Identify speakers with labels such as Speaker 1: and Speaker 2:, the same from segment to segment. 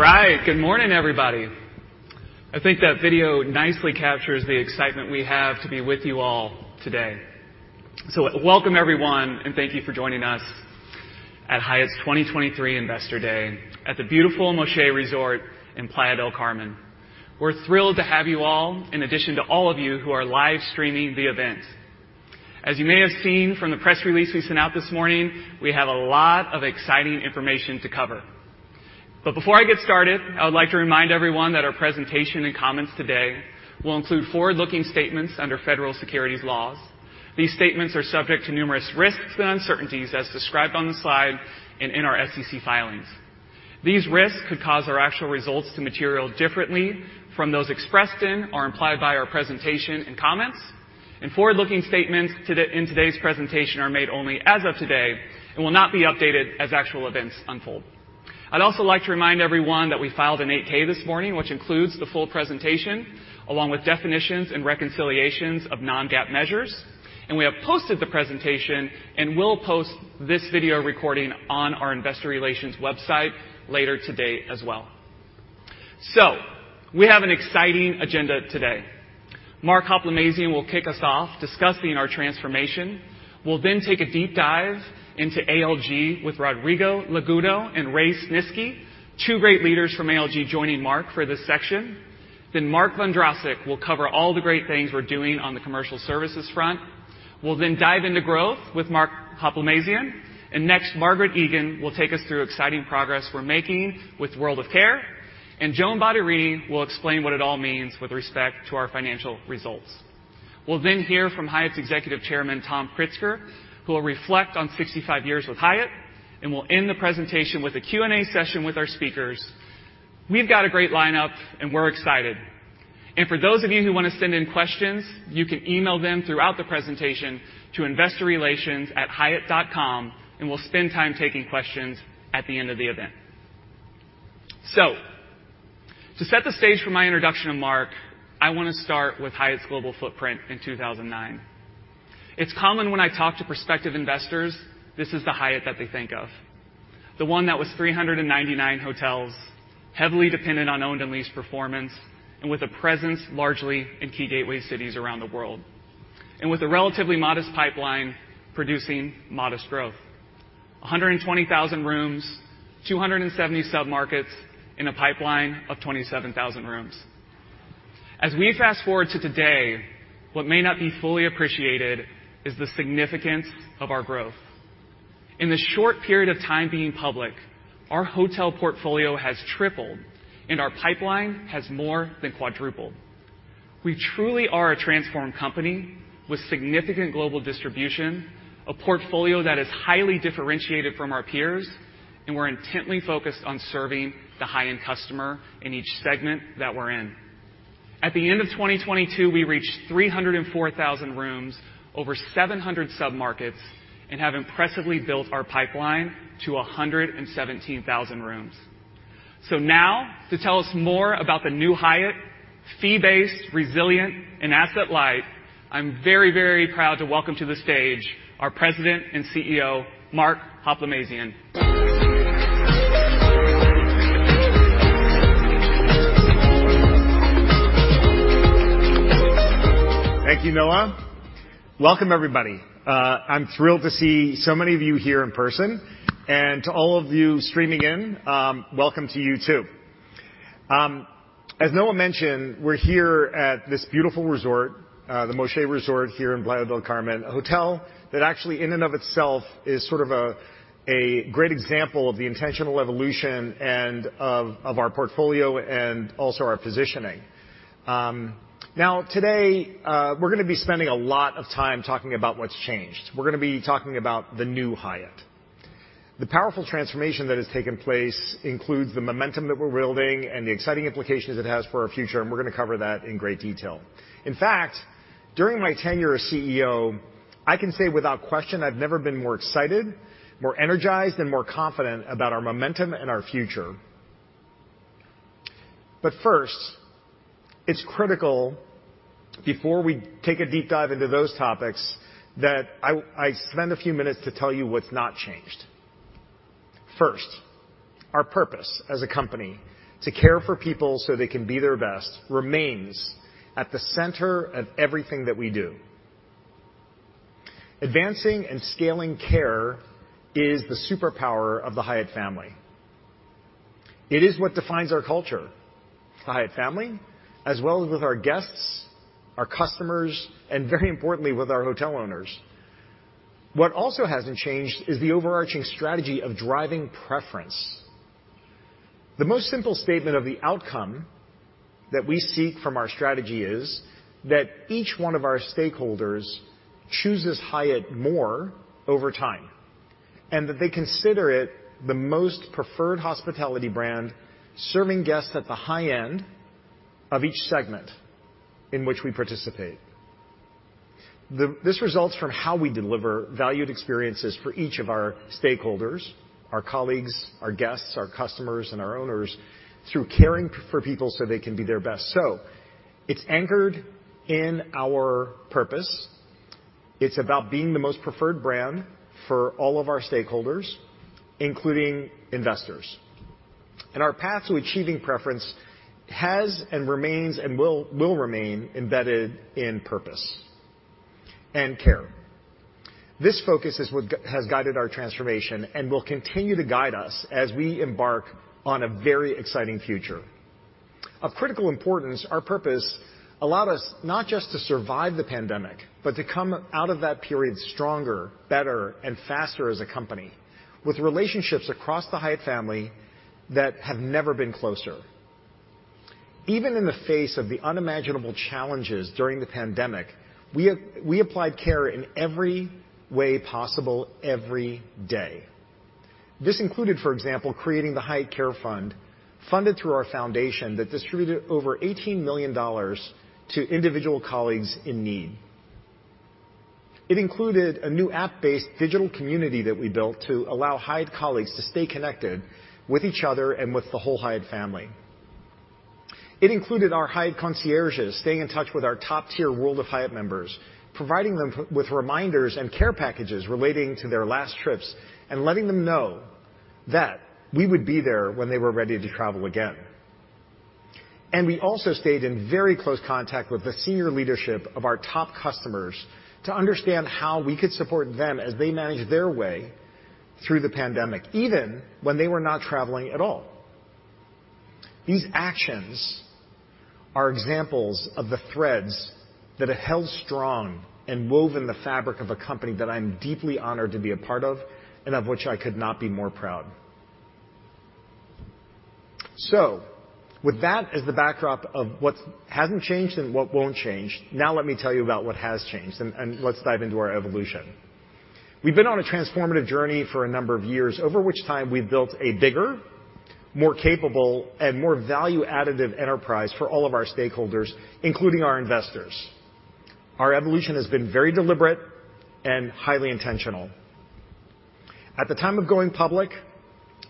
Speaker 1: All right. Good morning, everybody. I think that video nicely captures the excitement we have to be with you all today. Welcome everyone, and thank you for joining us at Hyatt's 2023 Investor Day at the beautiful Moxché Resort in Playa del Carmen. We're thrilled to have you all in addition to all of you who are live streaming the event. As you may have seen from the press release we sent out this morning, we have a lot of exciting information to cover. Before I get started, I would like to remind everyone that our presentation and comments today will include forward-looking statements under federal securities laws. These statements are subject to numerous risks and uncertainties as described on the slide and in our SEC filings. These risks could cause our actual results to material differently from those expressed in or implied by our presentation and comments. Forward-looking statements in today's presentation are made only as of today and will not be updated as actual events unfold. I'd also like to remind everyone that we filed an 8-K this morning, which includes the full presentation, along with definitions and reconciliations of non-GAAP measures. We have posted the presentation, and we'll post this video recording on our investor relations website later today as well. We have an exciting agenda today. Mark Hoplamazian will kick us off discussing our transformation. We'll then take a deep dive into ALG with Rodrigo de la Peña and Ray Snisky, two great leaders from ALG joining Mark for this section. Then Mark Vondrasek will cover all the great things we're doing on the commercial services front. We'll then dive into growth with Mark Hoplamazian. Next, Margaret Egan will take us through exciting progress we're making with World of Care. Joan Bottarini will explain what it all means with respect to our financial results. We'll then hear from Hyatt's Executive Chairman, Tom Pritzker, who will reflect on 65 years with Hyatt, and we'll end the presentation with a Q&A session with our speakers. We've got a great lineup, and we're excited. For those of you who want to send in questions, you can email them throughout the presentation to investorrelations@hyatt.com, and we'll spend time taking questions at the end of the event. To set the stage for my introduction to Mark, I want to start with Hyatt's global footprint in 2009. It's common when I talk to prospective investors, this is the Hyatt that they think of. The one that was 399 hotels, heavily dependent on owned and leased performance, and with a presence largely in key gateway cities around the world. With a relatively modest pipeline, producing modest growth. 120,000 rooms, 270 sub-markets in a pipeline of 27,000 rooms. As we fast-forward to today, what may not be fully appreciated is the significance of our growth. In the short period of time being public, our hotel portfolio has tripled, and our pipeline has more than quadrupled. We truly are a transformed company with significant global distribution, a portfolio that is highly differentiated from our peers, and we're intently focused on serving the high-end customer in each segment that we're in. At the end of 2022, we reached 304,000 rooms, over 700 sub-markets, and have impressively built our pipeline to 117,000 rooms. Now to tell us more about the new Hyatt, fee-based, resilient, and asset light, I'm very, very proud to welcome to the stage our President and CEO, Mark Hoplamazian.
Speaker 2: Thank you, Noah. Welcome, everybody. I'm thrilled to see so many of you here in person. To all of you streaming in, welcome to you too. As Noah mentioned, we're here at this beautiful resort, Secrets Moxché Playa del Carmen here in Playa del Carmen. A hotel that actually in and of itself is sort of a great example of the intentional evolution and of our portfolio and also our positioning. Now, today, we're gonna be spending a lot of time talking about what's changed. We're gonna be talking about the new Hyatt. The powerful transformation that has taken place includes the momentum that we're building and the exciting implications it has for our future, we're gonna cover that in great detail. In fact, during my tenure as CEO, I can say without question, I've never been more excited, more energized, and more confident about our momentum and our future. First, it's critical, before we take a deep dive into those topics, that I spend a few minutes to tell you what's not changed. First, our purpose as a company: to care for people so they can be their best, remains at the center of everything that we do. Advancing and scaling care is the superpower of the Hyatt family. It is what defines our culture, the Hyatt family, as well as with our guests, our customers, and very importantly, with our hotel owners. What also hasn't changed is the overarching strategy of driving preference. The most simple statement of the outcome that we seek from our strategy is that each one of our stakeholders chooses Hyatt more over time, and that they consider it the most preferred hospitality brand, serving guests at the high end of each segment in which we participate. This results from how we deliver valued experiences for each of our stakeholders, our colleagues, our guests, our customers, and our owners through caring for people so they can be their best. It's anchored in our purpose. It's about being the most preferred brand for all of our stakeholders, including investors. Our path to achieving preference has and remains and will remain embedded in purpose and care. This focus is what has guided our transformation and will continue to guide us as we embark on a very exciting future. Of critical importance, our purpose allowed us not just to survive the pandemic, but to come out of that period stronger, better and faster as a company, with relationships across the Hyatt family that have never been closer. Even in the face of the unimaginable challenges during the pandemic, we applied care in every way possible every day. This included, for example, creating the Hyatt Care Fund, funded through our foundation that distributed over $18 million to individual colleagues in need. It included a new app-based digital community that we built to allow Hyatt colleagues to stay connected with each other and with the whole Hyatt family. It included our Hyatt concierges staying in touch with our top-tier World of Hyatt members, providing them with reminders and care packages relating to their last trips and letting them know that we would be there when they were ready to travel again. We also stayed in very close contact with the senior leadership of our top customers to understand how we could support them as they managed their way through the pandemic, even when they were not traveling at all. These actions are examples of the threads that have held strong and woven the fabric of a company that I'm deeply honored to be a part of and of which I could not be more proud. With that as the backdrop of what hasn't changed and what won't change, now let me tell you about what has changed, and let's dive into our evolution. We've been on a transformative journey for a number of years, over which time we've built a bigger, more capable, and more value additive enterprise for all of our stakeholders, including our investors. Our evolution has been very deliberate and highly intentional. At the time of going public,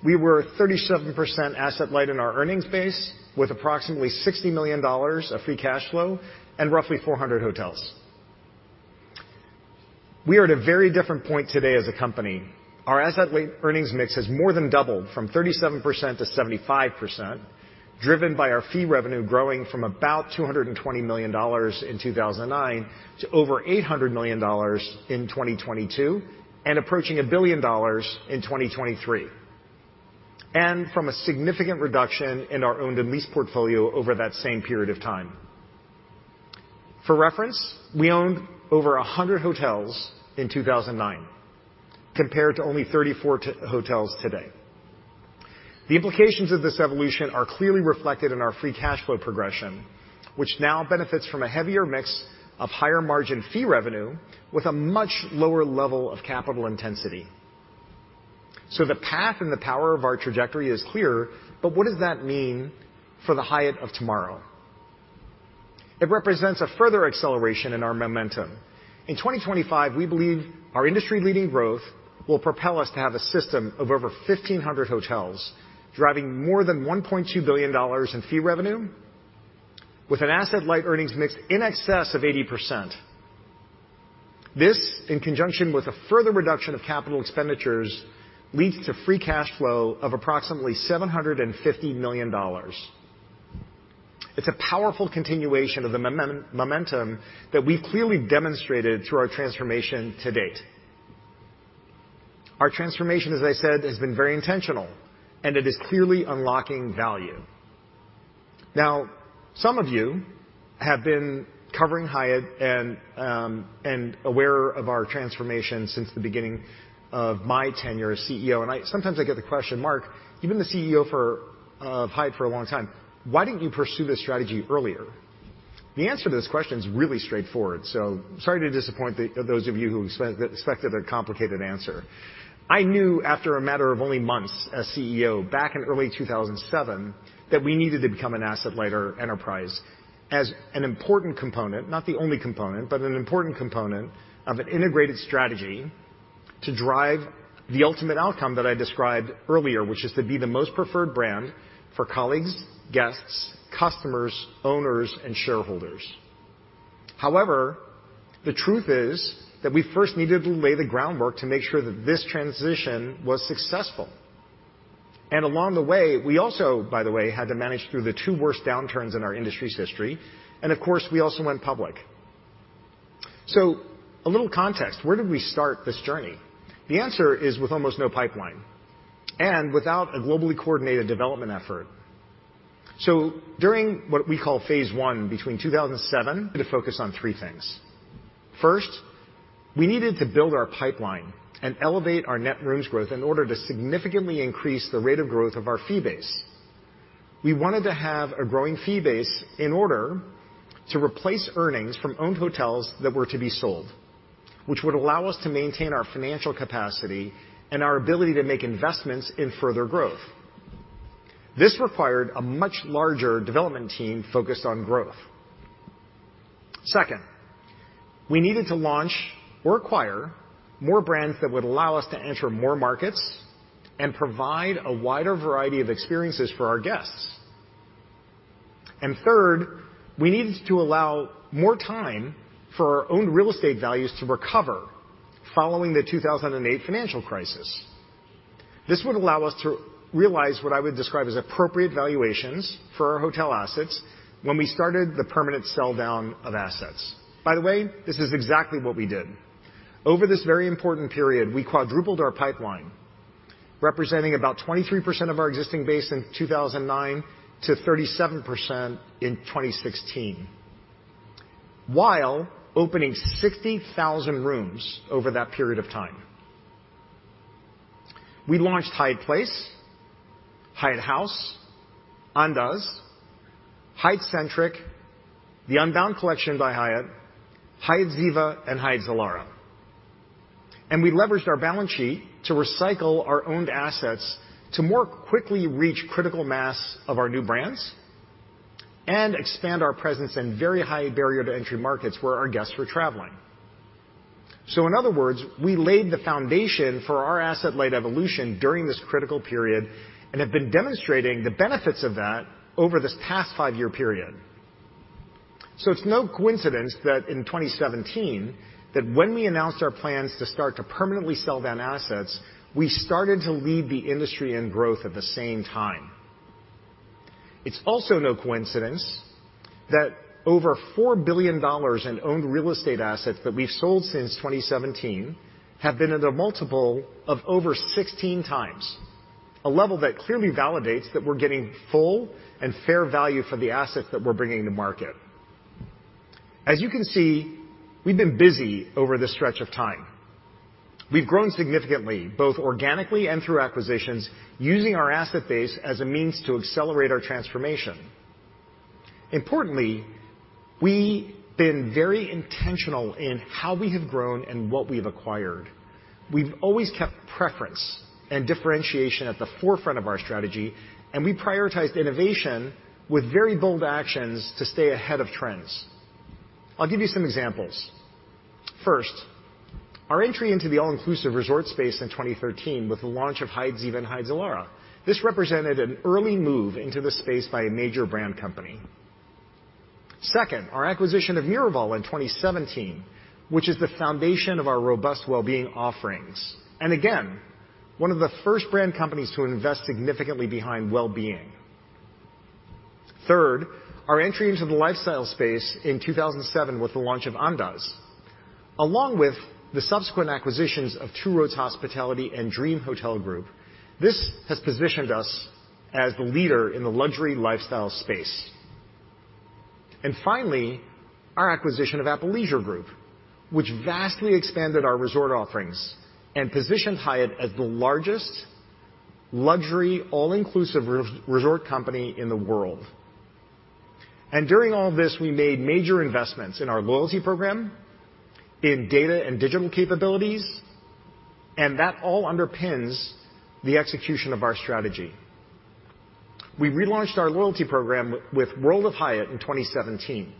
Speaker 2: we were 37% asset light in our earnings base, with approximately $60 million of free cash flow and roughly 400 hotels. We are at a very different point today as a company. Our earnings mix has more than doubled from 37% - 75%, driven by our fee revenue growing from about $220 million in 2009 to over $800 million in 2022, and approaching $1 billion in 2023. From a significant reduction in our owned and leased portfolio over that same period of time. For reference, we owned over 100 hotels in 2009 compared to only 34 hotels today. The implications of this evolution are clearly reflected in our free cash flow progression, which now benefits from a heavier mix of higher margin fee revenue with a much lower level of capital intensity. The path and the power of our trajectory is clear, but what does that mean for the Hyatt of tomorrow? It represents a further acceleration in our momentum. In 2025, we believe our industry-leading growth will propel us to have a system of over 1,500 hotels, driving more than $1.2 billion in fee revenue with an asset-light earnings mix in excess of 80%. This, in conjunction with a further reduction of capital expenditures, leads to free cash flow of approximately $750 million. It's a powerful continuation of the momentum that we've clearly demonstrated through our transformation to date. Our transformation, as I said, has been very intentional, it is clearly unlocking value. Some of you have been covering Hyatt and aware of our transformation since the beginning of my tenure as CEO, sometimes I get the question, "Mark, you've been the CEO for of Hyatt for a long time. Why didn't you pursue this strategy earlier?" The answer to this question is really straightforward, sorry to disappoint those of you who expected a complicated answer. I knew after a matter of only months as CEO back in early 2007, that we needed to become an asset-lighter enterprise as an important component, not the only component, but an important component of an integrated strategy to drive the ultimate outcome that I described earlier, which is to be the most preferred brand for colleagues, guests, customers, owners and shareholders. However, the truth is that we first needed to lay the groundwork to make sure that this transition was successful. Along the way, we also, by the way, had to manage through the two worst downturns in our industry's history. Of course, we also went public. A little context. Where did we start this journey? The answer is with almost no pipeline and without a globally coordinated development effort. During what we call phase one between 2007, to focus on three things. First, we needed to build our pipeline and elevate our net rooms growth in order to significantly increase the rate of growth of our fee base. We wanted to have a growing fee base in order to replace earnings from owned hotels that were to be sold, which would allow us to maintain our financial capacity and our ability to make investments in further growth. This required a much larger development team focused on growth. Second, we needed to launch or acquire more brands that would allow us to enter more markets and provide a wider variety of experiences for our guests. Third, we needed to allow more time for our owned real estate values to recover following the 2008 financial crisis. This would allow us to realize what I would describe as appropriate valuations for our hotel assets when we started the permanent sell-down of assets. By the way, this is exactly what we did. Over this very important period, we quadrupled our pipeline, representing about 23% of our existing base in 2009 to 37% in 2016 while opening 60,000 rooms over that period of time. We launched Hyatt Place, Hyatt House, Andaz, Hyatt Centric, The Unbound Collection by Hyatt, Hyatt Ziva, and Hyatt Zilara. We leveraged our balance sheet to recycle our owned assets to more quickly reach critical mass of our new brands and expand our presence in very high barrier to entry markets where our guests were traveling. In other words, we laid the foundation for our asset-light evolution during this critical period and have been demonstrating the benefits of that over this past five-year period. It's no coincidence that in 2017 that when we announced our plans to start to permanently sell down assets, we started to lead the industry in growth at the same time. It's also no coincidence that over $4 billion in owned real estate assets that we've sold since 2017 have been at a multiple of over 16 times, a level that clearly validates that we're getting full and fair value for the assets that we're bringing to market. As you can see, we've been busy over this stretch of time. We've grown significantly, both organically and through acquisitions, using our asset base as a means to accelerate our transformation. Importantly, we've been very intentional in how we have grown and what we've acquired. We've always kept preference and differentiation at the forefront of our strategy, and we prioritized innovation with very bold actions to stay ahead of trends. I'll give you some examples. First, our entry into the all-inclusive resort space in 2013 with the launch of Hyatt Ziva and Hyatt Zilara. This represented an early move into the space by a major brand company. Second, our acquisition of Miraval in 2017, which is the foundation of our robust well-being offerings. Again, one of the first brand companies to invest significantly behind well-being. Third, our entry into the lifestyle space in 2007 with the launch of Andaz, along with the subsequent acquisitions of Two Roads Hospitality and Dream Hotel Group. This has positioned us as the leader in the luxury lifestyle space. Finally, our acquisition of Apple Leisure Group, which vastly expanded our resort offerings and positioned Hyatt as the largest luxury all-inclusive resort company in the world. During all this, we made major investments in our loyalty program, in data and digital capabilities, and that all underpins the execution of our strategy. We relaunched our loyalty program with World of Hyatt in 2017.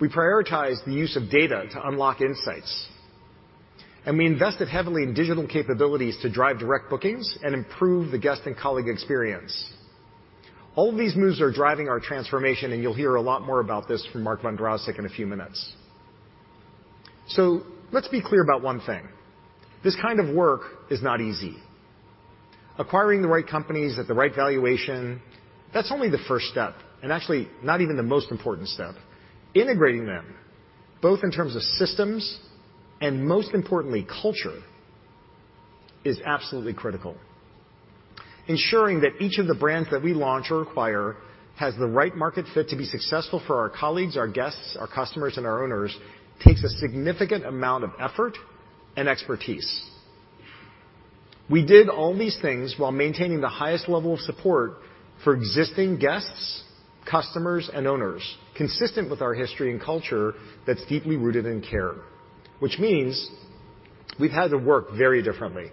Speaker 2: We prioritized the use of data to unlock insights, and we invested heavily in digital capabilities to drive direct bookings and improve the guest and colleague experience. All of these moves are driving our transformation, and you'll hear a lot more about this from Mark Vondrasek in a few minutes. Let's be clear about one thing. This kind of work is not easy. Acquiring the right companies at the right valuation, that's only the first step, and actually not even the most important step. Integrating them, both in terms of systems and most importantly, culture, is absolutely critical. Ensuring that each of the brands that we launch or acquire has the right market fit to be successful for our colleagues, our guests, our customers, and our owners takes a significant amount of effort and expertise. We did all these things while maintaining the highest level of support for existing guests, customers, and owners, consistent with our history and culture that's deeply rooted in care, which means we've had to work very differently.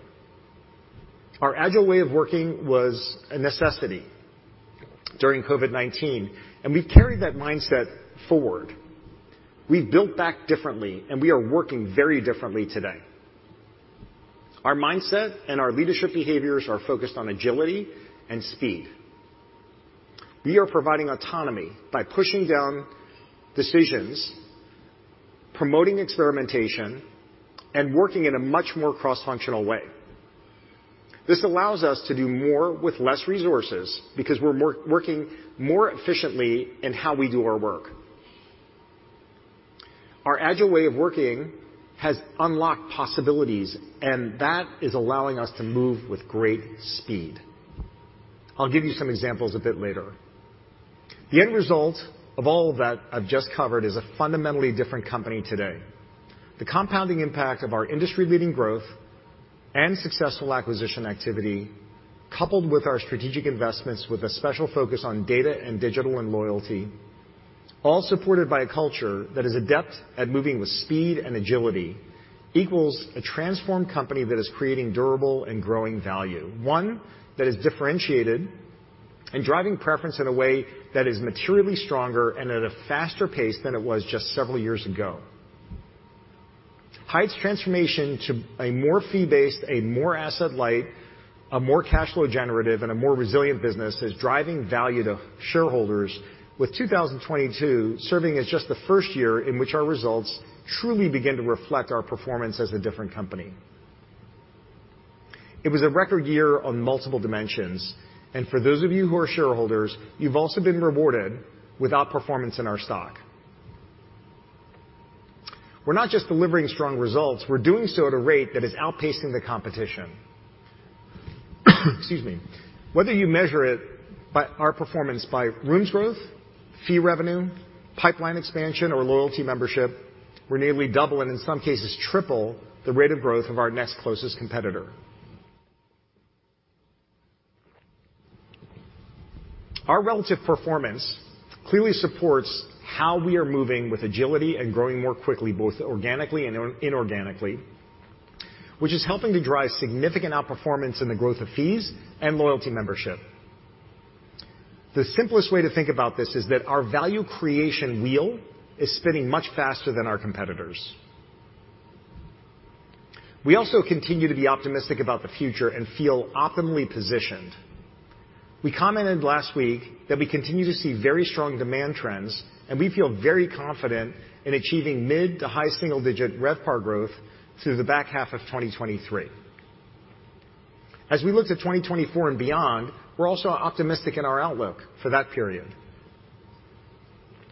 Speaker 2: Our agile way of working was a necessity during COVID-19, and we've carried that mindset forward. We've built back differently, and we are working very differently today. Our mindset and our leadership behaviors are focused on agility and speed. We are providing autonomy by pushing down decisions, promoting experimentation, and working in a much more cross-functional way. This allows us to do more with less resources because we're working more efficiently in how we do our work. Our agile way of working has unlocked possibilities. That is allowing us to move with great speed. I'll give you some examples a bit later. The end result of all that I've just covered is a fundamentally different company today. The compounding impact of our industry-leading growth and successful acquisition activity, coupled with our strategic investments with a special focus on data and digital and loyalty, all supported by a culture that is adept at moving with speed and agility, equals a transformed company that is creating durable and growing value, one that is differentiated and driving preference in a way that is materially stronger and at a faster pace than it was just several years ago. Hyatt's transformation to a more fee-based, a more asset-light, a more cash flow generative, and a more resilient business is driving value to shareholders, with 2022 serving as just the first year in which our results truly begin to reflect our performance as a different company. It was a record year on multiple dimensions, and for those of you who are shareholders, you've also been rewarded with outperformance in our stock. We're not just delivering strong results, we're doing so at a rate that is outpacing the competition. Excuse me. Whether you measure it by our performance by rooms growth, fee revenue, pipeline expansion, or loyalty membership, we're nearly double, and in some cases, triple the rate of growth of our next closest competitor. Our relative performance clearly supports how we are moving with agility and growing more quickly, both organically and inorganically, which is helping to drive significant outperformance in the growth of fees and loyalty membership. The simplest way to think about this is that our value creation wheel is spinning much faster than our competitors. We continue to be optimistic about the future and feel optimally positioned. We commented last week that we continue to see very strong demand trends, and we feel very confident in achieving mid to high single-digit RevPAR growth through the back half of 2023. As we look to 2024 and beyond, we're also optimistic in our outlook for that period.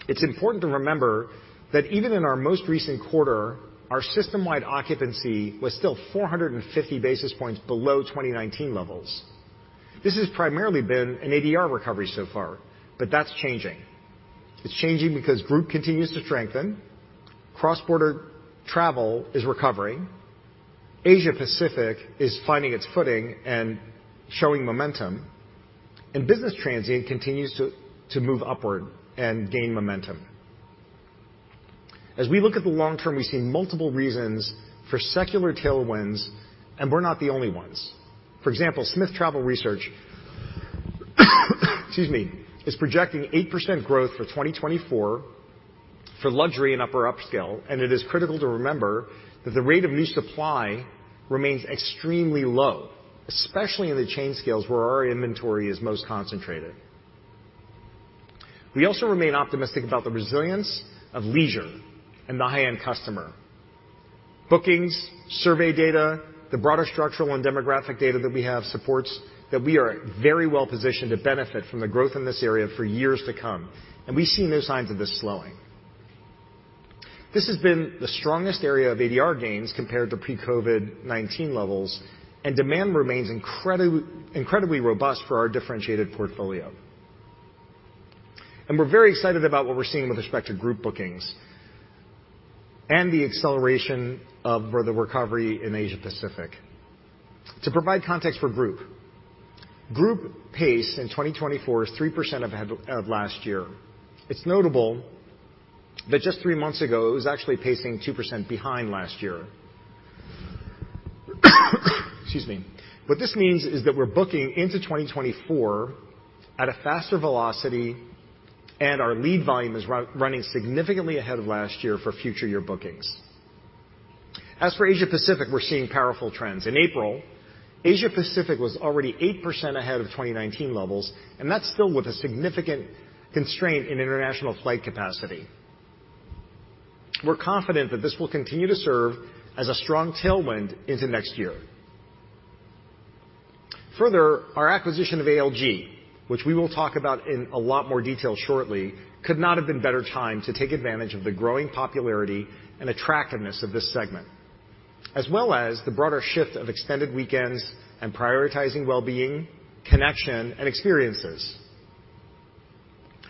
Speaker 2: It's important to remember that even in our most recent quarter, our system-wide occupancy was still 450 basis points below 2019 levels. This has primarily been an ADR recovery so far, but that's changing. It's changing because group continues to strengthen, cross-border travel is recovering, Asia-Pacific is finding its footing and showing momentum, and business transient continues to move upward and gain momentum. As we look at the long term, we've seen multiple reasons for secular tailwinds, and we're not the only ones. For example, Smith Travel Research, excuse me, is projecting 8% growth for 2024 for luxury and upper upscale. It is critical to remember that the rate of new supply remains extremely low, especially in the chain scales where our inventory is most concentrated. We also remain optimistic about the resilience of leisure and the high-end customer. Bookings, survey data, the broader structural and demographic data that we have supports that we are very well positioned to benefit from the growth in this area for years to come. We've seen no signs of this slowing. This has been the strongest area of ADR gains compared to pre-COVID-19 levels. Demand remains incredibly robust for our differentiated portfolio. We're very excited about what we're seeing with respect to group bookings and the acceleration of further recovery in Asia-Pacific. To provide context for group. Group pace in 2024 is 3% of of last year. It's notable that just 3 months ago, it was actually pacing 2% behind last year. Excuse me. What this means is that we're booking into 2024 at a faster velocity, and our lead volume is running significantly ahead of last year for future year bookings. For Asia-Pacific, we're seeing powerful trends. In April, Asia-Pacific was already 8% ahead of 2019 levels, that's still with a significant constraint in international flight capacity. We're confident that this will continue to serve as a strong tailwind into next year. Our acquisition of ALG, which we will talk about in a lot more detail shortly, could not have been better timed to take advantage of the growing popularity and attractiveness of this segment, as well as the broader shift of extended weekends and prioritizing well-being, connection, and experiences.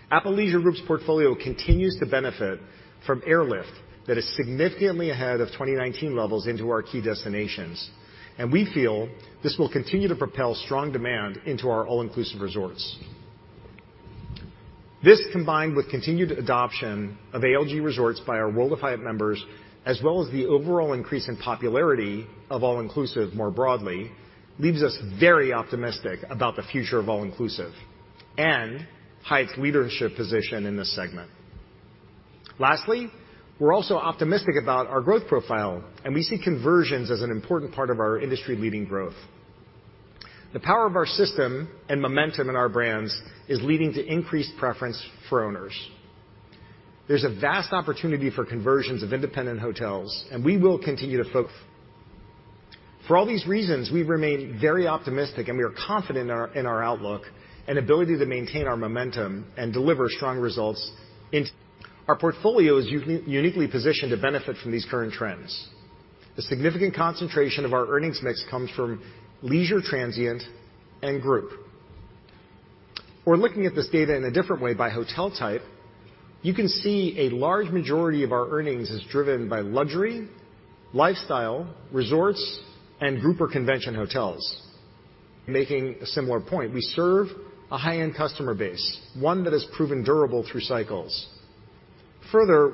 Speaker 2: Apple Leisure Group's portfolio continues to benefit from airlift that is significantly ahead of 2019 levels into our key destinations, we feel this will continue to propel strong demand into our all-inclusive resorts. This, combined with continued adoption of ALG Resorts by our World of Hyatt members, as well as the overall increase in popularity of all-inclusive more broadly, leaves us very optimistic about the future of all-inclusive and Hyatt's leadership position in this segment. We're also optimistic about our growth profile, we see conversions as an important part of our industry-leading growth. The power of our system and momentum in our brands is leading to increased preference for owners. There's a vast opportunity for conversions of independent hotels. For all these reasons, we remain very optimistic, we are confident in our outlook and ability to maintain our momentum and deliver strong results. Our portfolio is uniquely positioned to benefit from these current trends. The significant concentration of our earnings mix comes from leisure transient and group. We're looking at this data in a different way by hotel type. You can see a large majority of our earnings is driven by luxury, lifestyle, resorts, and group or convention hotels. Making a similar point, we serve a high-end customer base, one that has proven durable through cycles.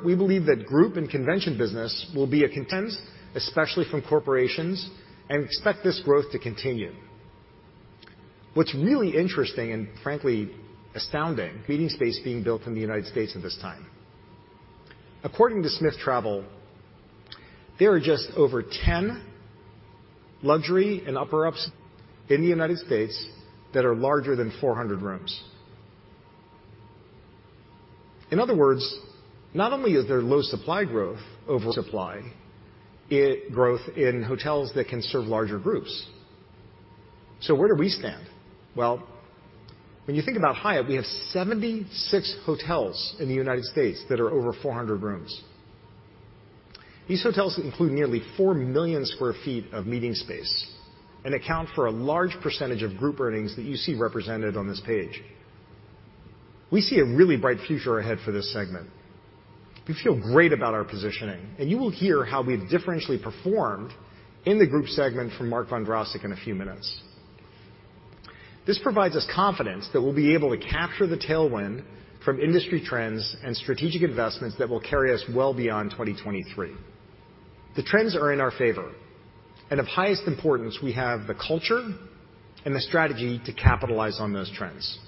Speaker 2: We believe that group and convention business will be a content, especially from corporations, and expect this growth to continue. What's really interesting and frankly astounding meeting space being built in the United States at this time. According to Smith Travel Research, there are just over 10 luxury and upper ups in the United States that are larger than 400 rooms. In other words, not only is there low supply growth over supply growth in hotels that can serve larger groups. Where do we stand? Well, when you think about Hyatt, we have 76 hotels in the United States that are over 400 rooms. These hotels include nearly 4 million sq ft of meeting space and account for a large percentage of group earnings that you see represented on this page. We see a really bright future ahead for this segment. We feel great about our positioning, and you will hear how we've differentially performed in the group segment from Mark Vondrasek in a few minutes. This provides us confidence that we'll be able to capture the tailwind from industry trends and strategic investments that will carry us well beyond 2023. The trends are in our favor and of highest importance, we have the culture and the strategy to capitalize on those trends.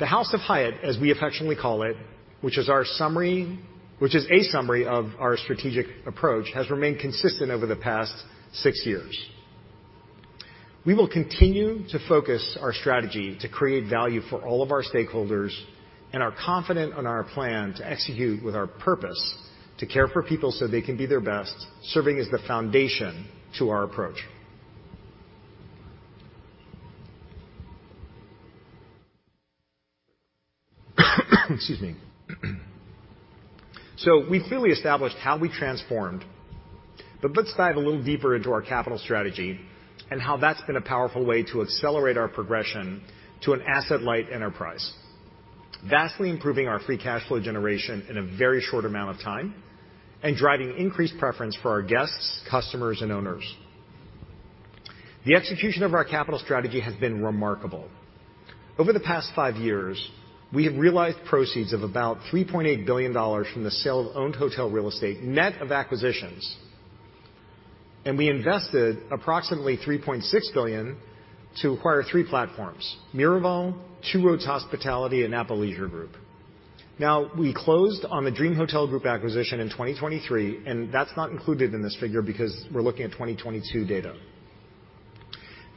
Speaker 2: The House of Hyatt, as we affectionately call it, which is a summary of our strategic approach, has remained consistent over the past six years. We will continue to focus our strategy to create value for all of our stakeholders and are confident in our plan to execute with our purpose to care for people so they can be their best, serving as the foundation to our approach. Excuse me. We've clearly established how we transformed, but let's dive a little deeper into our capital strategy and how that's been a powerful way to accelerate our progression to an asset-light enterprise, vastly improving our free cash flow generation in a very short amount of time, and driving increased preference for our guests, customers, and owners. The execution of our capital strategy has been remarkable. Over the past five years, we have realized proceeds of about $3.8 billion from the sale of owned hotel real estate, net of acquisitions. We invested approximately $3.6 billion to acquire three platforms, Miraval, Two Roads Hospitality, and Apple Leisure Group. We closed on the Dream Hotel Group acquisition in 2023, and that's not included in this figure because we're looking at 2022 data.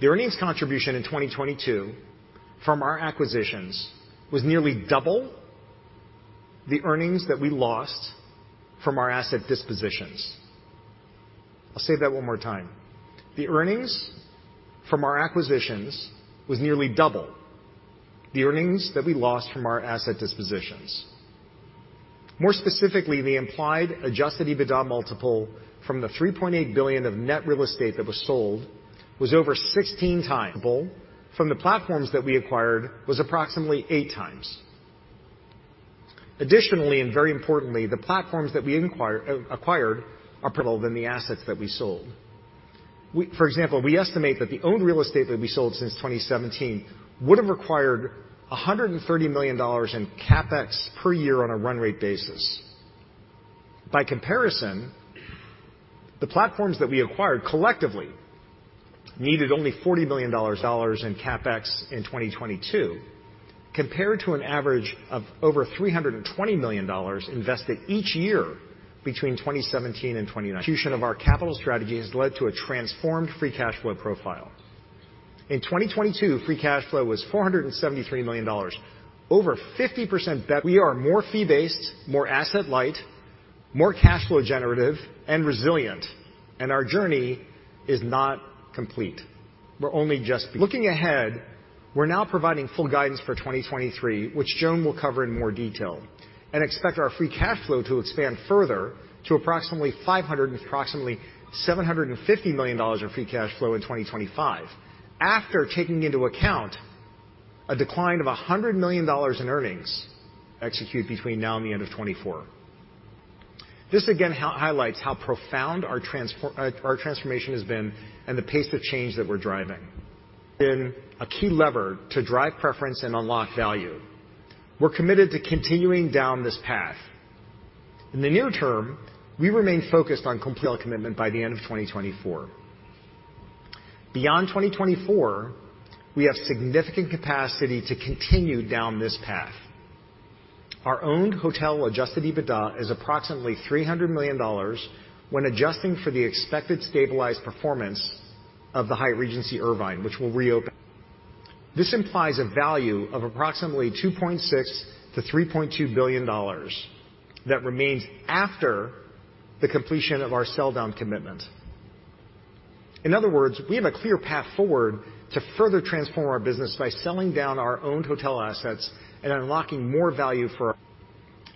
Speaker 2: The earnings contribution in 2022 from our acquisitions was nearly double the earnings that we lost from our asset dispositions. I'll say that one more time. The earnings from our acquisitions was nearly double the earnings that we lost from our asset dispositions. More specifically, the implied Adjusted EBITDA multiple from the $3.8 billion of net real estate that was sold was over 16 times. From the platforms that we acquired are than the assets that we sold. For example, we estimate that the owned real estate that we sold since 2017 would have required $130 million in CapEx per year on a run rate basis. By comparison, the platforms that we acquired collectively needed only $40 million in CapEx in 2022, compared to an average of over $320 million invested each year between 2017 and 2019. Execution of our capital strategy has led to a transformed free cash flow profile. In 2022, free cash flow was $473 million, over 50% better. We are more fee-based, more asset light, more cash flow generative and resilient, and our journey is not complete. We're only just. Looking ahead, we're now providing full guidance for 2023, which Joan will cover in more detail, and expect our free cash flow to expand further to approximately $500 million and approximately $750 million in free cash flow in 2025 after taking into account a decline of $100 million in earnings execute between now and the end of 2024. This again highlights how profound our transformation has been and the pace of change that we're driving. Been a key lever to drive preference and unlock value. We're committed to continuing down this path. In the near term, we remain focused on complete our commitment by the end of 2024. Beyond 2024, we have significant capacity to continue down this path. Our owned hotel Adjusted EBITDA is approximately $300 million when adjusting for the expected stabilized performance of the Hyatt Regency Irvine, which will reopen. This implies a value of approximately $2.6 billion-$3.2 billion that remains after the completion of our sell-down commitment. In other words, we have a clear path forward to further transform our business by selling down our owned hotel assets and unlocking more value for our.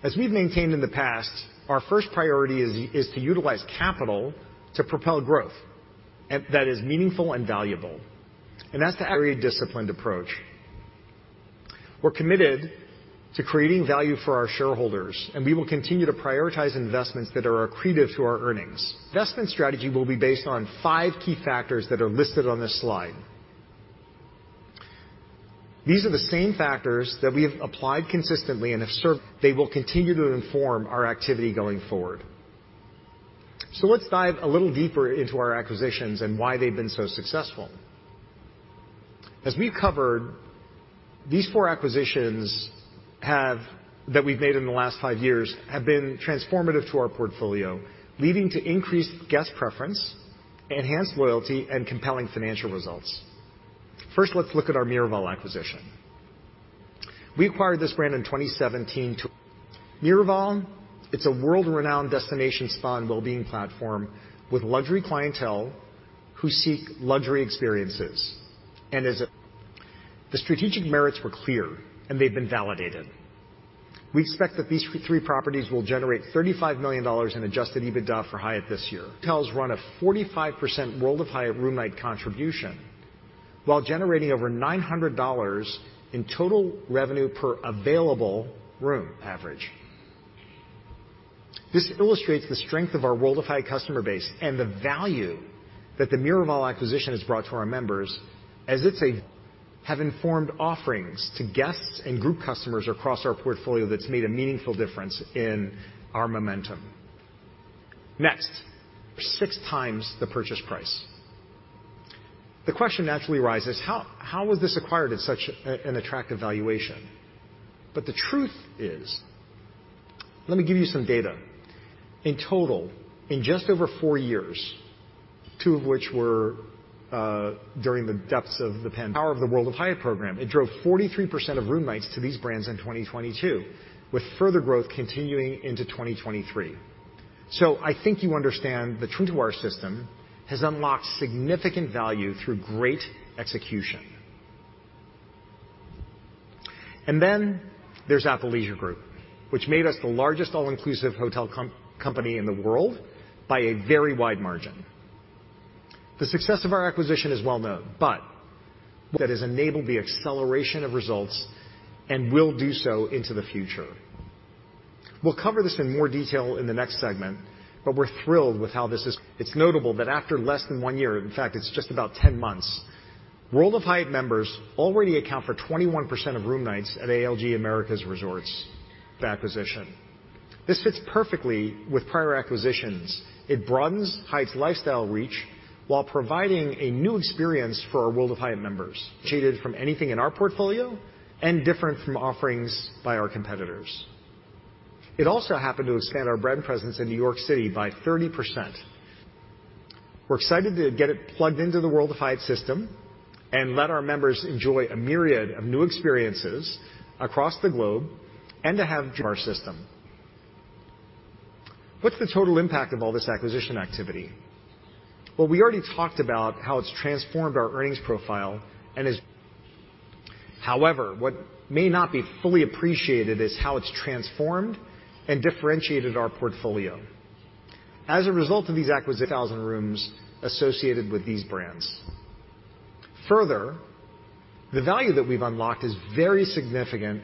Speaker 2: As we've maintained in the past, our first priority is to utilize capital to propel growth that is meaningful and valuable, and that's to area disciplined approach. We're committed to creating value for our shareholders, and we will continue to prioritize investments that are accretive to our earnings. Investment strategy will be based on five key factors that are listed on this slide. These are the same factors that we have applied consistently and have served. They will continue to inform our activity going forward. Let's dive a little deeper into our acquisitions and why they've been so successful. As we've covered, these four acquisitions that we've made in the last five years have been transformative to our portfolio, leading to increased guest preference, enhanced loyalty, and compelling financial results. First, let's look at our Miraval acquisition. We acquired this brand in 2017. Miraval, it's a world-renowned destination spa and well-being platform with luxury clientele who seek luxury experiences. The strategic merits were clear, and they've been validated. We expect that these three properties will generate $35 million in Adjusted EBITDA for Hyatt this year. Hotels run a 45% World of Hyatt room night contribution while generating over $900 in total revenue per available room average. This illustrates the strength of our World of Hyatt customer base and the value that the Miraval acquisition has brought to our members, as it's have informed offerings to guests and group customers across our portfolio that's made a meaningful difference in our momentum. Next, 6 times the purchase price. The question naturally arises, how was this acquired at such an attractive valuation? The truth is... Let me give you some data. In total, in just over 4 years, 2 of which were, during the depths of the Power of the World of Hyatt program. It drove 43% of room nights to these brands in 2022, with further growth continuing into 2023. I think you understand the truth of our system has unlocked significant value through great execution. Then there's Apple Leisure Group, which made us the largest all-inclusive hotel company in the world by a very wide margin. The success of our acquisition is well known, that has enabled the acceleration of results and will do so into the future. We'll cover this in more detail in the next segment, we're thrilled with how It's notable that after less than 1 year, in fact, it's just about 10 months, World of Hyatt members already account for 21% of room nights at ALG Americas resorts. That position. This fits perfectly with prior acquisitions. It broadens Hyatt's lifestyle reach while providing a new experience for our World of Hyatt members. Shaded from anything in our portfolio and different from offerings by our competitors. It also happened to expand our brand presence in New York City by 30%. We're excited to get it plugged into the World of Hyatt system and let our members enjoy a myriad of new experiences across the globe and to have our system. What's the total impact of all this acquisition activity? Well, we already talked about how it's transformed our earnings profile. However, what may not be fully appreciated is how it's transformed and differentiated our portfolio. As a result of these acquisitions, thousand rooms associated with these brands. Further, the value that we've unlocked is very significant.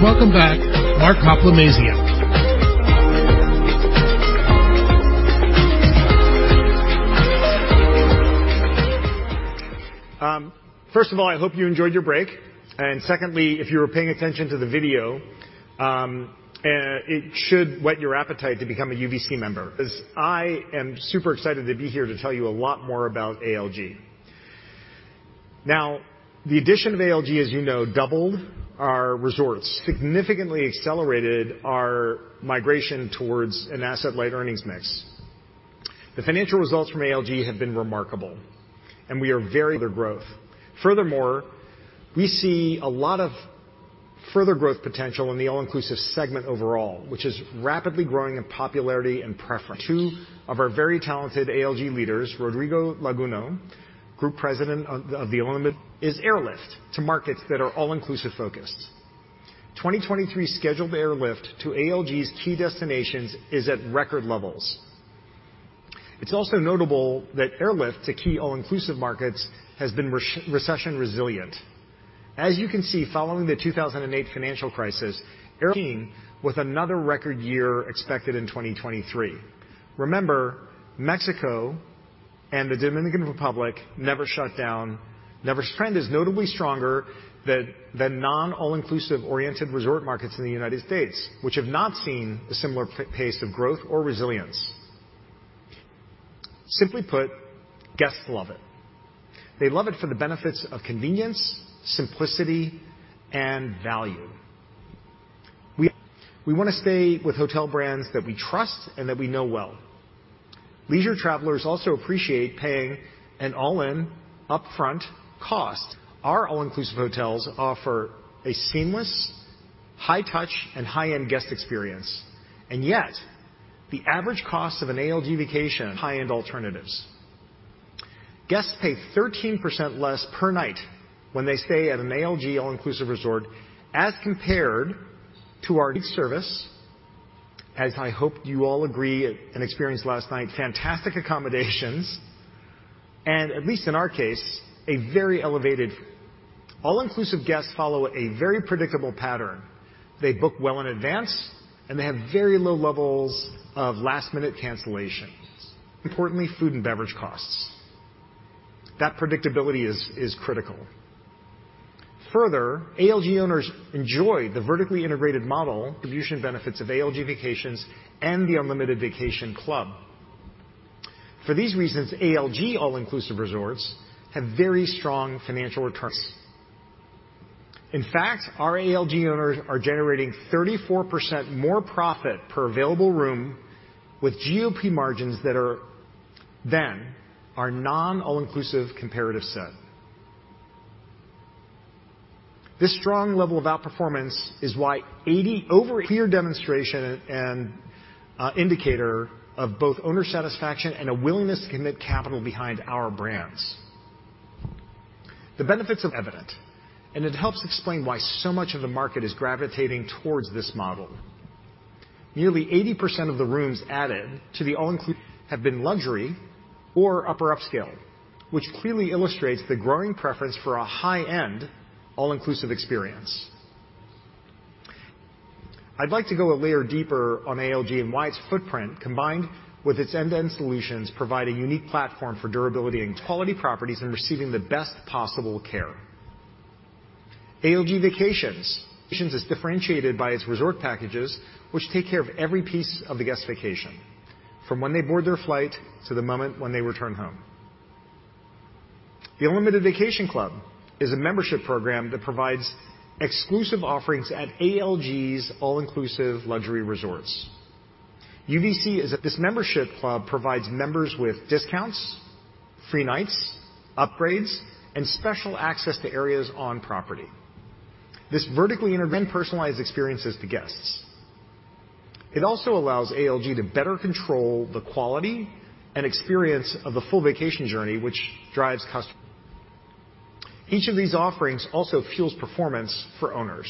Speaker 3: At 9:25. Once again, a 15-minute break. Thank you. Please welcome back Mark Hoplamazian.
Speaker 2: First of all, I hope you enjoyed your break, and secondly, if you were paying attention to the video, it should whet your appetite to become a UVC member. As I am super excited to be here to tell you a lot more about ALG. The addition of ALG, as you know, doubled our resorts, significantly accelerated our migration towards an asset light earnings mix. The financial results from ALG have been remarkable, and Their growth. Furthermore, we see a lot of further growth potential in the all-inclusive segment overall, which is rapidly growing in popularity and preference. Two of our very talented ALG leaders, Rodrigo Laguno, Group President Is airlift to markets that are all-inclusive focused. 2023 scheduled airlift to ALG's key destinations is at record levels. It's also notable that airlift to key all-inclusive markets has been recession resilient. As you can see, following the 2008 financial crisis. With another record year expected in 2023. Remember, Mexico and the Dominican Republic never shut down. Trend is notably stronger than non-all-inclusive oriented resort markets in the United States, which have not seen a similar pace of growth or resilience. Simply put, guests love it. They love it for the benefits of convenience, simplicity, and value. We wanna stay with hotel brands that we trust and that we know well. Leisure travelers also appreciate paying an all-in upfront cost. Our all-inclusive hotels offer a seamless, high touch, and high-end guest experience. Yet, the average cost of an ALG vacation. High-end alternatives. Guests pay 13% less per night when they stay at an ALG all-inclusive resort as compared to our Service, as I hope you all agree and experienced last night, fantastic accommodations, and at least in our case, a very elevated. All-inclusive guests follow a very predictable pattern. They book well in advance, and they have very low levels of last-minute cancellations. Importantly, food and beverage costs. That predictability is critical. ALG owners enjoy the vertically integrated model Distribution benefits of ALG Vacations and The Unlimited Vacation Club. For these reasons, ALG all-inclusive resorts have very strong financial returns. In fact, our ALG owners are generating 34% more profit per available room with GOP margins that are than our non-all-inclusive comparative set. This strong level of outperformance is why Clear demonstration and indicator of both owner satisfaction and a willingness to commit capital behind our brands. The benefits Evident, and it helps explain why so much of the market is gravitating towards this model. Nearly 80% of the rooms added to the all-inclusive Have been luxury or upper upscale, which clearly illustrates the growing preference for a high-end all-inclusive experience. I'd like to go a layer deeper on ALG and why its footprint, combined with its end-to-end solutions, provide a unique platform for durability and Quality properties and receiving the best possible care. ALG Vacations. Vacations is differentiated by its resort packages, which take care of every piece of the guest vacation, from when they board their flight to the moment when they return home. The Unlimited Vacation Club is a membership program that provides exclusive offerings at ALG's all-inclusive luxury resorts. UVC. This membership club provides members with discounts, free nights, upgrades, and special access to areas on property. This vertically integrated- personalized experiences to guests. It also allows ALG to better control the quality and experience of the full vacation journey, which drives. Each of these offerings also fuels performance for owners.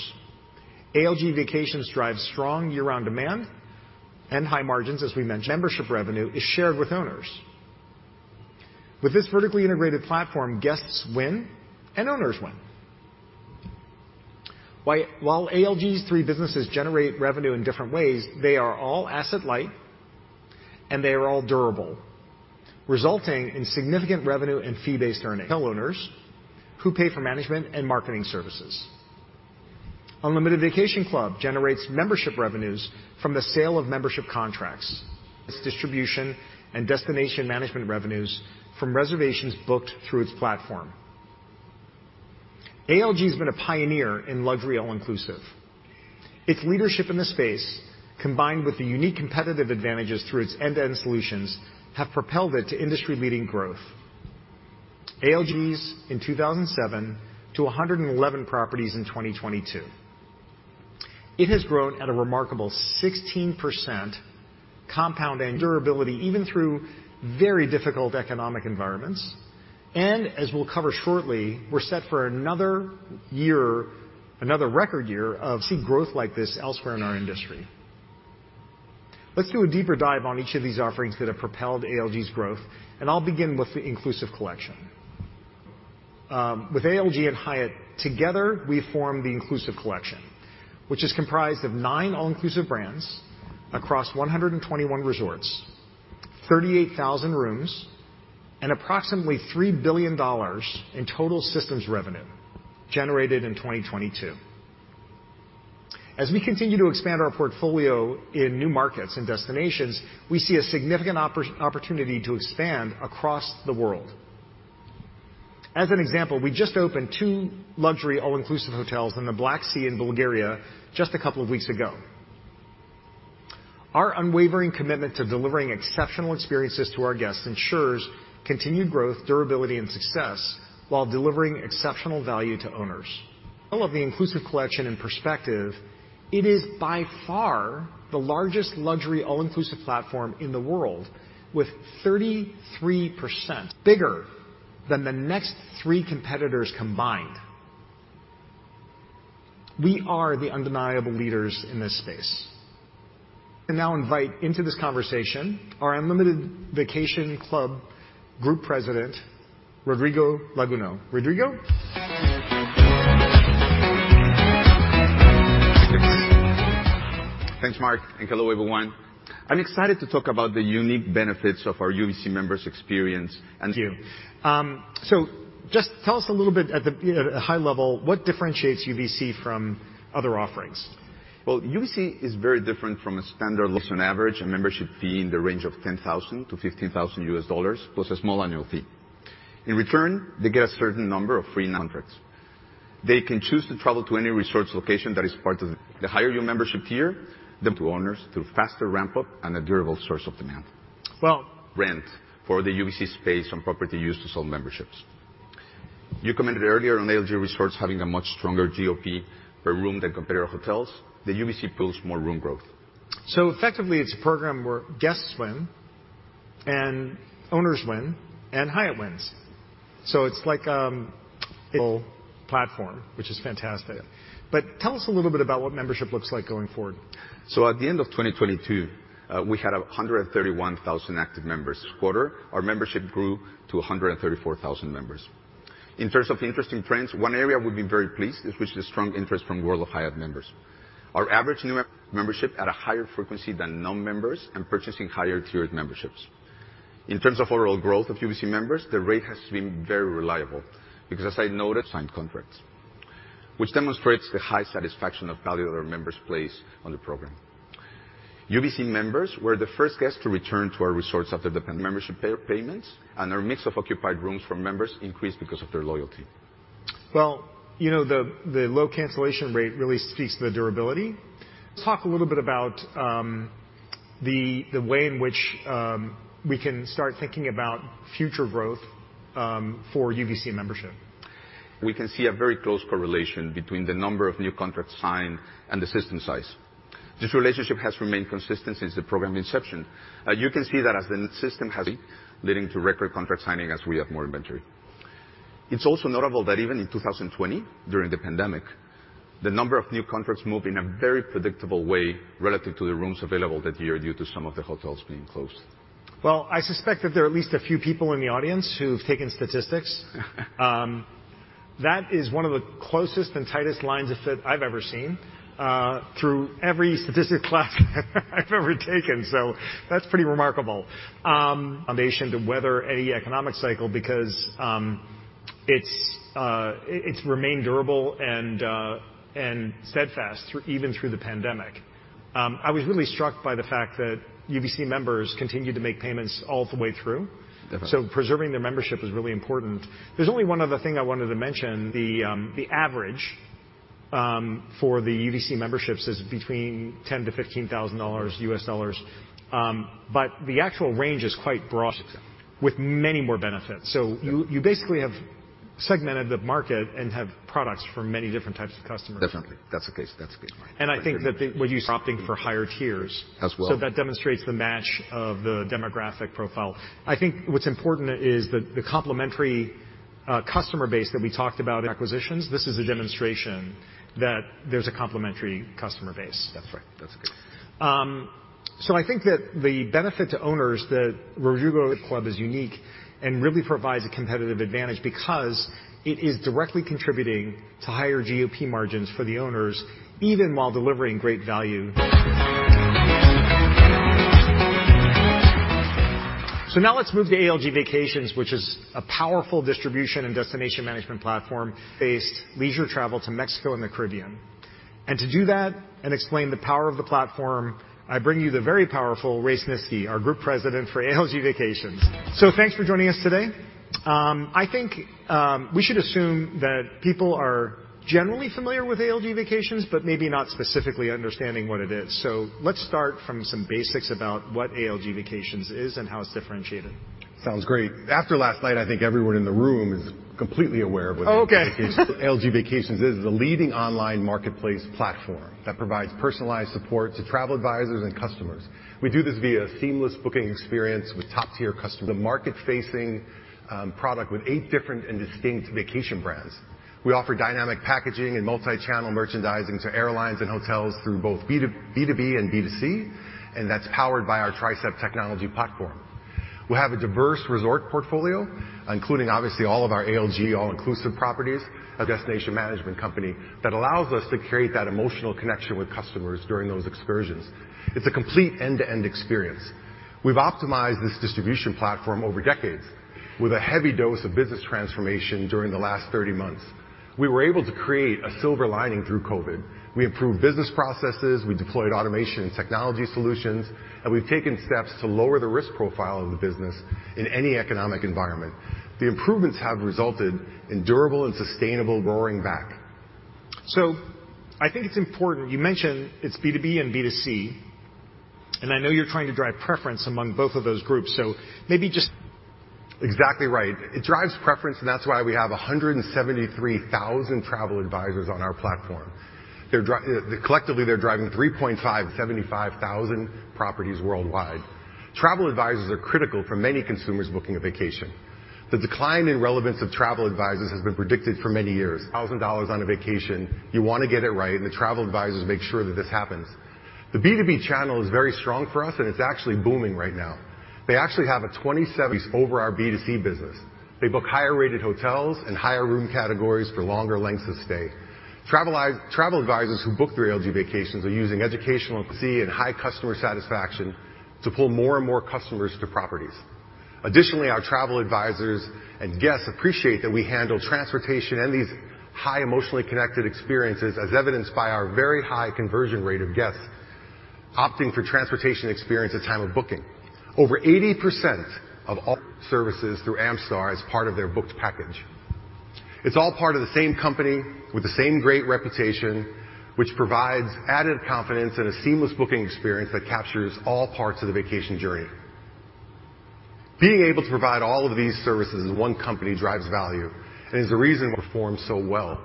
Speaker 2: ALG Vacations drives strong year-round demand and high margins, as we mentioned. Membership revenue is shared with owners. With this vertically integrated platform, guests win and owners win. While ALG's three businesses generate revenue in different ways, they are all asset light, and they are all durable, resulting in significant revenue and fee-based earnings. Hotel owners who pay for management and marketing services. Unlimited Vacation Club generates membership revenues from the sale of membership contracts. Its distribution and destination management revenues from reservations booked through its platform. ALG has been a pioneer in luxury all-inclusive. Its leadership in the space, combined with the unique competitive advantages through its end-to-end solutions, have propelled it to industry-leading growth. ALG's in 2007 to 111 properties in 2022. It has grown at a remarkable 16% compound annual. Durability even through very difficult economic environments. As we'll cover shortly, we're set for another year, another record year. See growth like this elsewhere in our industry. Let's do a deeper dive on each of these offerings that have propelled ALG's growth, and I'll begin with the Inclusive Collection. With ALG and Hyatt, together, we form the Inclusive Collection, which is comprised of 9 all-inclusive brands across 121 resorts, 38,000 rooms, and approximately $3 billion in total systems revenue generated in 2022. We continue to expand our portfolio in new markets and destinations, we see a significant opportunity to expand across the world. We just opened 2 luxury all-inclusive hotels on the Black Sea in Bulgaria just a couple of weeks ago. Our unwavering commitment to delivering exceptional experiences to our guests ensures continued growth, durability, and success while delivering exceptional value to owners. All of the Inclusive Collection in perspective, it is by far the largest luxury all-inclusive platform in the world with 33% bigger than the next 3 competitors combined. We are the undeniable leaders in this space. I now invite into this conversation our Unlimited Vacation Club Group President, Rodrigo Laguno. Rodrigo?
Speaker 4: Thanks, Mark, and hello everyone. I'm excited to talk about the unique benefits of our UVC members' experience and-
Speaker 2: Thank you. Just tell us a little bit at the, you know, high level, what differentiates UVC from other offerings?
Speaker 4: Well, UVC is very different from a standard- Looks on average, a membership fee in the range of $10,000-$15,000 plus a small annual fee. In return, they get a certain number of free nights. They can choose to travel to any resource location that is part of- The higher your membership tier, the- To owners through faster ramp-up and a durable source of demand.
Speaker 2: Well-
Speaker 4: Rent for the UVC space on property use to sell memberships. You commented earlier on ALG Resorts having a much stronger GOP per room than competitor hotels. The UVC pulls more room growth.
Speaker 2: Effectively, it's a program where guests win, and owners win, and Hyatt wins. It's like a platform, which is fantastic.
Speaker 4: Yeah.
Speaker 2: Tell us a little bit about what membership looks like going forward.
Speaker 4: At the end of 2022, we had 131,000 active members. Quarter, our membership grew to 134,000 members. In terms of interesting trends, one area we've been very pleased is with the strong interest from World of Hyatt members. Our average membership at a higher frequency than non-members and purchasing higher tiered memberships. In terms of overall growth of UVC members, the rate has been very reliable because as I. Signed contracts, which demonstrates the high satisfaction of value that our members place on the program. UVC members were the first guests to return to our resorts after the. Payments, and our mix of occupied rooms from members increased because of their loyalty.
Speaker 2: Well, you know, the low cancellation rate really speaks to the durability. Let's talk a little bit about the way in which we can start thinking about future growth for UVC membership.
Speaker 4: We can see a very close correlation between the number of new contracts signed and the system size. This relationship has remained consistent since the program inception. You can see that as the system Leading to record contract signing as we have more inventory. It's also notable that even in 2020, during the pandemic, the number of new contracts moved in a very predictable way relative to the rooms available that year due to some of the hotels being closed.
Speaker 2: Well, I suspect that there are at least a few people in the audience who've taken statistics. That is one of the closest and tightest lines of fit I've ever seen through every statistic class I've ever taken. That's pretty remarkable. Foundation to weather any economic cycle because it's remained durable and steadfast through even through the pandemic. I was really struck by the fact that UVC members continued to make payments all the way through.
Speaker 4: Definitely.
Speaker 2: preserving their membership is really important. There's only one other thing I wanted to mention. The average, for the UVC memberships is between $10,000-$15,000. The actual range is quite broad.
Speaker 4: Exactly.
Speaker 2: with many more benefits. you basically have segmented the market and have products for many different types of customers.
Speaker 5: Definitely. That's the case. That's a good point.
Speaker 2: I think that where you're opting for higher tiers.
Speaker 5: As well.
Speaker 2: That demonstrates the match of the demographic profile. I think what's important is that the complementary customer base that we talked about acquisitions, this is a demonstration that there's a complementary customer base.
Speaker 5: That's right. That's good.
Speaker 2: I think that the benefit to owners that where Riu Gourmet Club is unique and really provides a competitive advantage because it is directly contributing to higher GOP margins for the owners even while delivering great value. Now let's move to ALG Vacations, which is a powerful distribution and destination management platform-based leisure travel to Mexico and the Caribbean. To do that and explain the power of the platform, I bring you the very powerful Ray Snisky, our Group President for ALG Vacations. Thanks for joining us today. I think we should assume that people are generally familiar with ALG Vacations, but maybe not specifically understanding what it is. Let's start from some basics about what ALG Vacations is and how it's differentiated.
Speaker 5: Sounds great. After last night, I think everyone in the room is completely aware of.
Speaker 2: Oh, okay.
Speaker 5: ALG Vacations is. It is the leading online marketplace platform that provides personalized support to travel advisors and customers. We do this via a seamless booking experience with top-tier customers. The market-facing product with 8 different and distinct vacation brands. We offer dynamic packaging and multi-channel merchandising to airlines and hotels through both B2B and B2C. That's powered by our Trisept technology platform. We have a diverse resort portfolio, including obviously all of our ALG all-inclusive properties, a destination management company that allows us to create that emotional connection with customers during those excursions. It's a complete end-to-end experience. We've optimized this distribution platform over decades with a heavy dose of business transformation during the last 30 months. We were able to create a silver lining through Covid. We improved business processes, we deployed automation and technology solutions, and we've taken steps to lower the risk profile of the business in any economic environment. The improvements have resulted in durable and sustainable roaring back.
Speaker 2: You mentioned it's B2B and B2C, and I know you're trying to drive preference among both of those groups.
Speaker 5: Exactly right. It drives preference, and that's why we have 173,000 travel advisors on our platform. Collectively, they're driving 3,575 properties worldwide. Travel advisors are critical for many consumers booking a vacation. The decline in relevance of travel advisors has been predicted for many years. $1,000 on a vacation, you wanna get it right. The travel advisors make sure that this happens. The B2B channel is very strong for us. It's actually booming right now. They actually have a 27 over our B2C business. They book higher-rated hotels and higher room categories for longer lengths of stay. Travel advisors who book through ALG Vacations are using C and high customer satisfaction to pull more and more customers to properties. Additionally, our travel advisors and guests appreciate that we handle transportation and these high emotionally connected experiences, as evidenced by our very high conversion rate of guests opting for transportation experience at time of booking. Over 80% of all services through Amstar as part of their booked package. It's all part of the same company with the same great reputation, which provides added confidence and a seamless booking experience that captures all parts of the vacation journey. Being able to provide all of these services as one company drives value and is the reason we perform so well.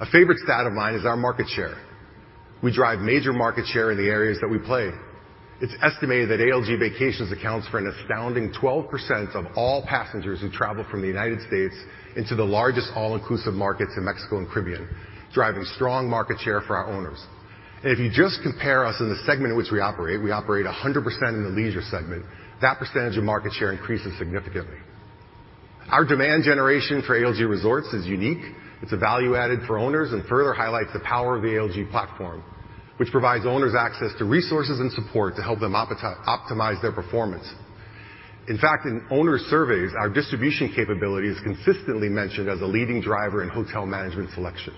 Speaker 5: A favorite stat of mine is our market share. We drive major market share in the areas that we play. It's estimated that ALG Vacations accounts for an astounding 12% of all passengers who travel from the United States into the largest all-inclusive markets in Mexico and Caribbean, driving strong market share for our owners. If you just compare us in the segment in which we operate, we operate 100% in the leisure segment, that percentage of market share increases significantly. Our demand generation for ALG Resorts is unique. It's a value added for owners and further highlights the power of the ALG platform, which provides owners access to resources and support to help them optimize their performance. In fact, in owner surveys, our distribution capability is consistently mentioned as a leading driver in hotel management selection.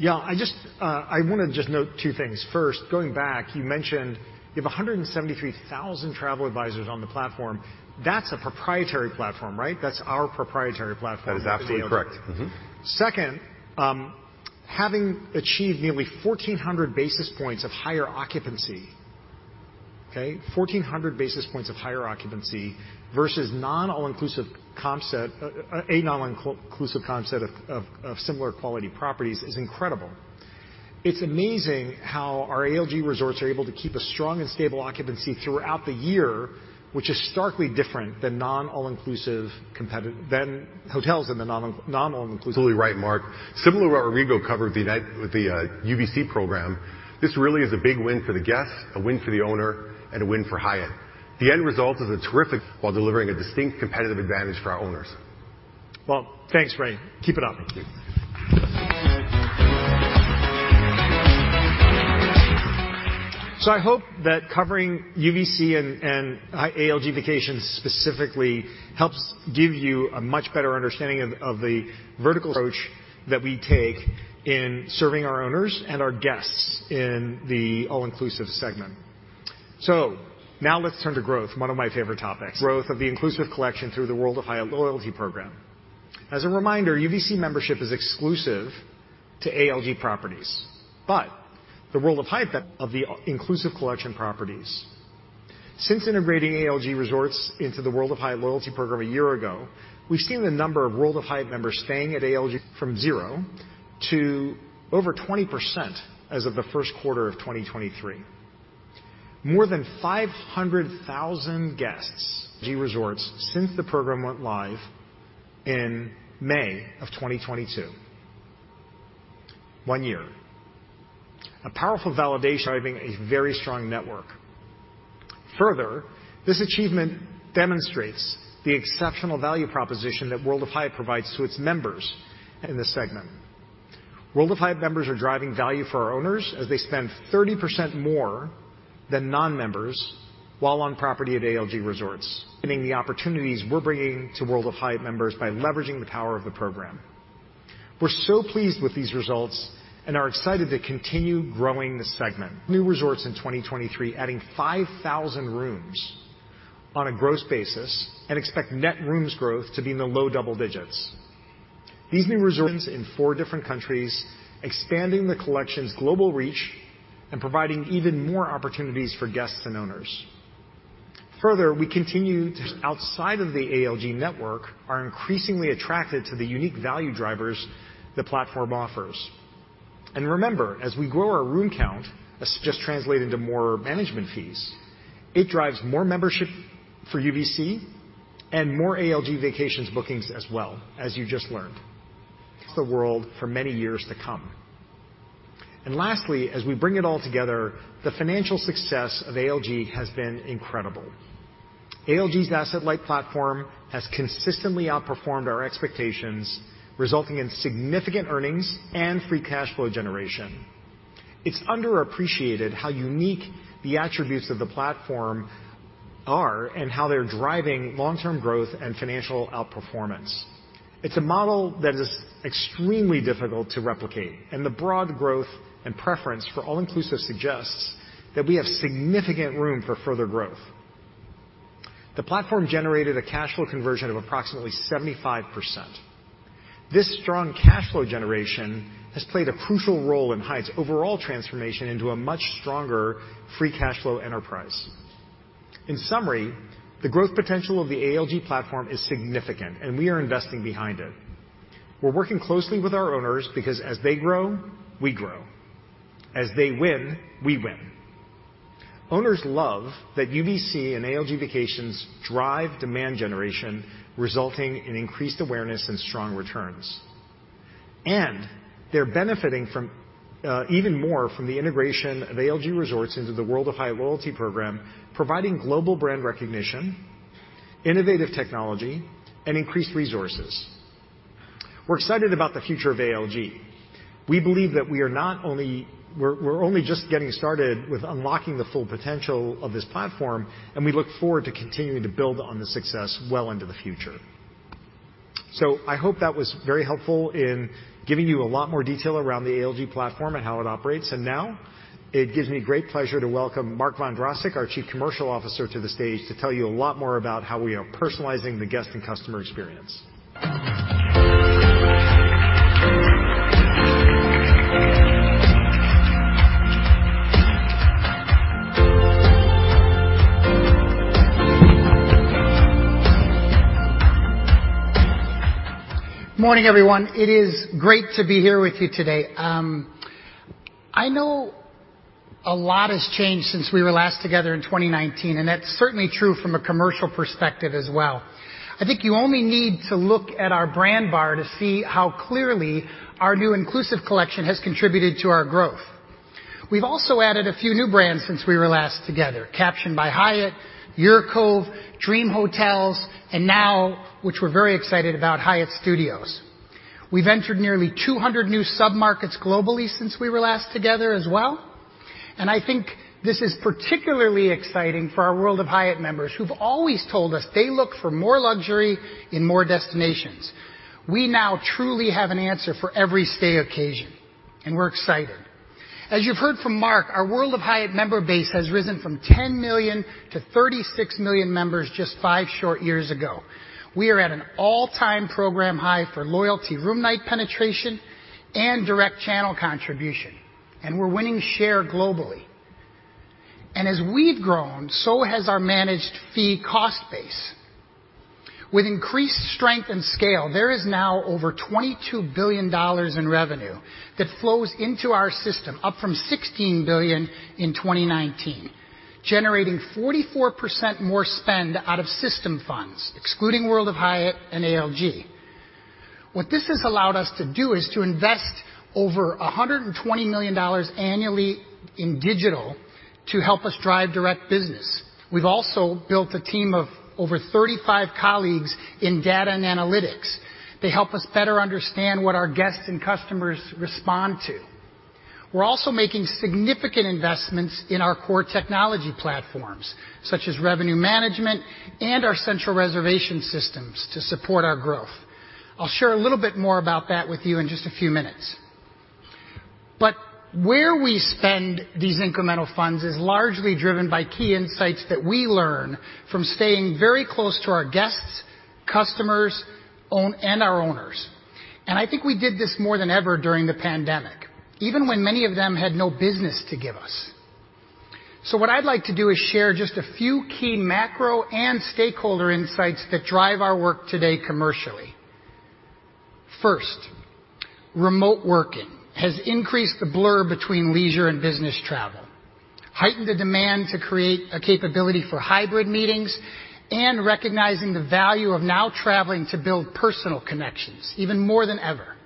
Speaker 2: I just, I wanna just note two things. First, going back, you mentioned you have 173,000 travel advisors on the platform. That's a proprietary platform, right? That's our proprietary platform.
Speaker 5: That is absolutely correct. Mm-hmm.
Speaker 2: Second, having achieved nearly 1,400 basis points of higher occupancy, okay? 1,400 basis points of higher occupancy versus non-all inclusive comp set, a non-inclusive comp set of similar quality properties is incredible. It's amazing how our ALG resorts are able to keep a strong and stable occupancy throughout the year, which is starkly different than non-all inclusive than hotels in the non-all inclusive...
Speaker 5: Absolutely right, Mark. Similar to what Rodrigo covered the night with the UVC program, this really is a big win for the guests, a win for the owner, and a win for Hyatt. The end result is a terrific while delivering a distinct competitive advantage for our owners.
Speaker 2: Well, thanks, Ray. Keep it up.
Speaker 5: Thank you.
Speaker 2: I hope that covering UVC and ALG Vacations specifically helps give you a much better understanding of the vertical approach that we take in serving our owners and our guests in the all-inclusive segment. Now let's turn to growth, one of my favorite topics. Growth of the Inclusive Collection through the World of Hyatt loyalty program. As a reminder, UVC membership is exclusive to ALG properties. Since integrating ALG Resorts into the World of Hyatt loyalty program a year ago, we've seen the number of World of Hyatt members staying at ALG from 0 to over 20% as of the Q1 of 2023. More than 500,000 guests ALG Resorts since the program went live in May of 2022. One year. A powerful validation driving a very strong network. Further, this achievement demonstrates the exceptional value proposition that World of Hyatt provides to its members in this segment. World of Hyatt members are driving value for our owners as they spend 30% more than non-members while on property at ALG Resorts. Meaning the opportunities we're bringing to World of Hyatt members by leveraging the power of the program. We're so pleased with these results and are excited to continue growing this segment. New resorts in 2023, adding 5,000 rooms on a gross basis and expect net rooms growth to be in the low double digits. These new resorts in four different countries, expanding the collection's global reach and providing even more opportunities for guests and owners. Further, we continue to-- outside of the ALG network, are increasingly attracted to the unique value drivers the platform offers. Remember, as we grow our room count, this just translate into more management fees. It drives more membership for UVC and more ALG Vacations bookings as well, as you just learned. Across the world for many years to come. Lastly, as we bring it all together, the financial success of ALG has been incredible. ALG's asset-light platform has consistently outperformed our expectations, resulting in significant earnings and free cash flow generation. It's underappreciated how unique the attributes of the platform are and how they're driving long-term growth and financial outperformance. It's a model that is extremely difficult to replicate, and the broad growth and preference for all-inclusive suggests that we have significant room for further growth. The platform generated a cash flow conversion of approximately 75%. This strong cash flow generation has played a crucial role in Hyatt's overall transformation into a much stronger free cash flow enterprise. In summary, the growth potential of the ALG platform is significant, and we are investing behind it. We're working closely with our owners because as they grow, we grow. As they win, we win. Owners love that UVC and ALG Vacations drive demand generation, resulting in increased awareness and strong returns. They're benefiting from even more from the integration of ALG Resorts into the World of Hyatt loyalty program, providing global brand recognition, innovative technology, and increased resources. We're excited about the future of ALG. We believe that we're only just getting started with unlocking the full potential of this platform, and we look forward to continuing to build on the success well into the future. I hope that was very helpful in giving you a lot more detail around the ALG platform and how it operates. Now it gives me great pleasure to welcome Mark Vondrasek, our Chief Commercial Officer, to the stage to tell you a lot more about how we are personalizing the guest and customer experience.
Speaker 6: Morning, everyone. It is great to be here with you today. I know a lot has changed since we were last together in 2019, That's certainly true from a commercial perspective as well. I think you only need to look at our brand bar to see how clearly our new Inclusive Collection has contributed to our growth. We've also added a few new brands since we were last together. Caption by Hyatt, UrCove, Dream Hotels, and now, which we're very excited about, Hyatt Studios. We've entered nearly 200 new sub-markets globally since we were last together as well, I think this is particularly exciting for our World of Hyatt members, who've always told us they look for more luxury in more destinations. We now truly have an answer for every stay occasion, We're excited. As you've heard from Mark, our World of Hyatt member base has risen from 10 million to 36 million members just five short years ago. We are at an all-time program high for loyalty room night penetration and direct channel contribution, and we're winning share globally. As we've grown, so has our managed fee cost base. With increased strength and scale, there is now over $22 billion in revenue that flows into our system, up from $16 billion in 2019, generating 44% more spend out of system funds, excluding World of Hyatt and ALG. What this has allowed us to do is to invest over $120 million annually in digital to help us drive direct business. We've also built a team of over 35 colleagues in data and analytics. They help us better understand what our guests and customers respond to. We're also making significant investments in our core technology platforms, such as revenue management and our central reservation systems to support our growth. I'll share a little bit more about that with you in just a few minutes. Where we spend these incremental funds is largely driven by key insights that we learn from staying very close to our guests, customers, and our owners, and I think we did this more than ever during the pandemic, even when many of them had no business to give us. What I'd like to do is share just a few key macro and stakeholder insights that drive our work today commercially. First, remote working has increased the blur between leisure and business travel, heightened the demand to create a capability for hybrid meetings, and recognizing the value of now traveling to build personal connections even more than ever.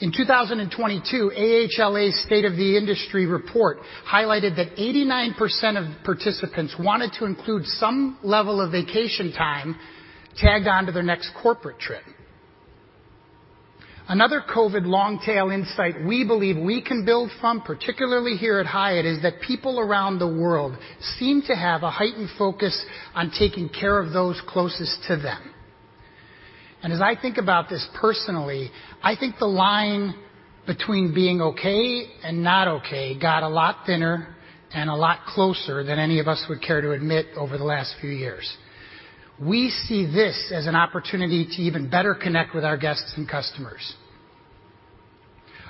Speaker 6: In 2022, AHLA State of the Industry Report highlighted that 89% of participants wanted to include some level of vacation time tagged on to their next corporate trip. Another COVID long tail insight we believe we can build from, particularly here at Hyatt, is that people around the world seem to have a heightened focus on taking care of those closest to them. As I think about this personally, I think the line between being okay and not okay got a lot thinner and a lot closer than any of us would care to admit over the last few years. We see this as an opportunity to even better connect with our guests and customers.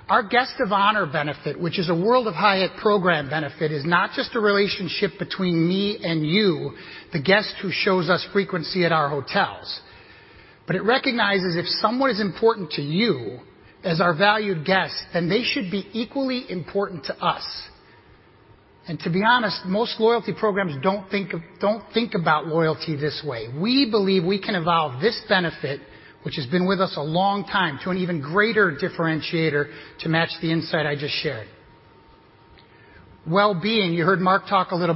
Speaker 6: Our Guest of Honor benefit, which is a World of Hyatt program benefit, is not just a relationship between me and you, the guest who shows us frequency at our hotels, but it recognizes if someone is important to you as our valued guest, then they should be equally important to us. To be honest, most loyalty programs don't think about loyalty this way. We believe we can evolve this benefit, which has been with us a long time, to an even greater differentiator to match the insight I just shared. Well-being. You heard Mark talk a little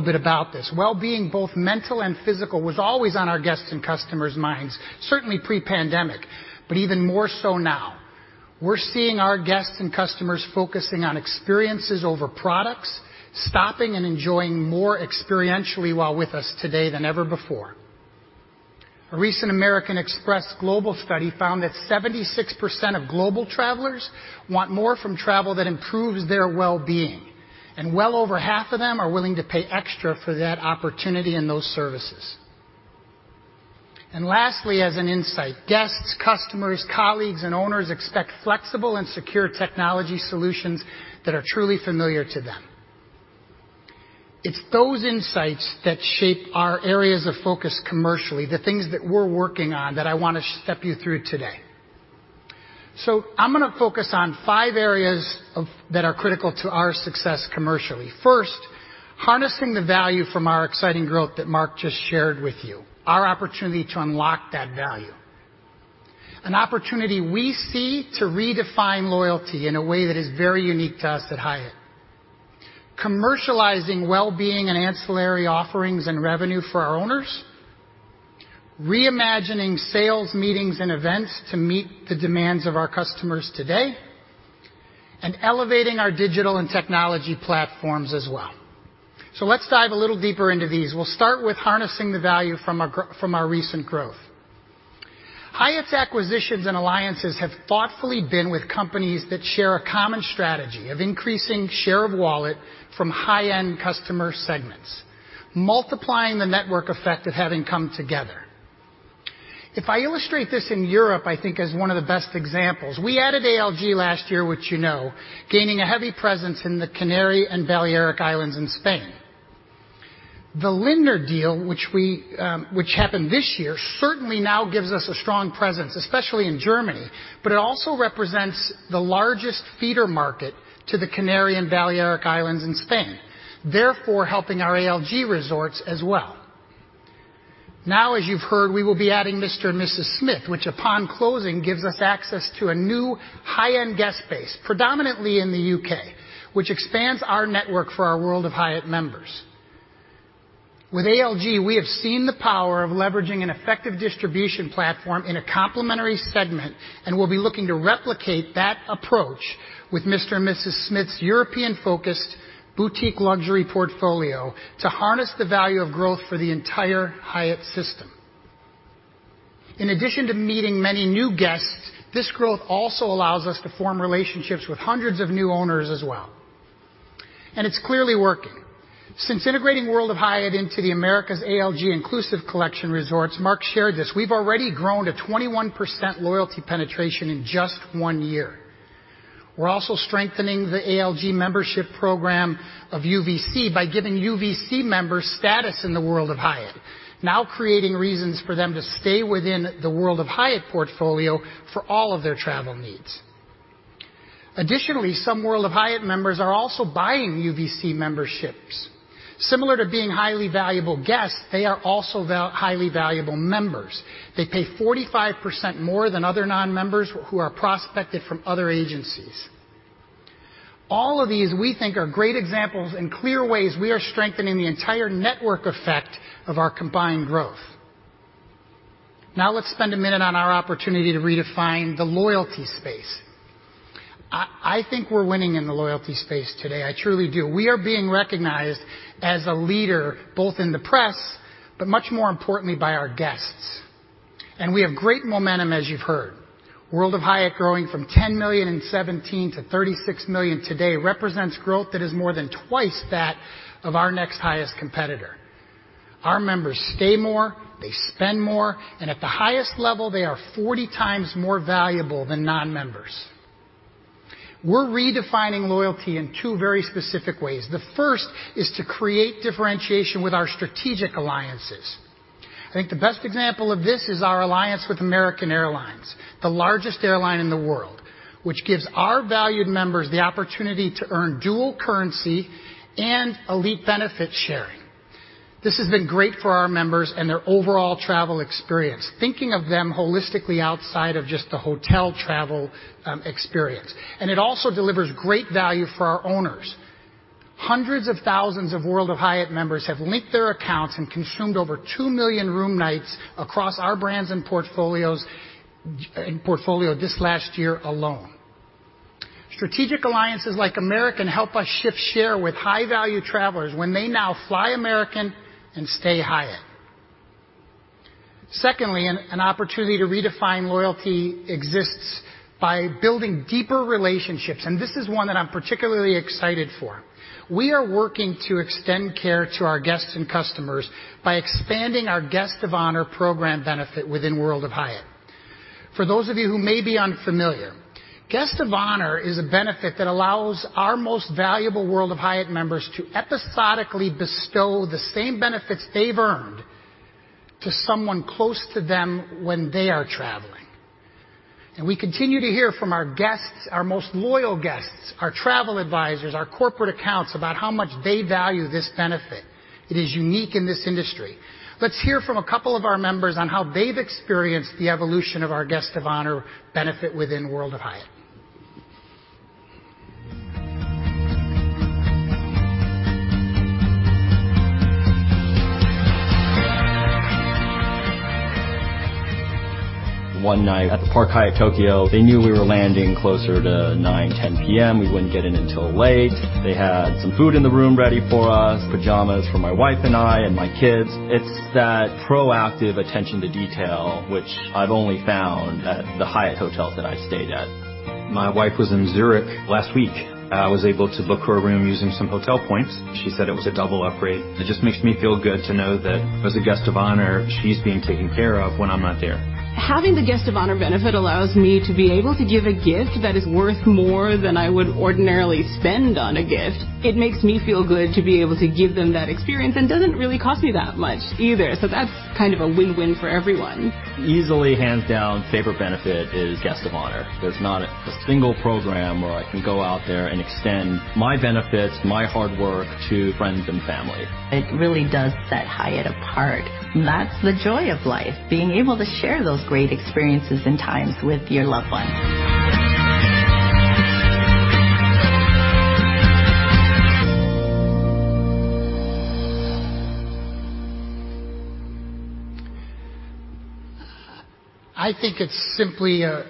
Speaker 6: bit about this. Well-being, both mental and physical, was always on our guests and customers minds, certainly pre-pandemic, but even more so now. We're seeing our guests and customers focusing on experiences over products, stopping and enjoying more experientially while with us today than ever before. A recent American Express global study found that 76% of global travelers want more from travel that improves their well-being. Well over half of them are willing to pay extra for that opportunity and those services. Lastly, as an insight, guests, customers, colleagues, and owners expect flexible and secure technology solutions that are truly familiar to them. It's those insights that shape our areas of focus commercially, the things that we're working on that I want to step you through today. I'm going to focus on 5 areas that are critical to our success commercially. First, harnessing the value from our exciting growth that Mark just shared with you. Our opportunity to unlock that value. An opportunity we see to redefine loyalty in a way that is very unique to us at Hyatt. Commercializing well-being and ancillary offerings and revenue for our owners, reimagining sales meetings and events to meet the demands of our customers today, and elevating our digital and technology platforms as well. Let's dive a little deeper into these. We'll start with harnessing the value from our recent growth. Hyatt's acquisitions and alliances have thoughtfully been with companies that share a common strategy of increasing share of wallet from high-end customer segments, multiplying the network effect of having come together. If I illustrate this in Europe, I think as one of the best examples, we added ALG last year, which you know, gaining a heavy presence in the Canary and Balearic Islands in Spain. The Lindner deal, which happened this year, certainly now gives us a strong presence, especially in Germany, but it also represents the largest feeder market to the Canary and Balearic Islands in Spain, therefore helping our ALG resorts as well. Now, as you've heard, we will be adding Mr & Mrs Smith, which upon closing gives us access to a new high-end guest base, predominantly in the UK, which expands our network for our World of Hyatt members. With ALG, we have seen the power of leveraging an effective distribution platform in a complimentary segment, and we'll be looking to replicate that approach with Mr & Mrs Smith's European-focused boutique luxury portfolio to harness the value of growth for the entire Hyatt system. In addition to meeting many new guests, this growth also allows us to form relationships with hundreds of new owners as well. It's clearly working. Since integrating World of Hyatt into the Americas ALG Inclusive Collection Resorts, Mark shared this, we've already grown to 21% loyalty penetration in just 1 year. We're also strengthening the ALG membership program of UVC by giving UVC members status in the World of Hyatt, creating reasons for them to stay within the World of Hyatt portfolio for all of their travel needs. Additionally, some World of Hyatt members are also buying UVC memberships. Similar to being highly valuable guests, they are also highly valuable members. They pay 45% more than other non-members who are prospected from other agencies. All of these, we think, are great examples and clear ways we are strengthening the entire network effect of our combined growth. Let's spend a minute on our opportunity to redefine the loyalty space. I think we're winning in the loyalty space today. I truly do. We are being recognized as a leader, both in the press, but much more importantly, by our guests. We have great momentum, as you've heard. World of Hyatt growing from 10 million in 2017 to 36 million today represents growth that is more than twice that of our next highest competitor. Our members stay more, they spend more, and at the highest level, they are 40 times more valuable than non-members. We're redefining loyalty in two very specific ways. The first is to create differentiation with our strategic alliances. I think the best example of this is our alliance with American Airlines, the largest airline in the world, which gives our valued members the opportunity to earn dual currency and elite benefit sharing. This has been great for our members and their overall travel experience, thinking of them holistically outside of just the hotel travel experience. It also delivers great value for our owners. Hundreds of thousands of World of Hyatt members have linked their accounts and consumed over 2 million room nights across our brands and portfolios this last year alone. Strategic alliances like American help us shift share with high-value travelers when they now fly American and stay Hyatt. Secondly, an opportunity to redefine loyalty exists by building deeper relationships. This is one that I'm particularly excited for. We are working to extend care to our guests and customers by expanding our Guest of Honor program benefit within World of Hyatt. For those of you who may be unfamiliar, Guest of Honor is a benefit that allows our most valuable World of Hyatt members to episodically bestow the same benefits they've earned to someone close to them when they are traveling. We continue to hear from our guests, our most loyal guests, our travel advisors, our corporate accounts, about how much they value this benefit. It is unique in this industry. Let's hear from a couple of our members on how they've experienced the evolution of our Guest of Honor benefit within World of Hyatt.
Speaker 7: One night at the Park Hyatt Tokyo, they knew we were landing closer to 9:00, 10:00 P.M. We wouldn't get in until late. They had some food in the room ready for us, pajamas for my wife and I, and my kids. It's that proactive attention to detail which I've only found at the Hyatt hotels that I stayed at. My wife was in Zurich last week. I was able to book her a room using some hotel points. She said it was a double upgrade. It just makes me feel good to know that as a Guest of Honor, she's being taken care of when I'm not there. Having the Guest of Honor benefit allows me to be able to give a gift that is worth more than I would ordinarily spend on a gift. It makes me feel good to be able to give them that experience and doesn't really cost me that much either. That's kind of a win-win for everyone. Easily hands down favorite benefit is Guest of Honor. There's not a single program where I can go out there and extend my benefits, my hard work to friends and family. It really does set Hyatt apart. That's the joy of life, being able to share those great experiences and times with your loved ones.
Speaker 6: I think it's simply a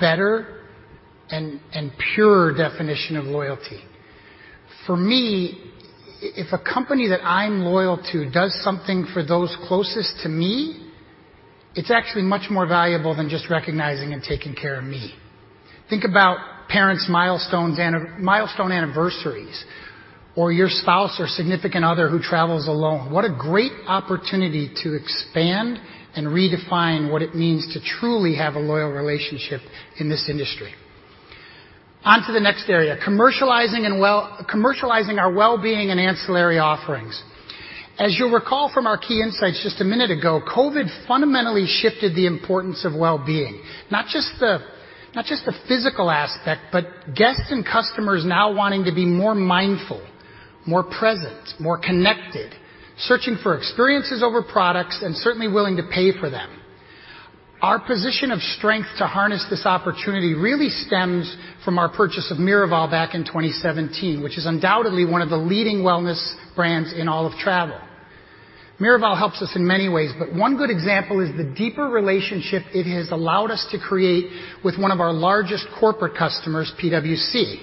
Speaker 6: better and pure definition of loyalty. For me, if a company that I'm loyal to does something for those closest to me, it's actually much more valuable than just recognizing and taking care of me. Think about parents milestones, milestone anniversaries or your spouse or significant other who travels alone. What a great opportunity to expand and redefine what it means to truly have a loyal relationship in this industry. On to the next area, commercializing our wellbeing and ancillary offerings. As you'll recall from our key insights just a minute ago, COVID fundamentally shifted the importance of wellbeing. Not just the physical aspect, but guests and customers now wanting to be more mindful, more present, more connected, searching for experiences over products, and certainly willing to pay for them. Our position of strength to harness this opportunity really stems from our purchase of Miraval back in 2017, which is undoubtedly one of the leading wellness brands in all of travel. Miraval helps us in many ways, but one good example is the deeper relationship it has allowed us to create with one of our largest corporate customers, PwC.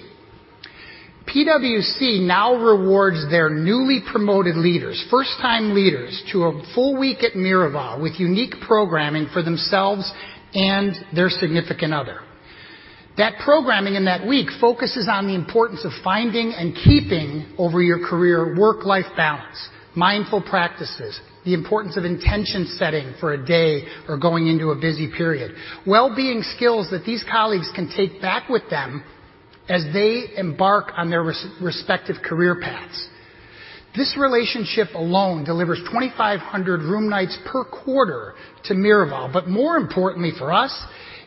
Speaker 6: PwC now rewards their newly promoted leaders, first-time leaders, to a full week at Miraval with unique programming for themselves and their significant other. That programming in that week focuses on the importance of finding and keeping over your career work-life balance, mindful practices, the importance of intention setting for a day or going into a busy period. Wellbeing skills that these colleagues can take back with them as they embark on their respective career paths. This relationship alone delivers 2,500 room nights per quarter to Miraval, but more importantly for us,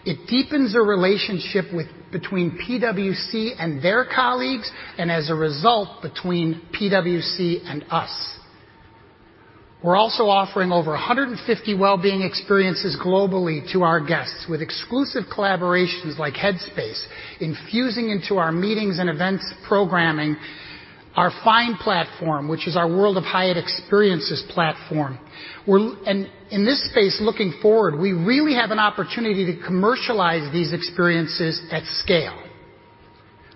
Speaker 6: it deepens the relationship between PwC and their colleagues, and as a result, between PwC and us. We're also offering over 150 wellbeing experiences globally to our guests with exclusive collaborations like Headspace, infusing into our meetings and events programming our FIND platform, which is our World of Hyatt experiences platform. In this space looking forward, we really have an opportunity to commercialize these experiences at scale.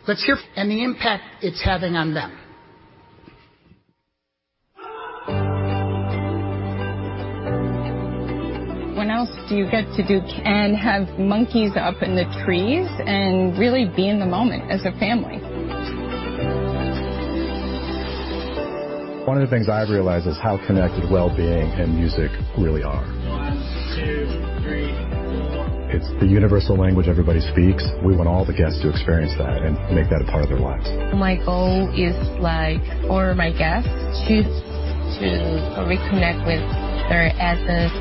Speaker 6: The impact it's having on them.
Speaker 7: When else do you get to do-- and have monkeys up in the trees and really be in the moment as a family? One of the things I've realized is how connected well-being and music really are. One, two, three, four. It's the universal language everybody speaks. We want all the guests to experience that and make that a part of their lives. My goal is like for my guests to reconnect with their essence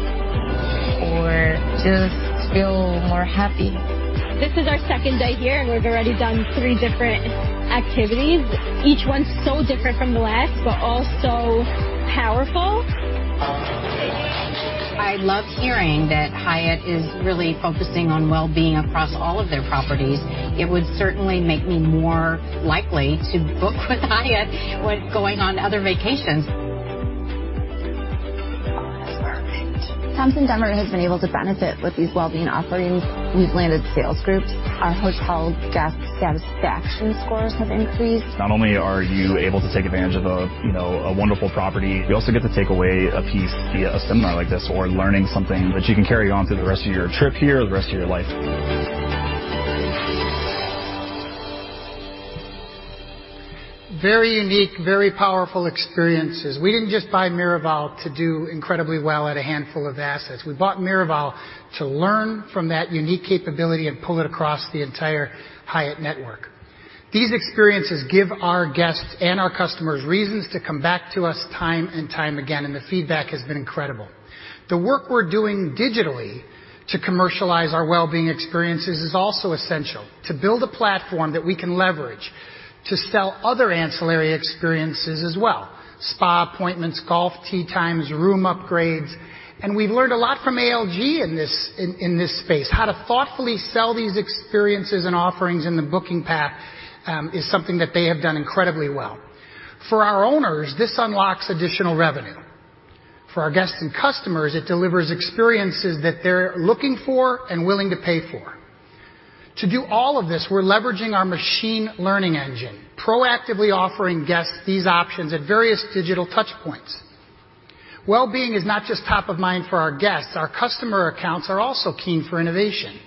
Speaker 7: or just feel more happy. This is our second day here, and we've already done three different activities, each one so different from the last but all so powerful. I love hearing that Hyatt is really focusing on well-being across all of their properties. It would certainly make me more likely to book with Hyatt when going on other vacations. Oh, that's perfect. Thompson Denver has been able to benefit with these well-being offerings. We've landed sales groups. Our hotel guest satisfaction scores have increased. Not only are you able to take advantage of a, you know, a wonderful property, you also get to take away a piece via a seminar like this or learning something that you can carry on through the rest of your trip here or the rest of your life.
Speaker 6: Very unique, very powerful experiences. We didn't just buy Miraval to do incredibly well at a handful of assets. We bought Miraval to learn from that unique capability and pull it across the entire Hyatt network. These experiences give our guests and our customers reasons to come back to us time and time again. The feedback has been incredible. The work we're doing digitally to commercialize our well-being experiences is also essential to build a platform that we can leverage to sell other ancillary experiences as well: spa appointments, golf tee times, room upgrades. We've learned a lot from ALG in this space. How to thoughtfully sell these experiences and offerings in the booking path is something that they have done incredibly well. For our owners, this unlocks additional revenue. For our guests and customers, it delivers experiences that they're looking for and willing to pay for. To do all of this, we're leveraging our machine learning engine, proactively offering guests these options at various digital touchpoints. Well-being is not just top of mind for our guests. Our customer accounts are also keen for innovation.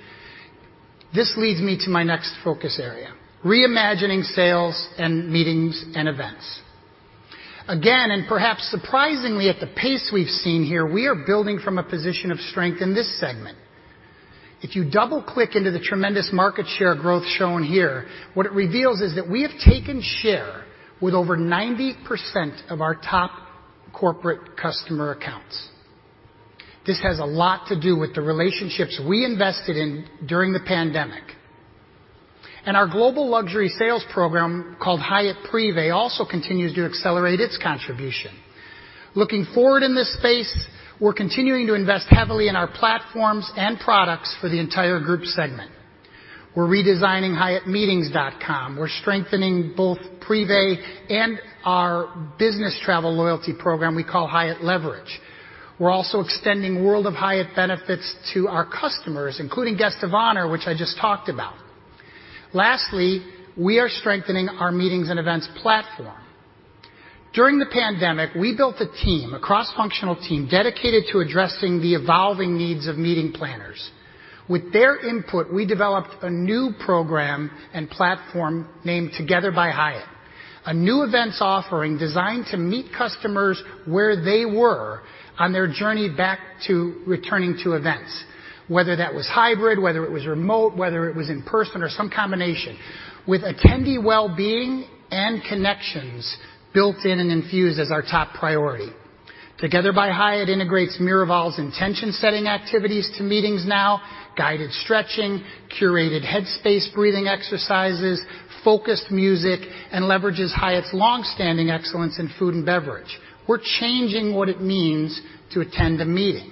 Speaker 6: This leads me to my next focus area: reimagining sales and meetings and events. Perhaps surprisingly at the pace we've seen here, we are building from a position of strength in this segment. If you double-click into the tremendous market share growth shown here, what it reveals is that we have taken share with over 90% of our top corporate customer accounts. This has a lot to do with the relationships we invested in during the pandemic. Our global luxury sales program, called Hyatt Privé, also continues to accelerate its contribution. Looking forward in this space, we're continuing to invest heavily in our platforms and products for the entire group segment. We're redesigning hyattmeetings.com. We're strengthening both Privé and our business travel loyalty program we call Hyatt Leverage. We're also extending World of Hyatt benefits to our customers, including Guest of Honor, which I just talked about. Lastly, we are strengthening our meetings and events platform. During the pandemic, we built a team, a cross-functional team, dedicated to addressing the evolving needs of meeting planners. With their input, we developed a new program and platform named Together by Hyatt, a new events offering designed to meet customers where they were on their journey back to returning to events, whether that was hybrid, whether it was remote, whether it was in person or some combination, with attendee well-being and connections built in and infused as our top priority. Together by Hyatt integrates Miraval's intention-setting activities to meetings now, guided stretching, curated Headspace breathing exercises, focused music, and leverages Hyatt's longstanding excellence in food and beverage. We're changing what it means to attend a meeting,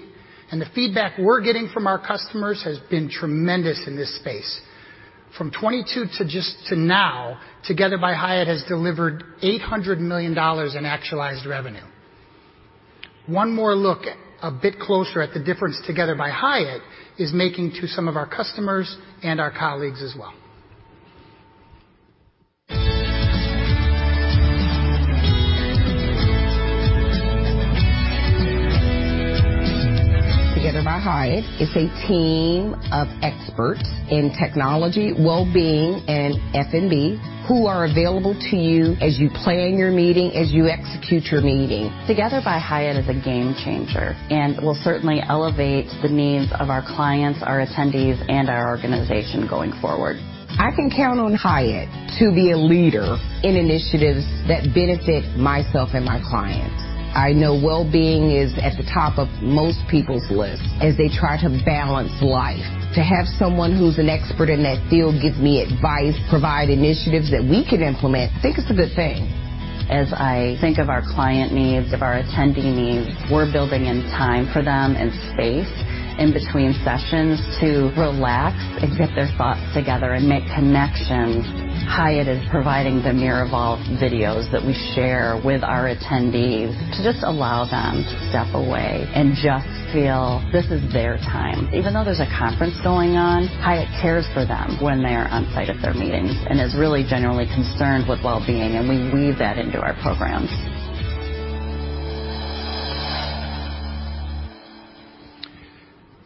Speaker 6: and the feedback we're getting from our customers has been tremendous in this space. From 2022 to now, Together by Hyatt has delivered $800 million in actualized revenue. One more look a bit closer at the difference Together by Hyatt is making to some of our customers and our colleagues as well.
Speaker 7: Together by Hyatt is a team of experts in technology, well-being, and F&B who are available to you as you plan your meeting, as you execute your meeting. Together by Hyatt is a game changer and will certainly elevate the needs of our clients, our attendees, and our organization going forward. I can count on Hyatt to be a leader in initiatives that benefit myself and my clients. I know well-being is at the top of most people's lists as they try to balance life. To have someone who's an expert in that field give me advice, provide initiatives that we can implement, I think it's a good thing. As I think of our client needs, of our attendee needs, we're building in time for them and space in between sessions to relax and get their thoughts together and make connections. Hyatt is providing the Miraval videos that we share with our attendees to just allow them to step away and just feel this is their time. Even though there's a conference going on, Hyatt cares for them when they are on site at their meetings and is really generally concerned with well-being, and we weave that into our programs.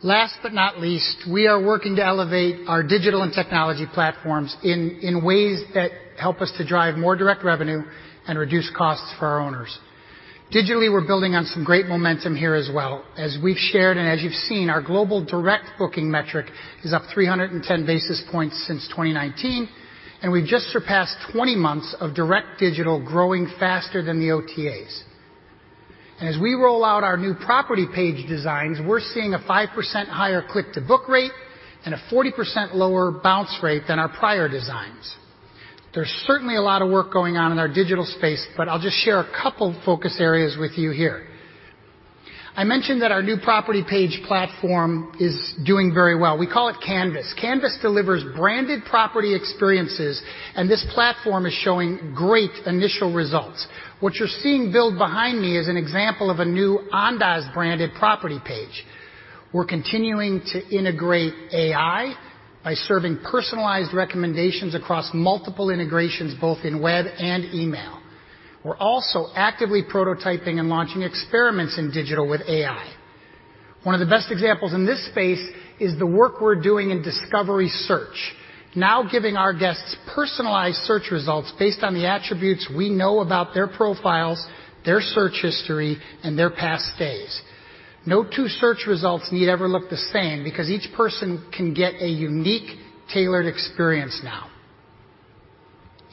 Speaker 6: Last but not least, we are working to elevate our digital and technology platforms in ways that help us to drive more direct revenue and reduce costs for our owners. Digitally, we're building on some great momentum here as well. As we've shared and as you've seen, our global direct booking metric is up 310 basis points since 2019, and we've just surpassed 20 months of direct digital growing faster than the OTAs. As we roll out our new property page designs, we're seeing a 5% higher click-to-book rate and a 40% lower bounce rate than our prior designs. There's certainly a lot of work going on in our digital space, I'll just share a couple of focus areas with you here. I mentioned that our new property page platform is doing very well. We call it Canvas. Canvas delivers branded property experiences, and this platform is showing great initial results. What you're seeing build behind me is an example of a new Andaz branded property page. We're continuing to integrate AI by serving personalized recommendations across multiple integrations, both in web and email. We're also actively prototyping and launching experiments in digital with AI. One of the best examples in this space is the work we're doing in Discovery Search. Now giving our guests personalized search results based on the attributes we know about their profiles, their search history, and their past stays. No two search results need ever look the same because each person can get a unique, tailored experience now.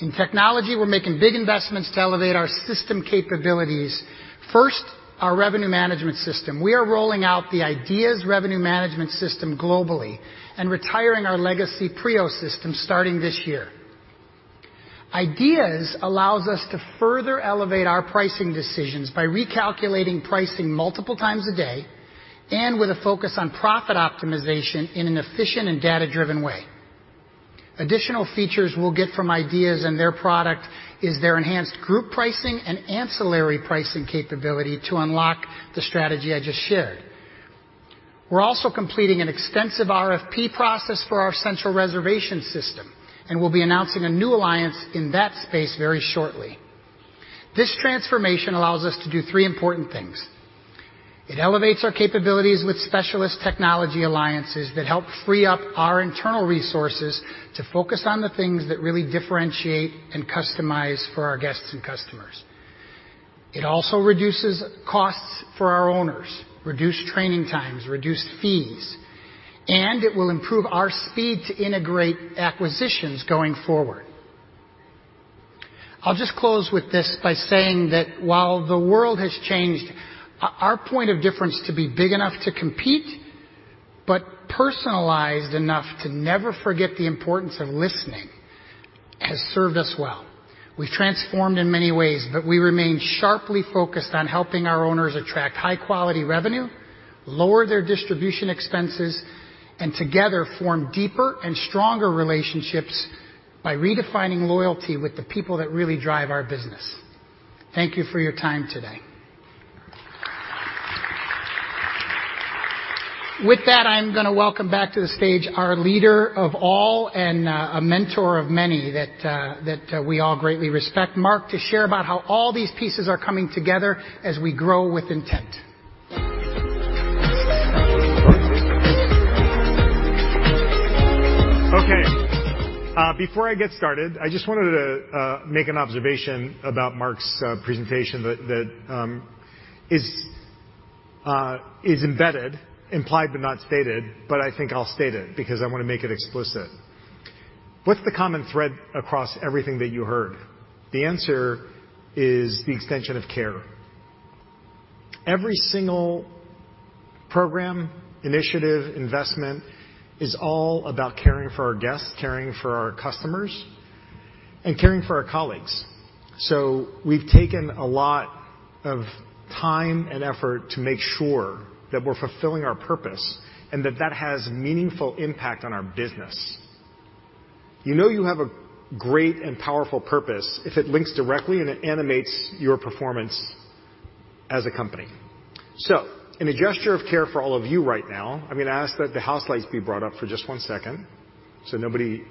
Speaker 6: In technology, we're making big investments to elevate our system capabilities. First, our revenue management system. We are rolling out the IDeaS revenue management system globally and retiring our legacy PRIO system starting this year. IDeaS allows us to further elevate our pricing decisions by recalculating pricing multiple times a day and with a focus on profit optimization in an efficient and data-driven way. Additional features we'll get from IDeaS and their product is their enhanced group pricing and ancillary pricing capability to unlock the strategy I just shared. We're also completing an extensive RFP process for our central reservation system, and we'll be announcing a new alliance in that space very shortly. This transformation allows us to do three important things. It elevates our capabilities with specialist technology alliances that help free up our internal resources to focus on the things that really differentiate and customize for our guests and customers. It also reduces costs for our owners, reduce training times, reduced fees, and it will improve our speed to integrate acquisitions going forward. I'll just close with this by saying that while the world has changed, our point of difference to be big enough to compete but personalized enough to never forget the importance of listening has served us well. We've transformed in many ways, but we remain sharply focused on helping our owners attract high-quality revenue, lower their distribution expenses, and together form deeper and stronger relationships by redefining loyalty with the people that really drive our business. Thank you for your time today. With that, I'm gonna welcome back to the stage our leader of all and a mentor of many that we all greatly respect, Mark, to share about how all these pieces are coming together as we grow with intent.
Speaker 2: Okay. Before I get started, I just wanted to make an observation about Mark's presentation that is embedded, implied, but not stated, but I think I'll state it because I wanna make it explicit. What's the common thread across everything that you heard? The answer is the extension of care. Every single program, initiative, investment is all about caring for our guests, caring for our customers, and caring for our colleagues. We've taken a lot of time and effort to make sure that we're fulfilling our purpose and that that has meaningful impact on our business. You know you have a great and powerful purpose if it links directly and it animates your performance as a company. In a gesture of care for all of you right now, I'm gonna ask that the house lights be brought up for just one second so nobody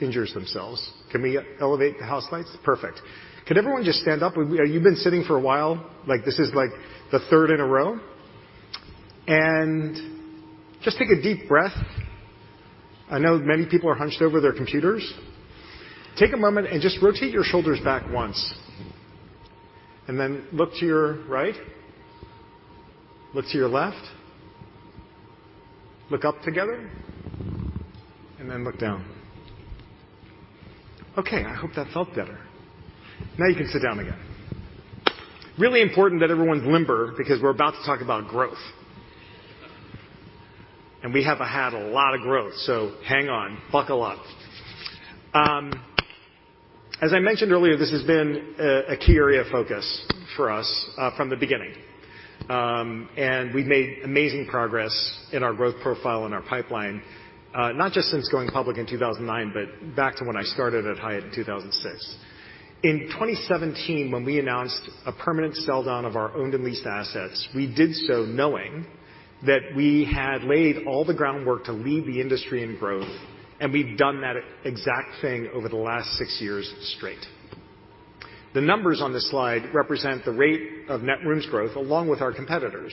Speaker 2: injures themselves. Can we elevate the house lights? Perfect. Can everyone just stand up? You've been sitting for a while, like, this is, like, the third in a row. Just take a deep breath. I know many people are hunched over their computers. Take a moment and just rotate your shoulders back once and then look to your right, look to your left, look up together, and then look down. Okay, I hope that felt better. Now you can sit down again. Really important that everyone's limber because we're about to talk about growth. We have had a lot of growth, so hang on. Buckle up. As I mentioned earlier, this has been a key area of focus for us from the beginning. We've made amazing progress in our growth profile and our pipeline, not just since going public in 2009, but back to when I started at Hyatt in 2006. In 2017, when we announced a permanent sell-down of our owned and leased assets, we did so knowing that we had laid all the groundwork to lead the industry in growth, and we've done that exact thing over the last six years straight. The numbers on this slide represent the rate of net rooms growth along with our competitors.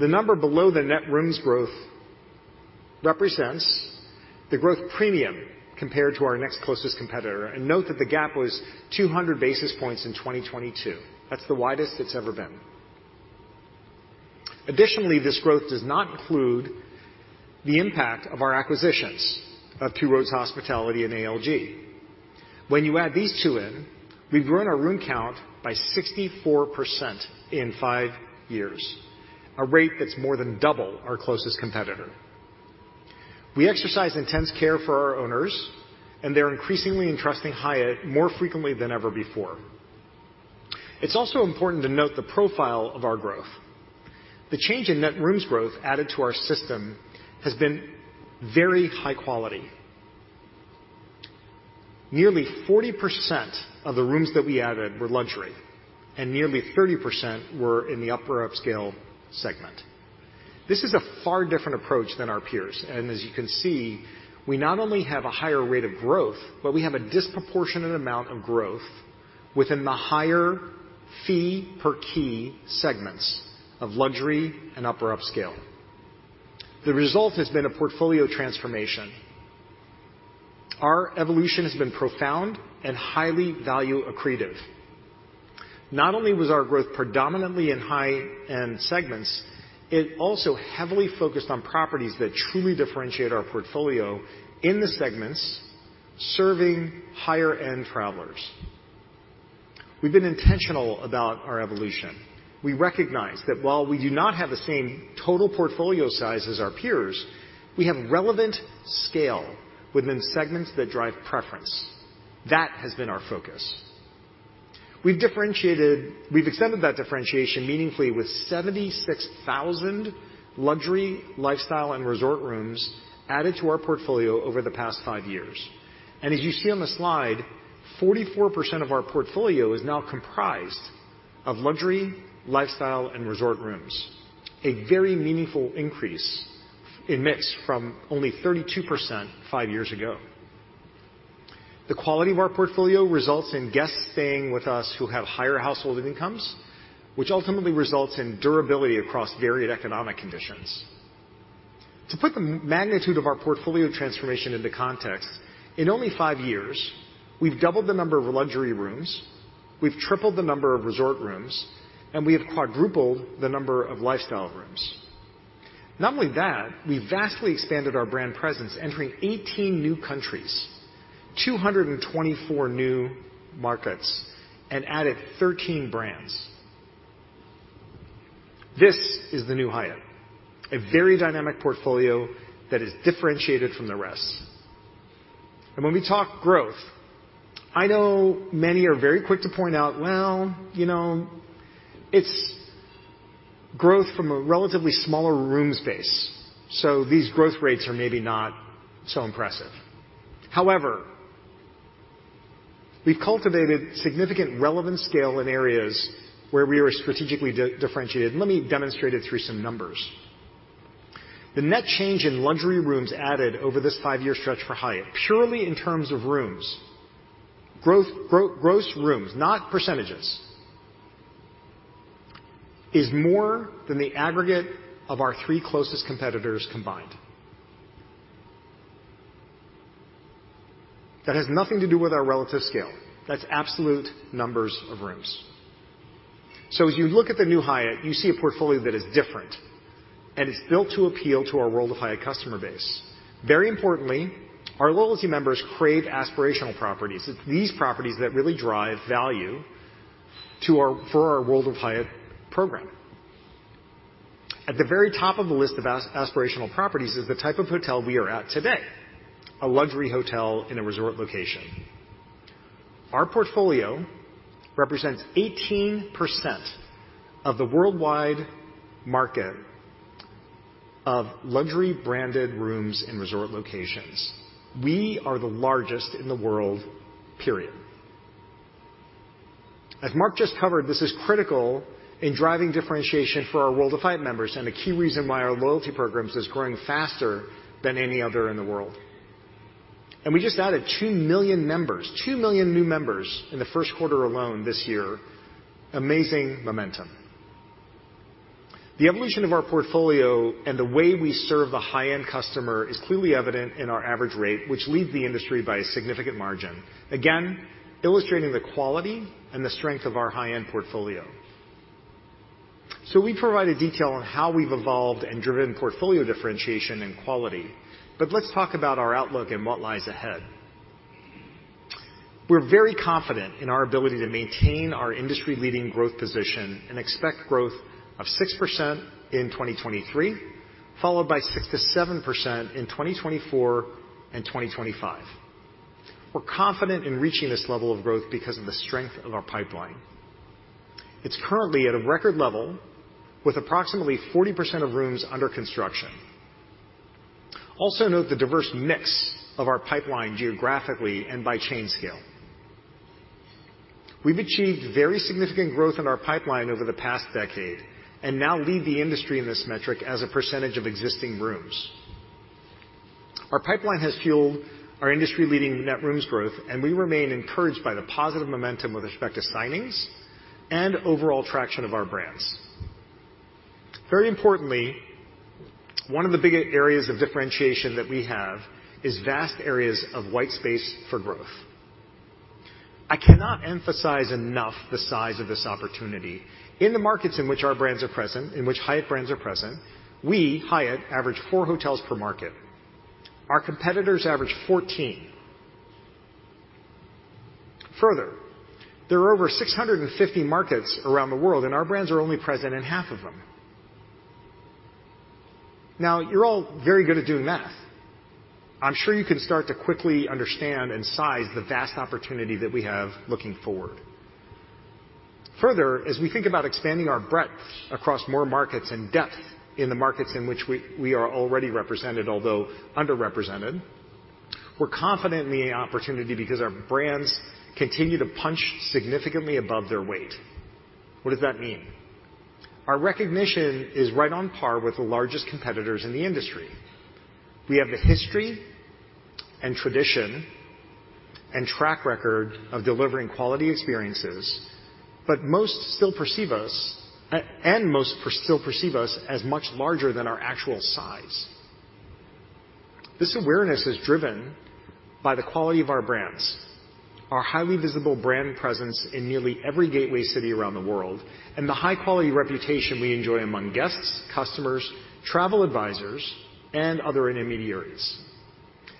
Speaker 2: The number below the net rooms growth represents the growth premium compared to our next closest competitor, and note that the gap was 200 basis points in 2022. That's the widest it's ever been. Additionally, this growth does not include the impact of our acquisitions of Two Roads Hospitality and ALG. When you add these 2 in, we've grown our room count by 64% in five years, a rate that's more than double our closest competitor. We exercise intense care for our owners, and they're increasingly entrusting Hyatt more frequently than ever before. It's also important to note the profile of our growth. The change in net rooms growth added to our system has been very high quality. Nearly 40% of the rooms that we added were luxury, and nearly 30% were in the upper upscale segment. This is a far different approach than our peers, and as you can see, we not only have a higher rate of growth, but we have a disproportionate amount of growth within the higher fee per key segments of luxury and upper upscale. The result has been a portfolio transformation. Our evolution has been profound and highly value accretive. Not only was our growth predominantly in high-end segments, it also heavily focused on properties that truly differentiate our portfolio in the segments serving higher-end travelers. We've been intentional about our evolution. We recognize that while we do not have the same total portfolio size as our peers, we have relevant scale within segments that drive preference. That has been our focus. We've extended that differentiation meaningfully with 76,000 luxury lifestyle and resort rooms added to our portfolio over the past five years. As you see on the slide, 44% of our portfolio is now comprised of luxury lifestyle and resort rooms, a very meaningful increase in mix from only 32% five years ago. The quality of our portfolio results in guests staying with us who have higher household incomes, which ultimately results in durability across varied economic conditions. To put the magnitude of our portfolio transformation into context, in only five years, we've doubled the number of luxury rooms, we've tripled the number of resort rooms, and we have quadrupled the number of lifestyle rooms. Not only that, we vastly expanded our brand presence, entering 18 new countries, 224 new markets, and added 13 brands. This is the new Hyatt, a very dynamic portfolio that is differentiated from the rest. When we talk growth, I know many are very quick to point out, "Well, you know, it's growth from a relatively smaller room space, so these growth rates are maybe not so impressive." However, we've cultivated significant relevant scale in areas where we are strategically differentiated. Let me demonstrate it through some numbers. The net change in luxury rooms added over this 5-year stretch for Hyatt, purely in terms of rooms, gross rooms, not percentages, is more than the aggregate of our three closest competitors combined. That has nothing to do with our relative scale. That's absolute numbers of rooms. As you look at the new Hyatt, you see a portfolio that is different, and it's built to appeal to our World of Hyatt customer base. Very importantly, our loyalty members crave aspirational properties. It's these properties that really drive value for our World of Hyatt program. At the very top of the list of aspirational properties is the type of hotel we are at today, a luxury hotel in a resort location. Our portfolio represents 18% of the worldwide market of luxury branded rooms in resort locations. We are the largest in the world, period. As Mark just covered, this is critical in driving differentiation for our World of Hyatt members and a key reason why our loyalty programs is growing faster than any other in the world. We just added 2 million members, 2 million new members in the Q1 alone this year. Amazing momentum. The evolution of our portfolio and the way we serve the high-end customer is clearly evident in our average rate, which leads the industry by a significant margin, again, illustrating the quality and the strength of our high-end portfolio. We provided detail on how we've evolved and driven portfolio differentiation and quality. Let's talk about our outlook and what lies ahead. We're very confident in our ability to maintain our industry-leading growth position and expect growth of 6% in 2023, followed by 6%-7% in 2024 and 2025. We're confident in reaching this level of growth because of the strength of our pipeline. It's currently at a record level with approximately 40% of rooms under construction. Also note the diverse mix of our pipeline geographically and by chain scale. We've achieved very significant growth in our pipeline over the past decade and now lead the industry in this metric as a percentage of existing rooms. Our pipeline has fueled our industry-leading net rooms growth, and we remain encouraged by the positive momentum with respect to signings and overall traction of our brands. Very importantly, one of the big areas of differentiation that we have is vast areas of white space for growth. I cannot emphasize enough the size of this opportunity. In the markets in which our brands are present, in which Hyatt brands are present, we, Hyatt, average four hotels per market. Our competitors average 14. Further, there are over 650 markets around the world, and our brands are only present in half of them. Now, you're all very good at doing math. I'm sure you can start to quickly understand and size the vast opportunity that we have looking forward. As we think about expanding our breadth across more markets and depth in the markets in which we are already represented, although underrepresented, we're confident in the opportunity because our brands continue to punch significantly above their weight. What does that mean? Our recognition is right on par with the largest competitors in the industry. We have the history and tradition and track record of delivering quality experiences, but most still perceive us as much larger than our actual size. This awareness is driven by the quality of our brands, our highly visible brand presence in nearly every gateway city around the world, and the high-quality reputation we enjoy among guests, customers, travel advisors, and other intermediaries.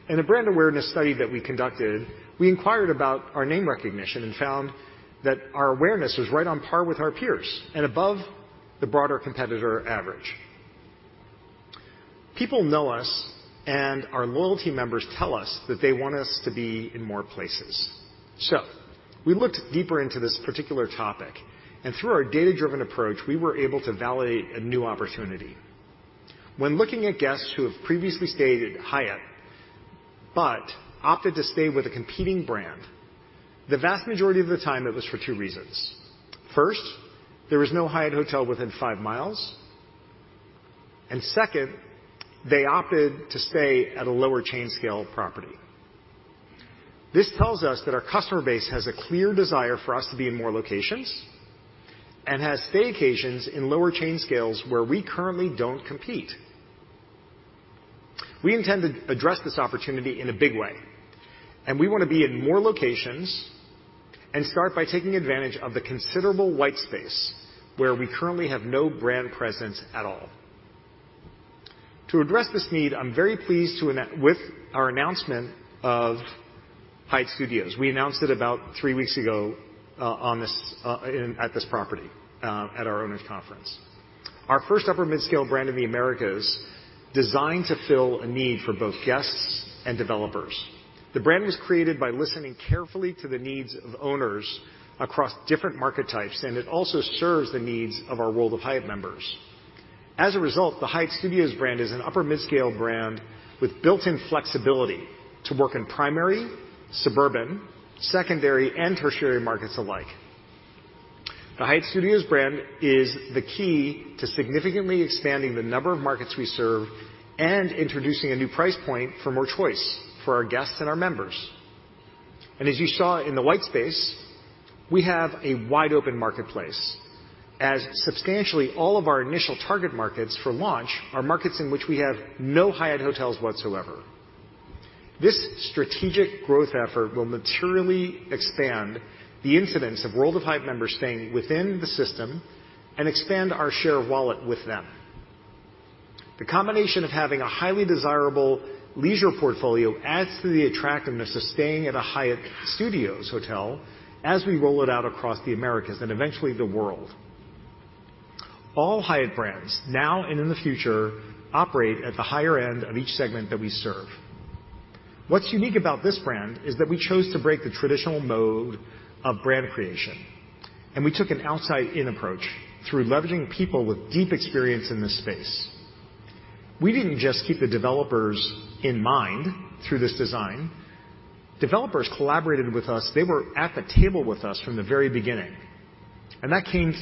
Speaker 2: In a brand awareness study that we conducted, we inquired about our name recognition and found that our awareness was right on par with our peers and above the broader competitor average. People know us, and our loyalty members tell us that they want us to be in more places. We looked deeper into this particular topic, and through our data-driven approach, we were able to validate a new opportunity. When looking at guests who have previously stayed at Hyatt but opted to stay with a competing brand, the vast majority of the time it was for two reasons. First, there was no Hyatt Hotel within five miles. Second, they opted to stay at a lower chain scale property. This tells us that our customer base has a clear desire for us to be in more locations and has staycations in lower chain scales where we currently don't compete. We intend to address this opportunity in a big way, and we wanna be in more locations and start by taking advantage of the considerable white space where we currently have no brand presence at all. To address this need, I'm very pleased with our announcement of Hyatt Studios. We announced it about three weeks ago, on this at this property, at our owners' conference. Our first upper midscale brand in the Americas designed to fill a need for both guests and developers. The brand was created by listening carefully to the needs of owners across different market types, and it also serves the needs of our World of Hyatt members. As a result, the Hyatt Studios brand is an upper midscale brand with built-in flexibility to work in primary, suburban, secondary, and tertiary markets alike. The Hyatt Studios brand is the key to significantly expanding the number of markets we serve and introducing a new price point for more choice for our guests and our members. As you saw in the white space, we have a wide-open marketplace, as substantially all of our initial target markets for launch are markets in which we have no Hyatt hotels whatsoever. This strategic growth effort will materially expand the incidence of World of Hyatt members staying within the system and expand our share of wallet with them. The combination of having a highly desirable leisure portfolio adds to the attractiveness of staying at a Hyatt Studios hotel as we roll it out across the Americas and eventually the world. All Hyatt brands, now and in the future, operate at the higher end of each segment that we serve. What's unique about this brand is that we chose to break the traditional mode of brand creation, and we took an outside-in approach through leveraging people with deep experience in this space. We didn't just keep the developers in mind through this design. Developers collaborated with us. They were at the table with us from the very beginning, and that came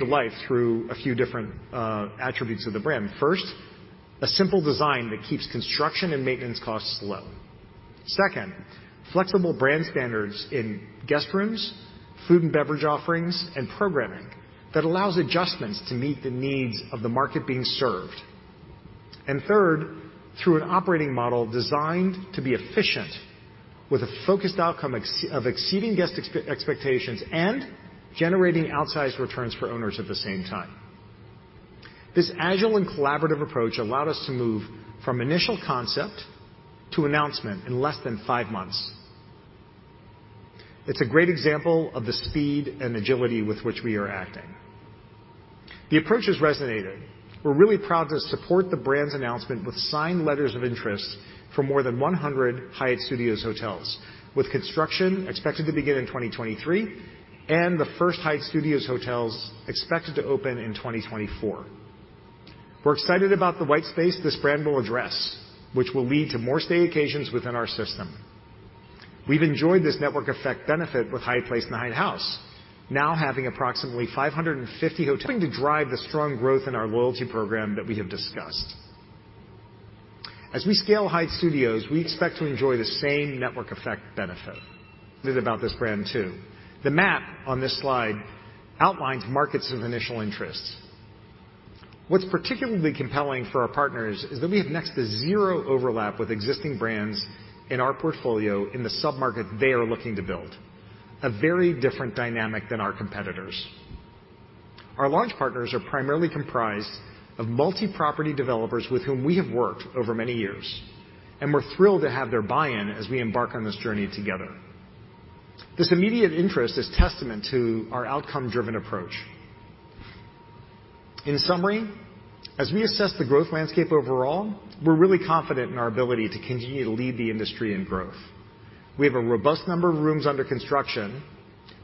Speaker 2: to life through a few different attributes of the brand. First, a simple design that keeps construction and maintenance costs low. Second, flexible brand standards in guest rooms, food and beverage offerings, and programming that allows adjustments to meet the needs of the market being served. Third, through an operating model designed to be efficient with a focused outcome of exceeding guest expectations and generating outsized returns for owners at the same time. This agile and collaborative approach allowed us to move from initial concept to announcement in less than five months. It's a great example of the speed and agility with which we are acting. The approach has resonated. We're really proud to support the brand's announcement with signed letters of interest for more than 100 Hyatt Studios hotels, with construction expected to begin in 2023, and the first Hyatt Studios hotels expected to open in 2024. We're excited about the white space this brand will address, which will lead to more staycations within our system. We've enjoyed this network effect benefit with Hyatt Place and Hyatt House, now having approximately 550 hotels to drive the strong growth in our loyalty program that we have discussed. As we scale Hyatt Studios, we expect to enjoy the same network effect benefit about this brand too. The map on this slide outlines markets of initial interests. What's particularly compelling for our partners is that we have next to zero overlap with existing brands in our portfolio in the sub-market they are looking to build. A very different dynamic than our competitors. Our launch partners are primarily comprised of multi-property developers with whom we have worked over many years, and we're thrilled to have their buy-in as we embark on this journey together. This immediate interest is testament to our outcome-driven approach. In summary, as we assess the growth landscape overall, we're really confident in our ability to continue to lead the industry in growth. We have a robust number of rooms under construction,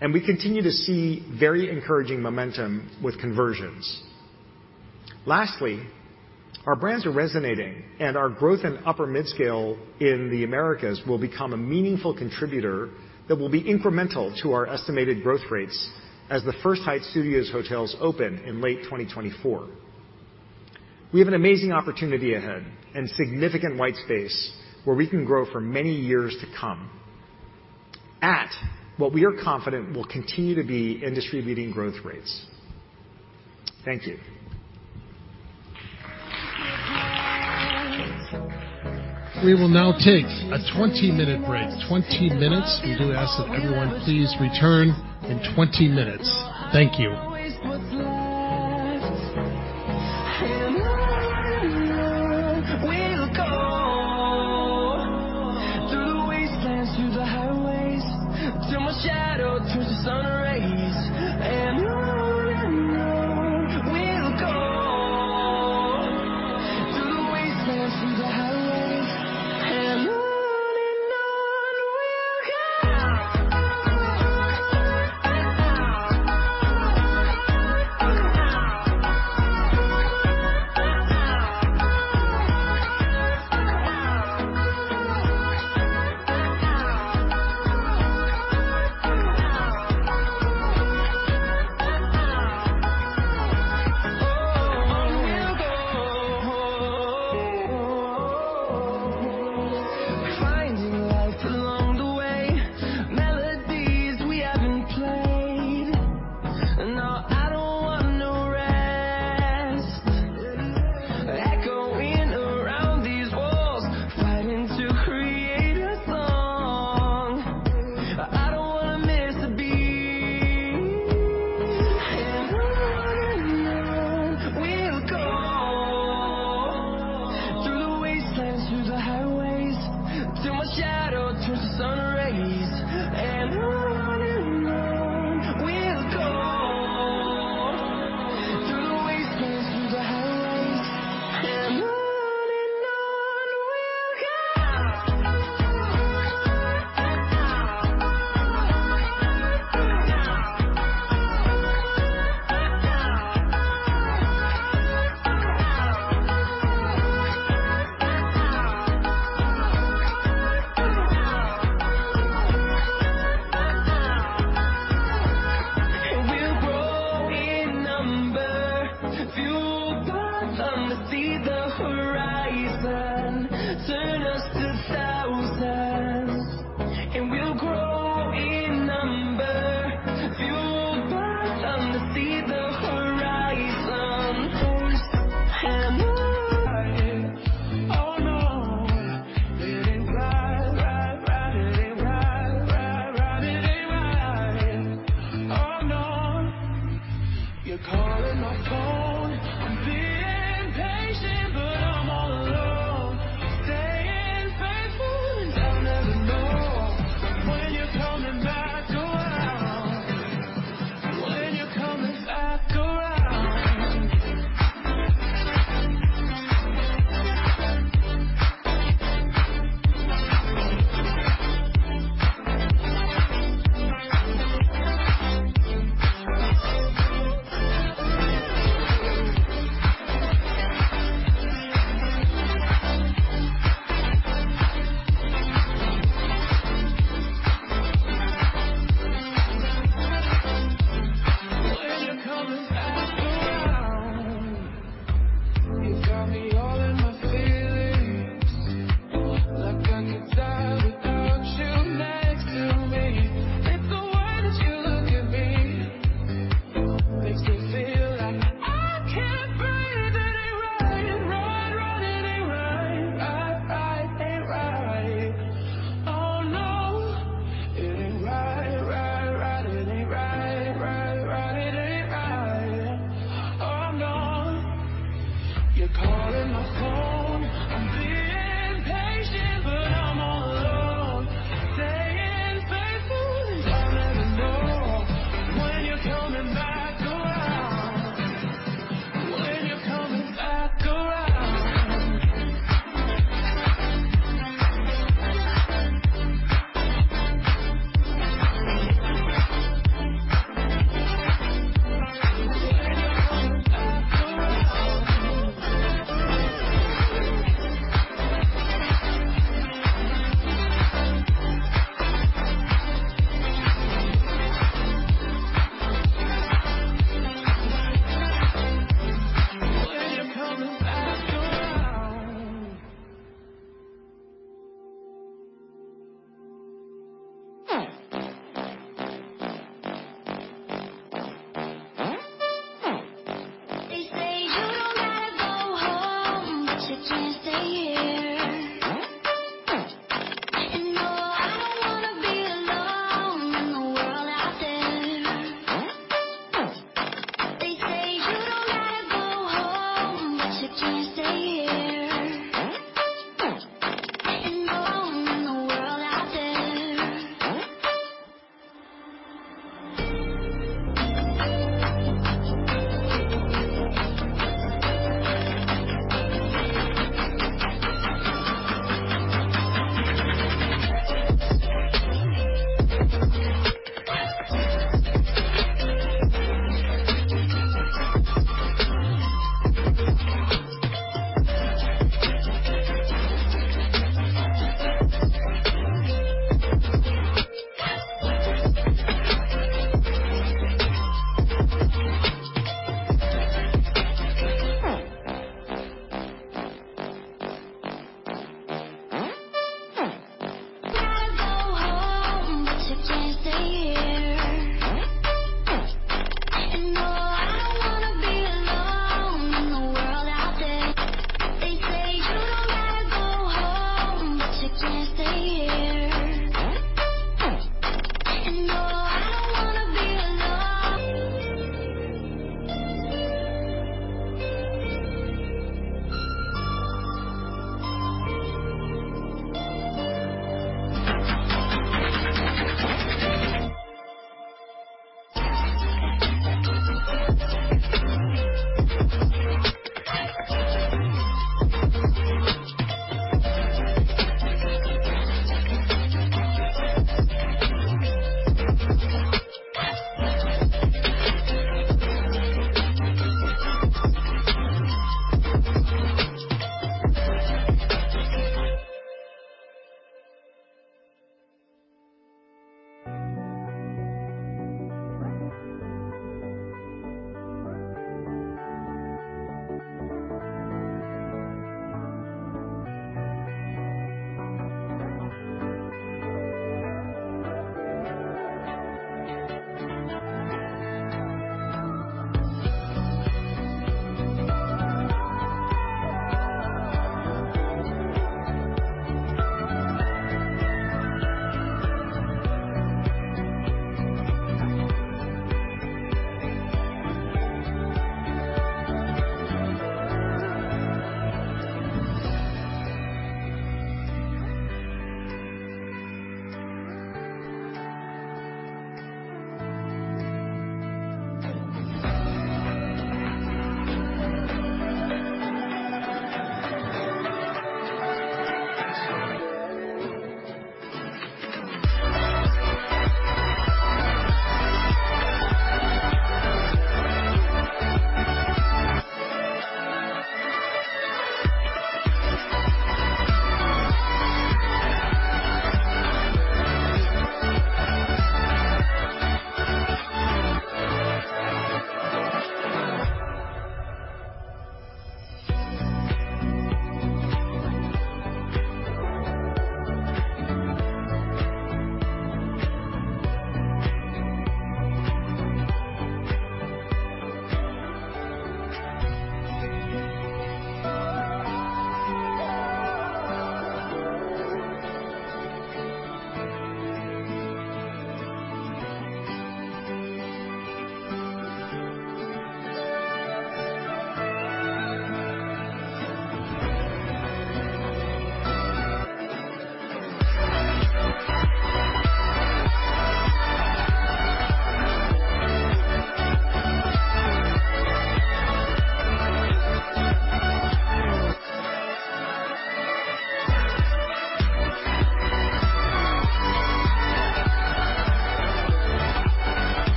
Speaker 2: and we continue to see very encouraging momentum with conversions. Lastly, our brands are resonating and our growth in upper midscale in the Americas will become a meaningful contributor that will be incremental to our estimated growth rates as the first Hyatt Studios hotels open in late 2024. We have an amazing opportunity ahead and significant white space where we can grow for many years to come at what we are confident will continue to be industry-leading growth rates. Thank you.
Speaker 3: We will now take a 20-minute break. 20 minutes. We do ask that everyone please return in 20 minutes. Thank you.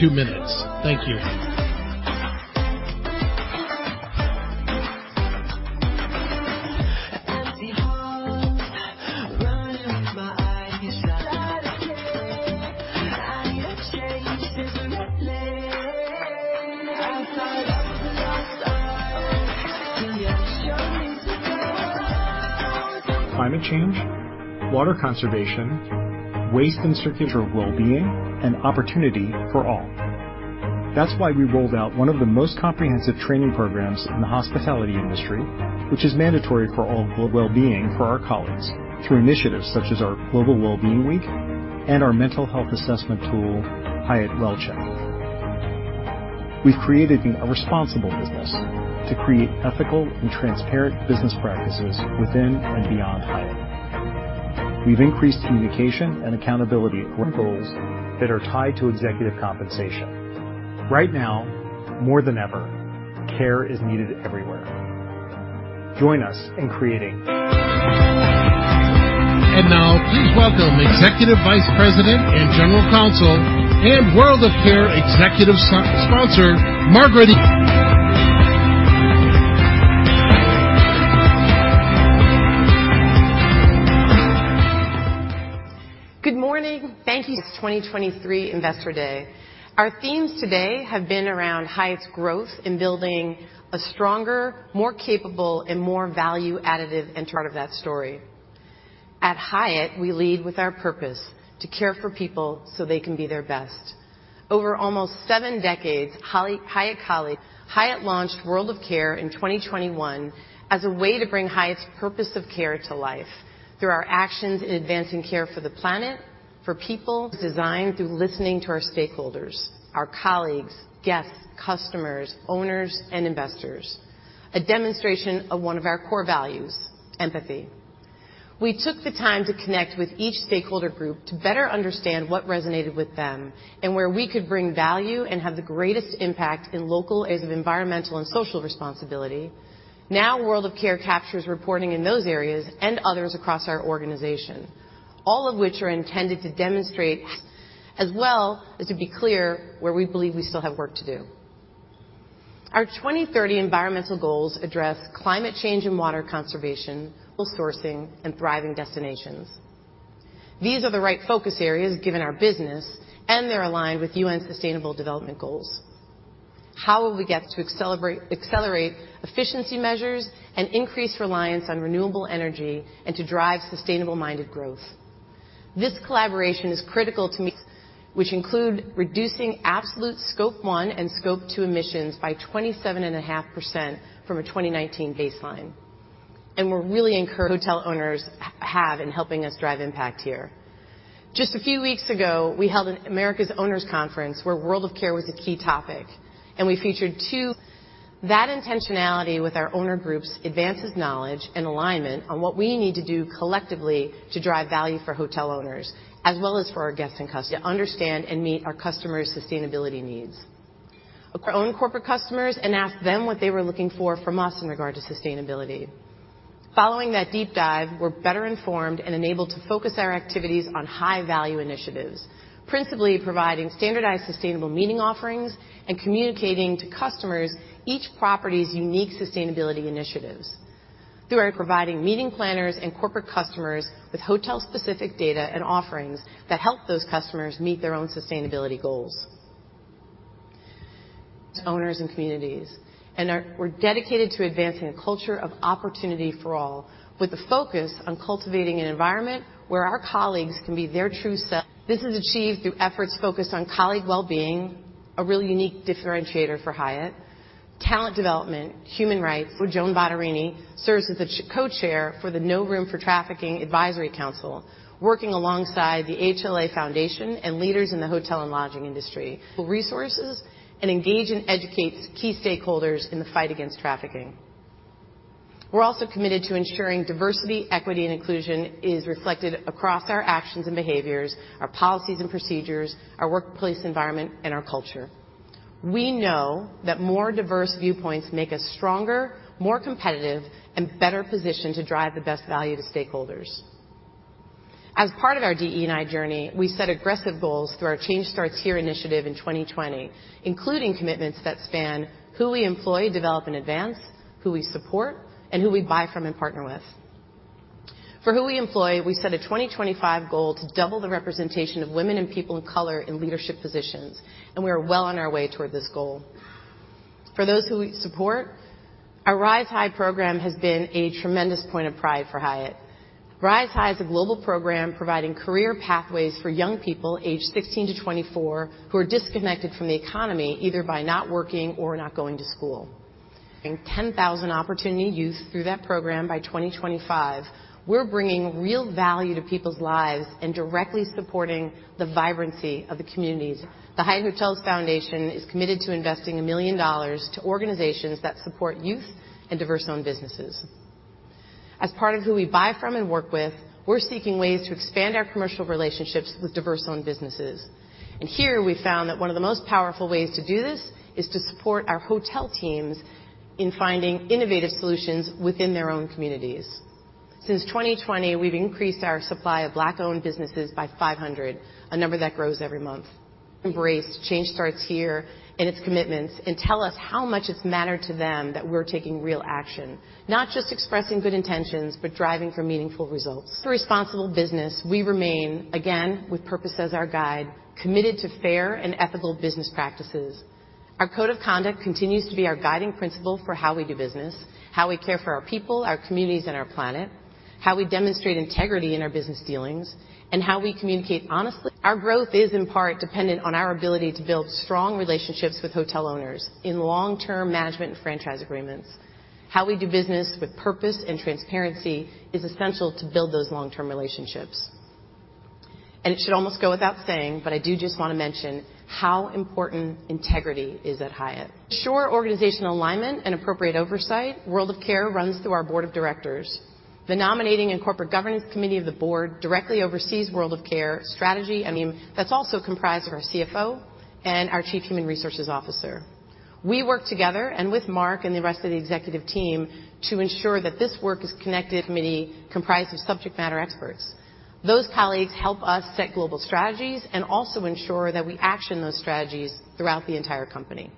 Speaker 3: Convening in two minutes. Thank you.
Speaker 7: Climate change, water conservation, waste and circular wellbeing, and opportunity for all. That's why we rolled out one of the most comprehensive training programs in the hospitality industry, which is mandatory for wellbeing for our colleagues through initiatives such as our Global Wellbeing Week and our mental health assessment tool, Hyatt Well-Check. We've created a responsible business to create ethical and transparent business practices within and beyond Hyatt. We've increased communication and accountability for goals that are tied to executive compensation. Right now, more than ever, care is needed everywhere. Join us in.
Speaker 3: Now please welcome Executive Vice President and General Counsel and World of Care Executive Sponsor, Margaret.
Speaker 8: Good morning. Thank you. Since 2023 Investor Day. Our themes today have been around Hyatt's growth in building a stronger, more capable, and more value additive. Part of that story. At Hyatt, we lead with our purpose to care for people so they can be their best. Over almost seven decades, Hyatt launched World of Care in 2021 as a way to bring Hyatt's purpose of care to life through our actions in advancing care for the planet, for people. Was designed through listening to our stakeholders, our colleagues, guests, customers, owners, and investors. A demonstration of one of our core values, empathy. We took the time to connect with each stakeholder group to better understand what resonated with them and where we could bring value and have the greatest impact in local areas of environmental and social responsibility. World of Care captures reporting in those areas and others across our organization, all of which are intended to demonstrate as well as to be clear where we believe we still have work to do. Our 2030 environmental goals address climate change and water conservation, sourcing, and thriving destinations. These are the right focus areas given our business, they're aligned with UN Sustainable Development Goals. How will we get to accelerate efficiency measures and increase reliance on renewable energy and to drive sustainable-minded growth? This collaboration is critical to me, which include reducing absolute scope one and scope two emissions by 27.5% from a 2019 baseline. We're really encouraged Hotel owners have in helping us drive impact here. Just a few weeks ago, we held an America's Owners Conference, where World of Care was a key topic. That intentionality with our owner groups advances knowledge and alignment on what we need to do collectively to drive value for hotel owners as well as for our guests to understand and meet our customers' sustainability needs. Our own corporate customers and asked them what they were looking for from us in regard to sustainability. Following that deep dive, we're better informed and enabled to focus our activities on high-value initiatives, principally providing standardized sustainable meeting offerings and communicating to customers each property's unique sustainability initiatives through our providing meeting planners and corporate customers with hotel-specific data and offerings that help those customers meet their own sustainability goals. Owners and communities, we're dedicated to advancing a culture of opportunity for all, with a focus on cultivating an environment where our colleagues can be their true selves. This is achieved through efforts focused on colleague wellbeing, a really unique differentiator for Hyatt, talent development, human rights. Joan Bottarini serves as the co-chair for the No Room for Trafficking Advisory Council, working alongside the AHLA Foundation and leaders in the hotel and lodging industry. Resources. Engage and educate key stakeholders in the fight against trafficking. We're also committed to ensuring diversity, equity, and inclusion is reflected across our actions and behaviors, our policies and procedures, our workplace environment, and our culture. We know that more diverse viewpoints make us stronger, more competitive, and better positioned to drive the best value to stakeholders. As part of our DE&I journey, we set aggressive goals through our Change Starts Here initiative in 2020, including commitments that span who we employ, develop, and advance, who we support, and who we buy from and partner with. For who we employ, we set a 2025 goal to double the representation of women and people of color in leadership positions. We are well on our way toward this goal. For those who we support, our RiseHY program has been a tremendous point of pride for Hyatt. RiseHY is a global program providing career pathways for young people aged 16 to 24 who are disconnected from the economy, either by not working or not going to school. In 10,000 opportunity youth through that program by 2025, we're bringing real value to people's lives and directly supporting the vibrancy of the communities. The Hyatt Hotels Foundation is committed to investing $1 million to organizations that support youth and diverse-owned businesses. As part of who we buy from and work with, we're seeking ways to expand our commercial relationships with diverse-owned businesses. Here we found that one of the most powerful ways to do this is to support our hotel teams in finding innovative solutions within their own communities. Since 2020, we've increased our supply of Black-owned businesses by 500, a number that grows every month. Embraced Change Starts Here and its commitments, and tell us how much it's mattered to them that we're taking real action. Not just expressing good intentions, but driving for meaningful results. For responsible business, we remain, again, with purpose as our guide, committed to fair and ethical business practices. Our code of conduct continues to be our guiding principle for how we do business, how we care for our people, our communities, and our planet, how we demonstrate integrity in our business dealings, and how we communicate honestly. Our growth is in part dependent on our ability to build strong relationships with hotel owners in long-term management and franchise agreements. How we do business with purpose and transparency is essential to build those long-term relationships. It should almost go without saying, but I do just want to mention how important integrity is at Hyatt. Sure, organizational alignment and appropriate oversight. World of Care runs through our board of directors. The Nominating and Corporate Governance Committee of the Board directly oversees World of Care strategy. I mean, that's also comprised of our CFO and our chief human resources officer. We work together and with Mark and the rest of the executive team to ensure that this work is connected. Many comprised of subject matter experts. Those colleagues help us set global strategies and also ensure that we action those strategies throughout the entire company.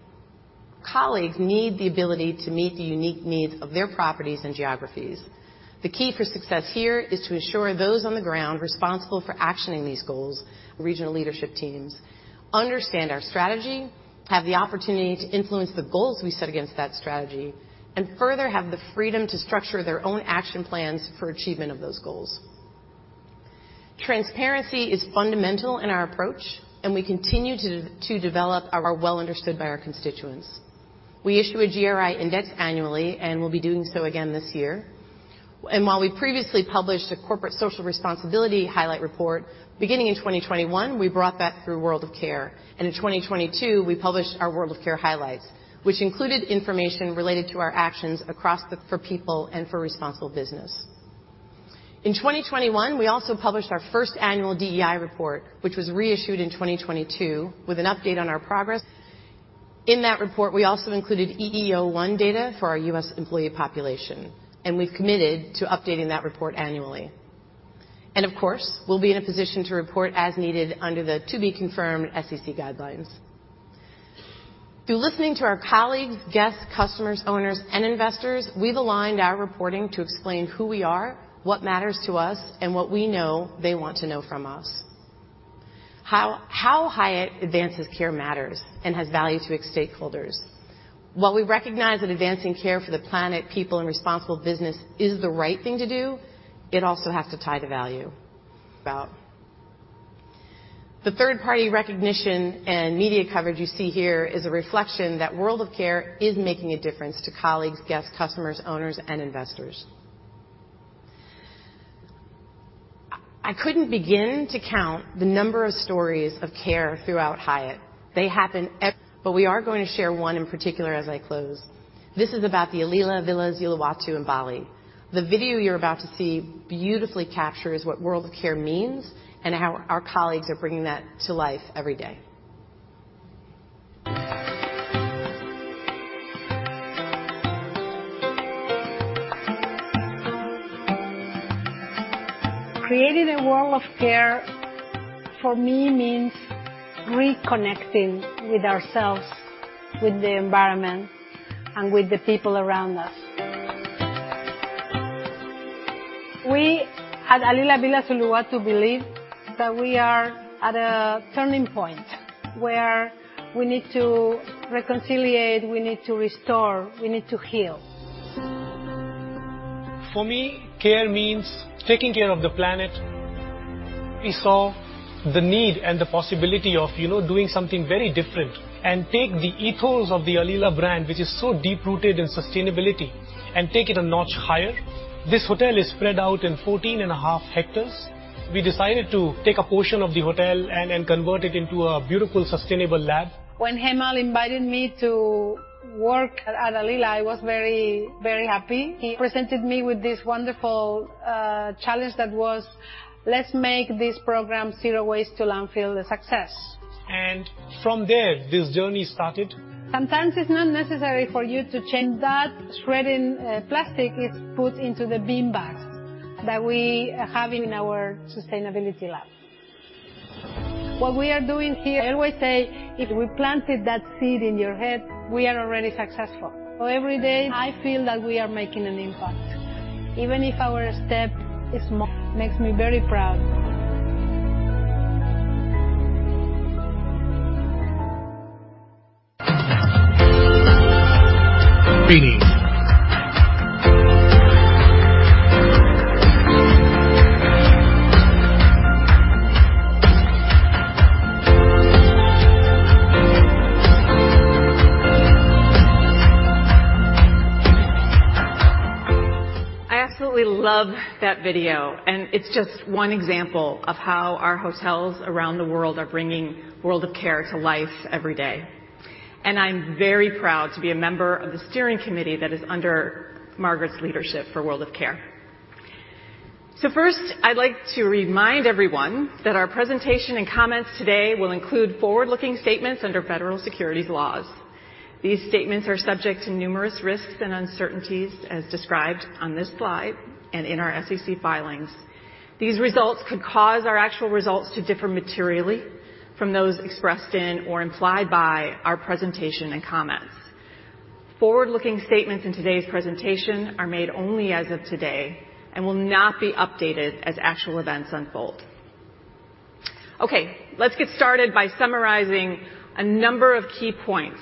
Speaker 8: Colleagues need the ability to meet the unique needs of their properties and geographies. The key for success here is to ensure those on the ground responsible for actioning these goals, regional leadership teams, understand our strategy, have the opportunity to influence the goals we set against that strategy, and further have the freedom to structure their own action plans for achievement of those goals. Transparency is fundamental in our approach, we continue to develop our well understood by our constituents. We issue a GRI Index annually, and we'll be doing so again this year. While we previously published a corporate social responsibility highlight report, beginning in 2021, we brought that through World of Care. In 2022, we published our World of Care highlights, which included information related to our actions across for people and for responsible business. In 2021, we also published our first annual DEI report, which was reissued in 2022 with an update on our progress. In that report, we also included EEO-1 data for our US employee population, and we've committed to updating that report annually. Of course, we'll be in a position to report as needed under the to-be-confirmed SEC guidelines. Through listening to our colleagues, guests, customers, owners, and investors, we've aligned our reporting to explain who we are, what matters to us, and what we know they want to know from us. How Hyatt advances care matters and has value to its stakeholders. While we recognize that advancing care for the planet, people, and responsible business is the right thing to do, it also has to tie to value. The third-party recognition and media coverage you see here is a reflection that World of Care is making a difference to colleagues, guests, customers, owners, and investors. I couldn't begin to count the number of stories of care throughout Hyatt. We are going to share one in particular as I close. This is about the Alila Villas Uluwatu in Bali. The video you're about to see beautifully captures what World of Care means and how our colleagues are bringing that to life every day.
Speaker 7: Creating a World of Care for me means reconnecting with ourselves, with the environment, and with the people around us. We at Alila Villas Uluwatu believe that we are at a turning point where we need to reconciliate, we need to restore, we need to heal. For me, care means taking care of the planet. We saw the need and the possibility of, you know, doing something very different and take the ethos of the Alila brand, which is so deep-rooted in sustainability, and take it a notch higher. This hotel is spread out in 14 and a half hectares. We decided to take a portion of the hotel and convert it into a beautiful, sustainable lab. When Hemal invited me to work at Alila, I was very happy. He presented me with this wonderful challenge that was, "Let's make this program Zero Waste to Landfill a success. From there, this journey started. Sometimes it's not necessary for you to change that. Shredded plastic is put into the bean bags that we have in our sustainability lab. What we are doing here, I always say if we planted that seed in your head, we are already successful. Every day, I feel that we are making an impact. Even if our step is small, makes me very proud.
Speaker 9: I absolutely love that video. It's just one example of how our hotels around the world are bringing World of Care to life every day. I'm very proud to be a member of the steering committee that is under Margaret's leadership for World of Care. First, I'd like to remind everyone that our presentation and comments today will include forward-looking statements under federal securities laws. These statements are subject to numerous risks and uncertainties, as described on this slide and in our SEC filings. These results could cause our actual results to differ materially from those expressed in or implied by our presentation and comments. Forward-looking statements in today's presentation are made only as of today and will not be updated as actual events unfold. Okay, let's get started by summarizing a number of key points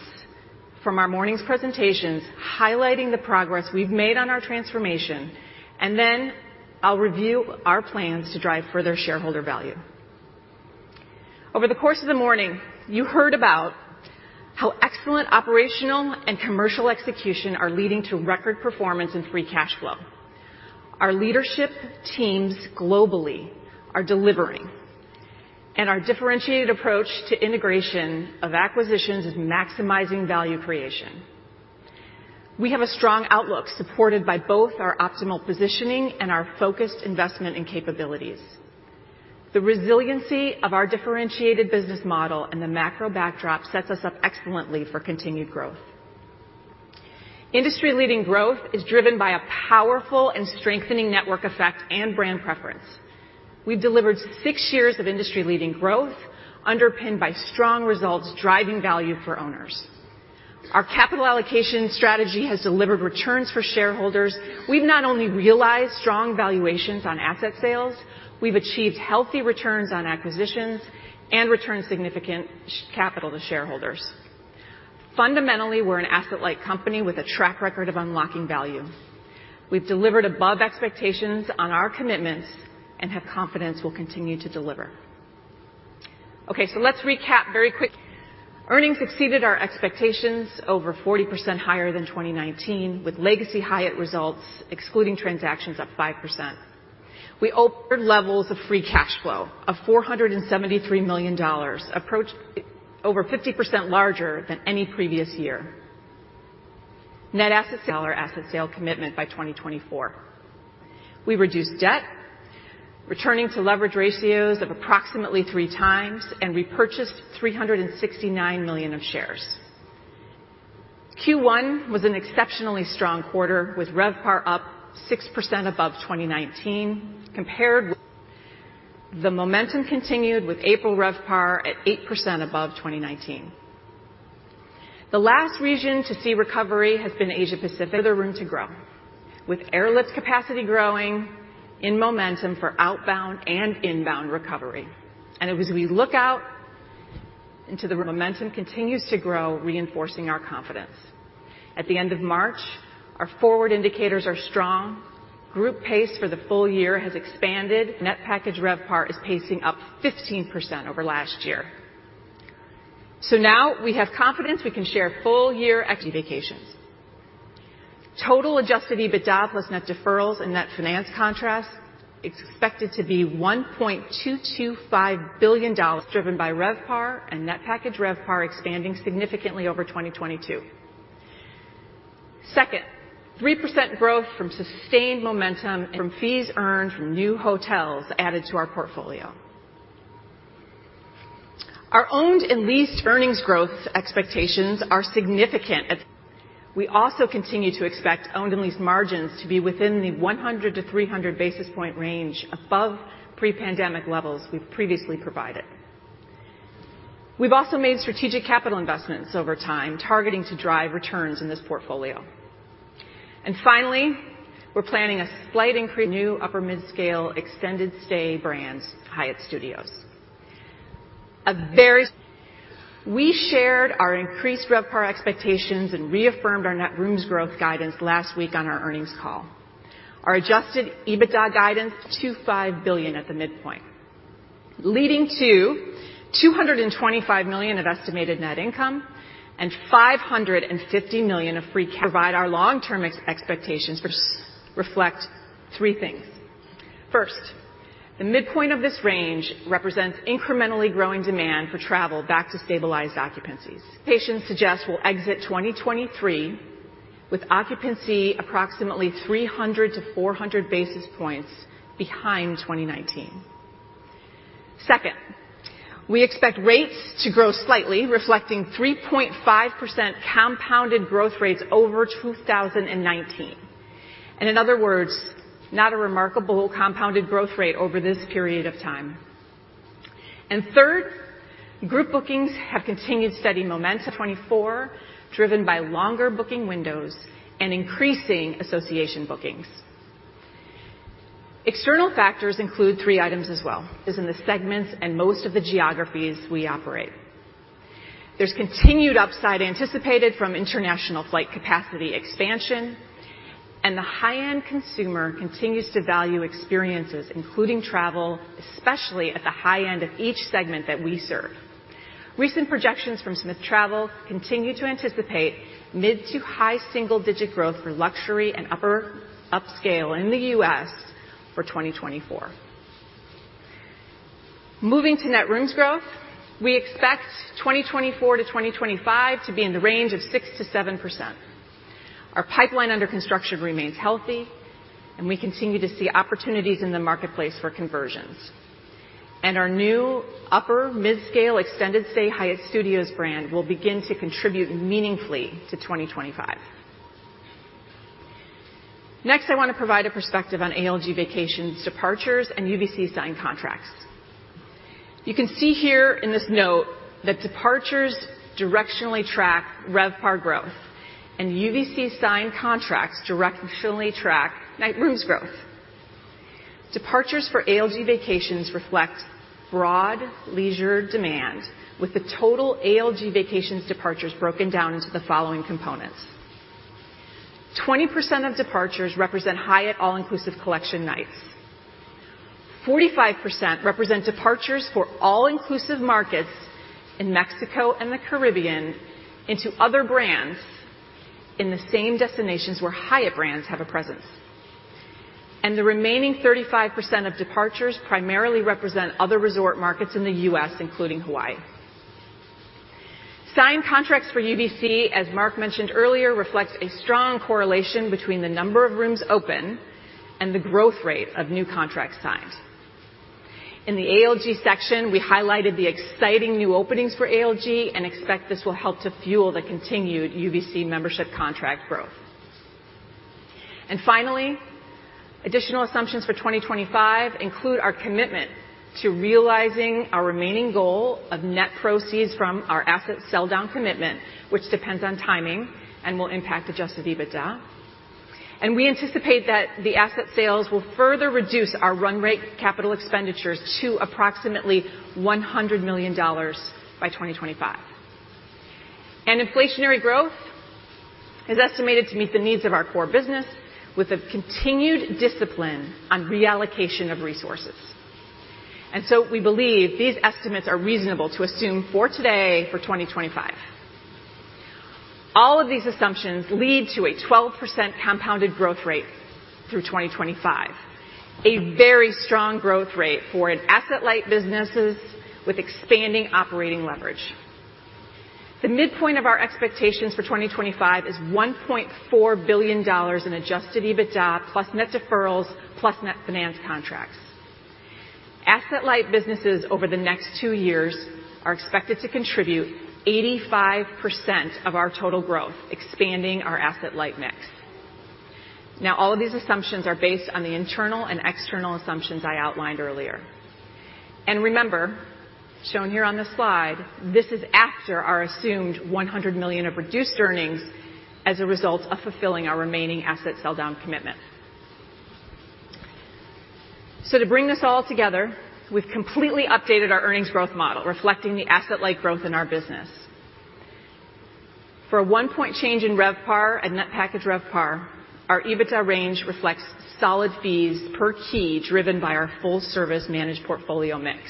Speaker 9: from our morning's presentations, highlighting the progress we've made on our transformation, and then I'll review our plans to drive further shareholder value. Over the course of the morning, you heard about how excellent operational and commercial execution are leading to record performance in free cash flow. Our leadership teams globally are delivering, and our differentiated approach to integration of acquisitions is maximizing value creation. We have a strong outlook supported by both our optimal positioning and our focused investment and capabilities. The resiliency of our differentiated business model and the macro backdrop sets us up excellently for continued growth. Industry-leading growth is driven by a powerful and strengthening network effect and brand preference. We've delivered six years of industry-leading growth, underpinned by strong results driving value for owners. Our capital allocation strategy has delivered returns for shareholders. We've not only realized strong valuations on asset sales, we've achieved healthy returns on acquisitions and returned significant capital to shareholders. Fundamentally, we're an asset-light company with a track record of unlocking value. We've delivered above expectations on our commitments and have confidence we'll continue to deliver. Okay, let's recap very quickly. Earnings exceeded our expectations over 40% higher than 2019, with Legacy Hyatt results excluding transactions up 5%. We offered levels of free cash flow of $473 million, over 50% larger than any previous year. Net asset sale or asset sale commitment by 2024. We reduced debt, returning to leverage ratios of approximately 3 times and repurchased $369 million of shares. Q1 was an exceptionally strong quarter, with RevPAR up 6% above 2019. The momentum continued with April RevPAR at 8% above 2019. The last region to see recovery has been Asia-Pacific. Further room to grow. With airlift capacity growing in momentum for outbound and inbound recovery. Momentum continues to grow, reinforcing our confidence. At the end of March, our forward indicators are strong. Group pace for the full year has expanded. Net Package RevPAR is pacing up 15% over last year. Now we have confidence we can share full year active vacations. Total Adjusted EBITDA plus net deferrals and net finance contracts expected to be $1.225 billion, driven by RevPAR and Net Package RevPAR expanding significantly over 2022. Second, 3% growth from sustained momentum from fees earned from new hotels added to our portfolio. Our owned and leased earnings growth expectations are significant. We also continue to expect owned and leased margins to be within the 100 to 300 basis point range above pre-pandemic levels we've previously provided. We've also made strategic capital investments over time, targeting to drive returns in this portfolio. Finally, we're planning a slight increase, new upper midscale extended stay brands, Hyatt Studios. We shared our increased RevPAR expectations and reaffirmed our net rooms growth guidance last week on our earnings call. Our Adjusted EBITDA guidance, $2.5 billion at the midpoint, leading to $225 million of estimated net income and $550 million of free cash. Provide our long-term expectations, which reflect three things. First, the midpoint of this range represents incrementally growing demand for travel back to stabilized occupancies. Patients suggest we'll exit 2023 with occupancy approximately 300-400 basis points behind 2019. Second, we expect rates to grow slightly, reflecting 3.5% compounded growth rates over 2019. In other words, not a remarkable compounded growth rate over this period of time. Third, group bookings have continued steady momentum 2024, driven by longer booking windows and increasing association bookings. External factors include three items as well: is in the segments and most of the geographies we operate. There's continued upside anticipated from international flight capacity expansion. The high-end consumer continues to value experiences, including travel, especially at the high-end of each segment that we serve. Recent projections from STR continue to anticipate mid-to-high single-digit growth for luxury and upper upscale in the U.S. for 2024. Moving to net rooms growth. We expect 2024 to 2025 to be in the range of 6%-7%. Our pipeline under construction remains healthy, and we continue to see opportunities in the marketplace for conversions. Our new upper midscale extended stay Hyatt Studios brand will begin to contribute meaningfully to 2025. Next, I want to provide a perspective on ALG Vacations departures and UVC signed contracts. You can see here in this note that departures directionally track RevPAR growth and UVC signed contracts directionally track net rooms growth. Departures for ALG Vacations reflect broad leisure demand with the total ALG Vacations departures broken down into the following components. 20% of departures represent Hyatt All-Inclusive Collection nights. 45% represent departures for all-inclusive markets in Mexico and the Caribbean into other brands in the same destinations where Hyatt brands have a presence. The remaining 35% of departures primarily represent other resort markets in the U.S., including Hawaii. Signed contracts for UVC, as Mark mentioned earlier, reflects a strong correlation between the number of rooms open and the growth rate of new contracts signed. In the ALG section, we highlighted the exciting new openings for ALG and expect this will help to fuel the continued UVC membership contract growth. Finally, additional assumptions for 2025 include our commitment to realizing our remaining goal of net proceeds from our asset sell down commitment, which depends on timing and will impact Adjusted EBITDA. We anticipate that the asset sales will further reduce our run rate capital expenditures to approximately $100 million by 2025. Inflationary growth is estimated to meet the needs of our core business with a continued discipline on reallocation of resources. We believe these estimates are reasonable to assume for today for 2025. All of these assumptions lead to a 12% compounded growth rate through 2025, a very strong growth rate for an asset-light businesses with expanding operating leverage. The midpoint of our expectations for 2025 is $1.4 billion in Adjusted EBITDA plus net deferrals plus net finance contracts. Asset-light businesses over the next 2 years are expected to contribute 85% of our total growth, expanding our asset-light mix. Now, all of these assumptions are based on the internal and external assumptions I outlined earlier. Remember, shown here on this slide, this is after our assumed $100 million of reduced earnings as a result of fulfilling our remaining asset sell down commitment. To bring this all together, we've completely updated our earnings growth model, reflecting the asset-light growth in our business. For a 1-point change in RevPAR and Net Package RevPAR, our EBITDA range reflects solid fees per key, driven by our full service managed portfolio mix.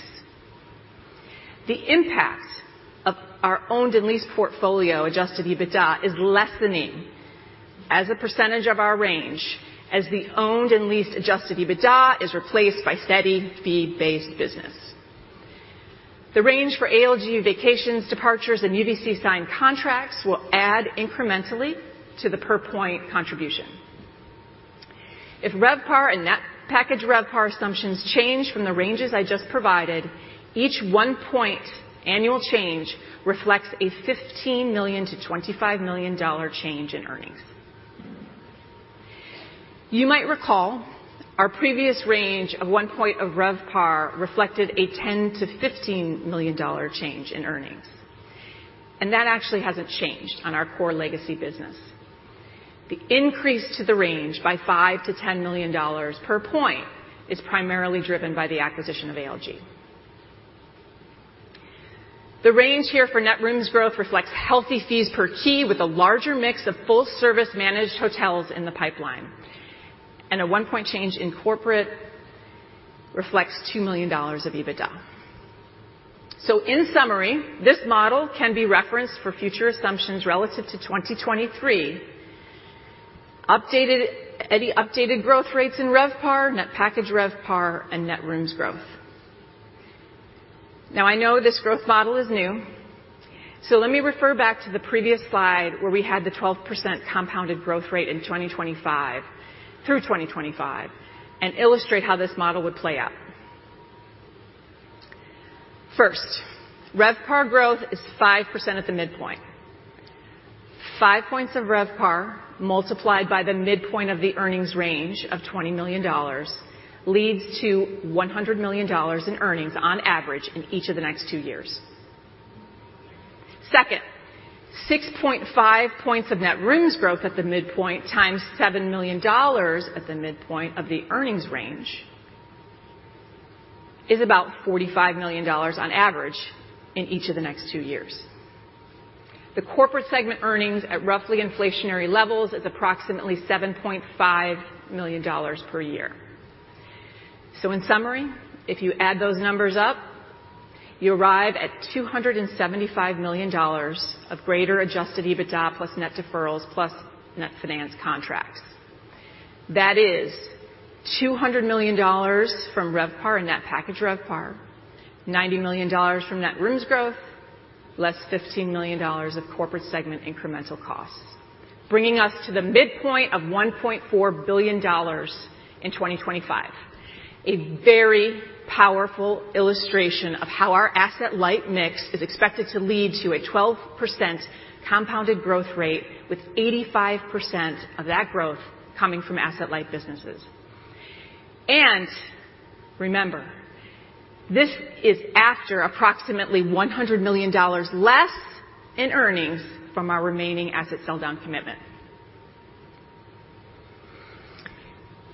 Speaker 9: The impact of our owned and leased portfolio Adjusted EBITDA is lessening as a percentage of our range as the owned and leased Adjusted EBITDA is replaced by steady fee-based business. The range for ALG Vacations departures and UVC signed contracts will add incrementally to the per-point contribution. If RevPAR and net package RevPAR assumptions change from the ranges I just provided, each one point annual change reflects a $15 million-$25 million change in earnings. You might recall our previous range of one point of RevPAR reflected a $10 million-$15 million change in earnings, and that actually hasn't changed on our core legacy business. The increase to the range by $5 million-$10 million per point is primarily driven by the acquisition of ALG. The range here for net rooms growth reflects healthy fees per key with a larger mix of full service managed hotels in the pipeline. A one-point change in corporate reflects $2 million of EBITDA. In summary, this model can be referenced for future assumptions relative to 2023. Any updated growth rates in RevPAR, net package RevPAR, and net rooms growth. Now I know this growth model is new, so let me refer back to the previous slide where we had the 12% compounded growth rate in 2025 through 2025 and illustrate how this model would play out. First, RevPAR growth is 5% at the midpoint. 5 points of RevPAR multiplied by the midpoint of the earnings range of $20 million leads to $100 million in earnings on average in each of the next two years. Second, 6.5 points of net rooms growth at the midpoint times $7 million at the midpoint of the earnings range is about $45 million on average in each of the next two years. The corporate segment earnings at roughly inflationary levels is approximately $7.5 million per year. In summary, if you add those numbers up, you arrive at $275 million of greater Adjusted EBITDA plus net deferrals plus net finance contracts. That is $200 million from RevPAR and net package RevPAR, $90 million from net rooms growth, less $15 million of corporate segment incremental costs, bringing us to the midpoint of $1.4 billion in 2025. A very powerful illustration of how our asset-light mix is expected to lead to a 12% compounded growth rate, with 85% of that growth coming from asset-light businesses. Remember, this is after approximately $100 million less in earnings from our remaining asset sell down commitment.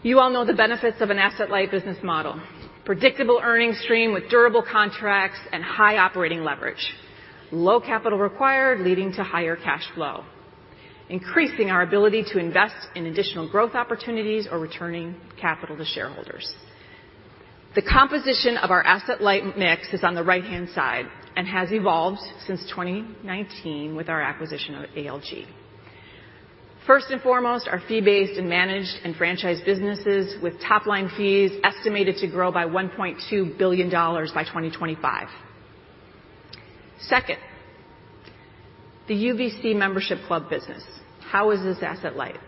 Speaker 9: You all know the benefits of an asset-light business model. Predictable earnings stream with durable contracts and high operating leverage. Low capital required, leading to higher cash flow, increasing our ability to invest in additional growth opportunities or returning capital to shareholders. The composition of our asset-light mix is on the right-hand side and has evolved since 2019 with our acquisition of ALG. First and foremost are fee-based and managed and franchised businesses with top-line fees estimated to grow by $1.2 billion by 2025. Second, the UVC Membership Club business. How is this asset-light?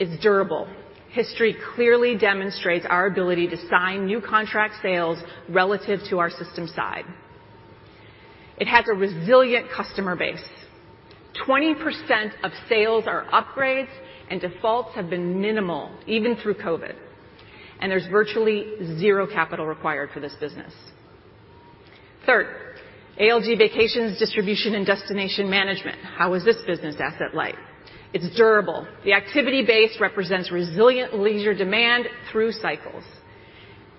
Speaker 9: It's durable. History clearly demonstrates our ability to sign new contract sales relative to our system side. It has a resilient customer base. 20% of sales are upgrades, and defaults have been minimal even through Covid, and there's virtually zero capital required for this business. Third, ALG Vacations Distribution and Destination Management. How is this business asset-light? It's durable. The activity base represents resilient leisure demand through cycles,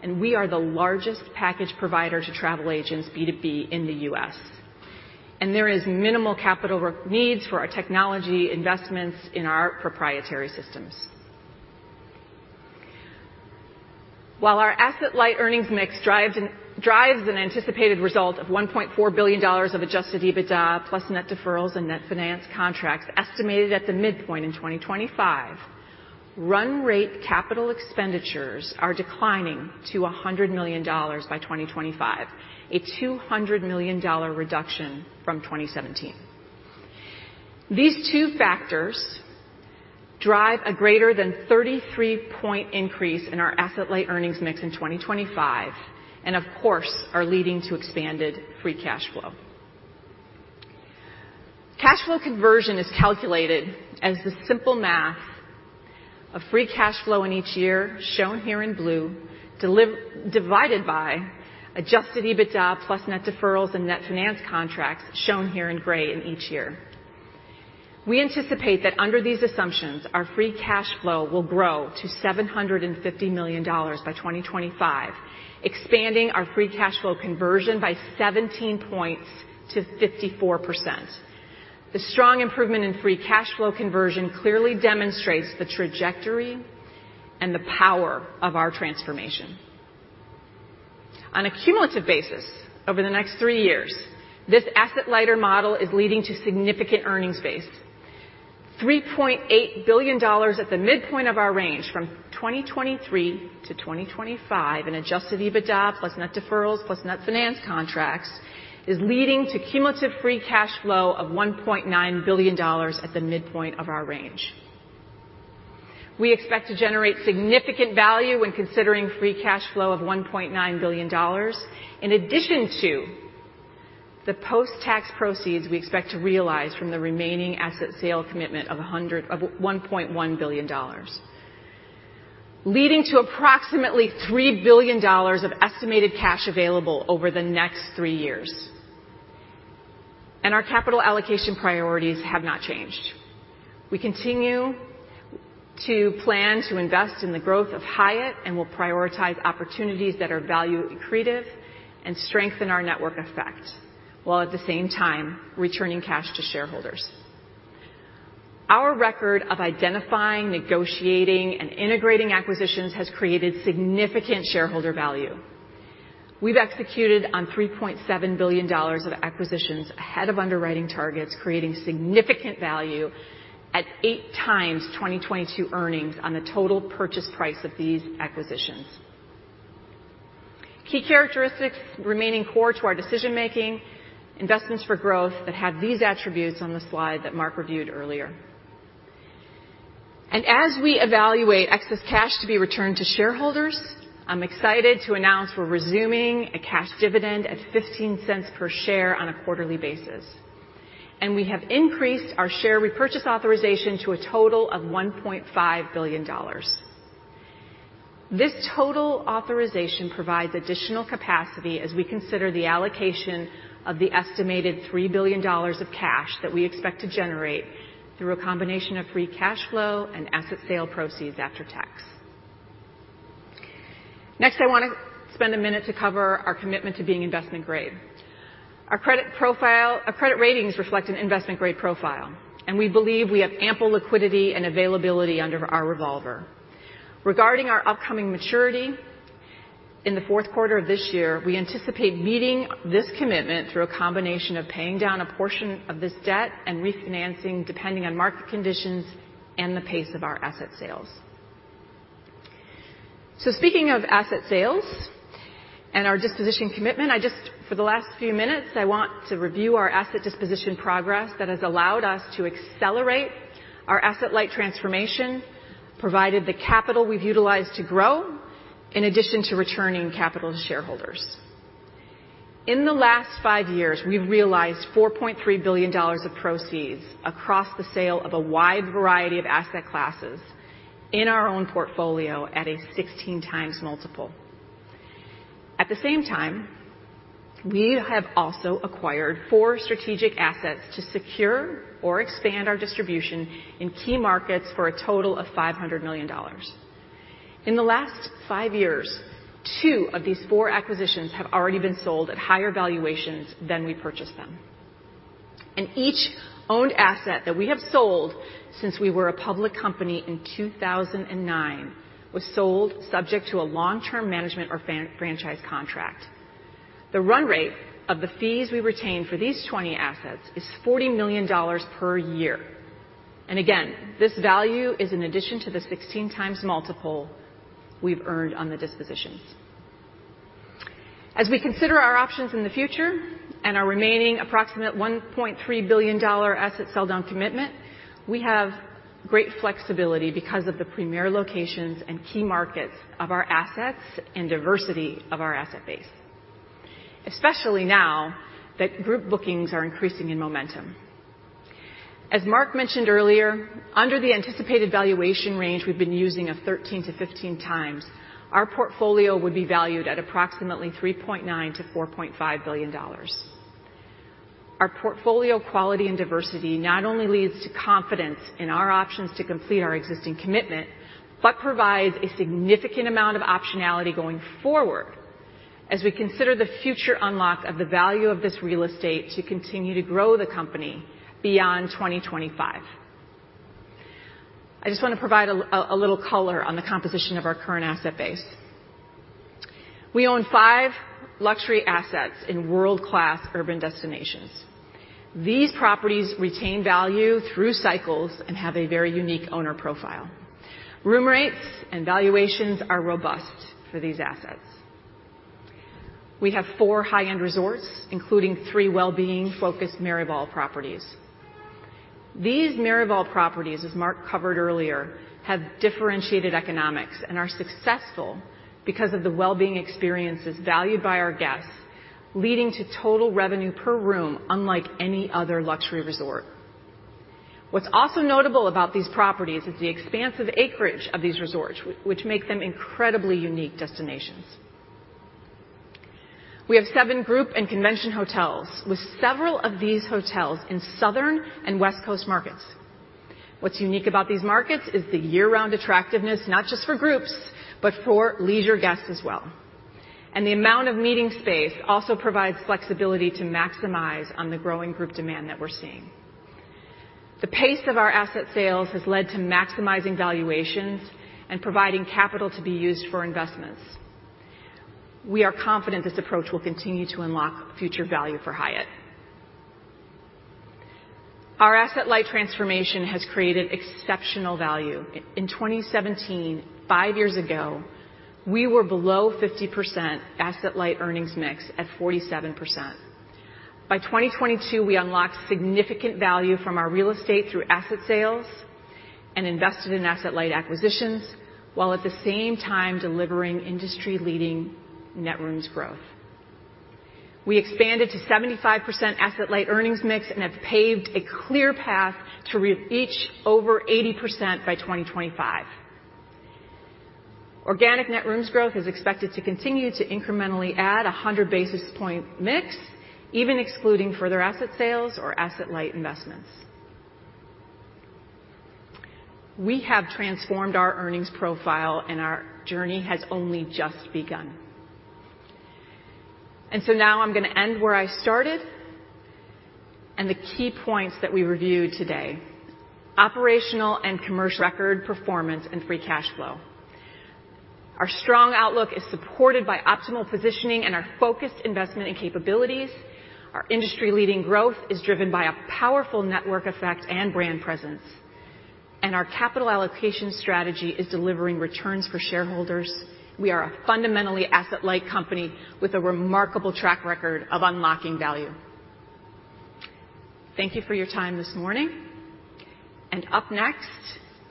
Speaker 9: and we are the largest package provider to travel agents B2B in the U.S. There is minimal capital needs for our technology investments in our proprietary systems. While our asset-light earnings mix drives an anticipated result of $1.4 billion of Adjusted EBITDA plus net deferrals and net finance contracts estimated at the midpoint in 2025. Run rate capital expenditures are declining to $100 million by 2025, a $200 million reduction from 2017. These two factors drive a greater than 33-point increase in our asset-light earnings mix in 2025, and of course, are leading to expanded free cash flow. Cash flow conversion is calculated as the simple math of free cash flow in each year, shown here in blue, divided by Adjusted EBITDA plus net deferrals and net finance contracts, shown here in gray in each year. We anticipate that under these assumptions, our free cash flow will grow to $750 million by 2025, expanding our free cash flow conversion by 17 points to 54%. The strong improvement in free cash flow conversion clearly demonstrates the trajectory and the power of our transformation. On a cumulative basis over the next three years, this asset-lighter model is leading to significant earnings base. $3.8 billion at the midpoint of our range from 2023 to 2025 in Adjusted EBITDA plus net deferrals plus net finance contracts is leading to cumulative free cash flow of $1.9 billion at the midpoint of our range. We expect to generate significant value when considering free cash flow of $1.9 billion in addition to the post-tax proceeds we expect to realize from the remaining asset sale commitment of $1.1 billion, leading to approximately $3 billion of estimated cash available over the next three years. Our capital allocation priorities have not changed. We continue to plan to invest in the growth of Hyatt, we'll prioritize opportunities that are value accretive and strengthen our network effect, while at the same time returning cash to shareholders. Our record of identifying, negotiating, and integrating acquisitions has created significant shareholder value. We've executed on $3.7 billion of acquisitions ahead of underwriting targets, creating significant value at 8x 2022 earnings on the total purchase price of these acquisitions. Key characteristics remaining core to our decision-making, investments for growth that have these attributes on the slide that Mark reviewed earlier. As we evaluate excess cash to be returned to shareholders, I'm excited to announce we're resuming a cash dividend at $0.15 per share on a quarterly basis. We have increased our share repurchase authorization to a total of $1.5 billion. This total authorization provides additional capacity as we consider the allocation of the estimated $3 billion of cash that we expect to generate through a combination of free cash flow and asset sale proceeds after tax. Next, I want to spend a minute to cover our commitment to being investment-grade. Our credit ratings reflect an investment-grade profile, and we believe we have ample liquidity and availability under our revolver. Regarding our upcoming maturity in the Q4 of this year, we anticipate meeting this commitment through a combination of paying down a portion of this debt and refinancing depending on market conditions and the pace of our asset sales. Speaking of asset sales and our disposition commitment, for the last few minutes, I want to review our asset disposition progress that has allowed us to accelerate our asset-light transformation, provided the capital we've utilized to grow in addition to returning capital to shareholders. In the last five years, we've realized $4.3 billion of proceeds across the sale of a wide variety of asset classes in our own portfolio at a 16x multiple. At the same time, we have also acquired four strategic assets to secure or expand our distribution in key markets for a total of $500 million. In the last five years, two of these four acquisitions have already been sold at higher valuations than we purchased them. Each owned asset that we have sold since we were a public company in 2009 was sold subject to a long-term management or franchise contract. The run rate of the fees we retain for these 20 assets is $40 million per year. Again, this value is in addition to the 16x multiple we've earned on the dispositions. As we consider our options in the future and our remaining approximate $1.3 billion asset sell-down commitment, we have great flexibility because of the premier locations and key markets of our assets and diversity of our asset base, especially now that group bookings are increasing in momentum. As Mark mentioned earlier, under the anticipated valuation range we've been using of 13 to 15 times, our portfolio would be valued at approximately $3.9 billion-$4.5 billion. Our portfolio quality and diversity not only leads to confidence in our options to complete our existing commitment, but provides a significant amount of optionality going forward as we consider the future unlock of the value of this real estate to continue to grow the company beyond 2025. I just want to provide a little color on the composition of our current asset base. We own 5 luxury assets in world-class urban destinations. These properties retain value through cycles and have a very unique owner profile. Room rates and valuations are robust for these assets. We have 4 high-end resorts, including 3 well-being focused Miraval properties. These Miraval properties, as Mark covered earlier, have differentiated economics and are successful because of the well-being experiences valued by our guests, leading to total revenue per room unlike any other luxury resort. What's also notable about these properties is the expansive acreage of these resorts, which make them incredibly unique destinations. We have 7 group and convention hotels, with several of these hotels in Southern and West Coast markets. What's unique about these markets is the year-round attractiveness, not just for groups, but for leisure guests as well. The amount of meeting space also provides flexibility to maximize on the growing group demand that we're seeing. The pace of our asset sales has led to maximizing valuations and providing capital to be used for investments. We are confident this approach will continue to unlock future value for Hyatt. Our asset-light transformation has created exceptional value. In 2017, five years ago, we were below 50% asset-light earnings mix at 47%. By 2022, we unlocked significant value from our real estate through asset sales and invested in asset-light acquisitions while at the same time delivering industry-leading net rooms growth. We expanded to 75% asset-light earnings mix and have paved a clear path to reach over 80% by 2025. Organic net rooms growth is expected to continue to incrementally add 100 basis point mix, even excluding further asset sales or asset-light investments. We have transformed our earnings profile, and our journey has only just begun. Now I'm going to end where I started and the key points that we reviewed today. Operational and commercial record performance and free cash flow. Our strong outlook is supported by optimal positioning and our focused investment and capabilities. Our industry-leading growth is driven by a powerful network effect and brand presence. Our capital allocation strategy is delivering returns for shareholders. We are a fundamentally asset-light company with a remarkable track record of unlocking value. Thank you for your time this morning. Up next,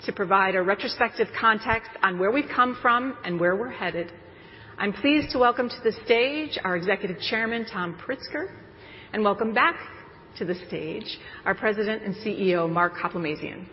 Speaker 9: to provide a retrospective context on where we've come from and where we're headed, I'm pleased to welcome to the stage our Executive Chairman, Tom Pritzker, and welcome back to the stage our President and CEO, Mark Hoplamazian.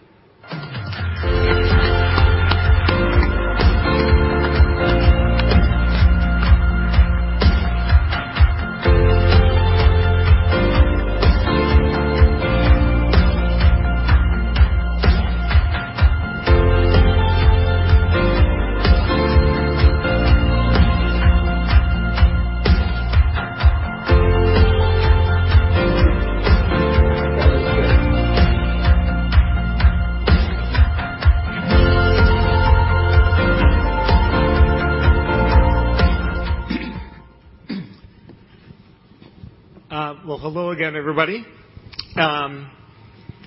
Speaker 2: Well, hello again, everybody.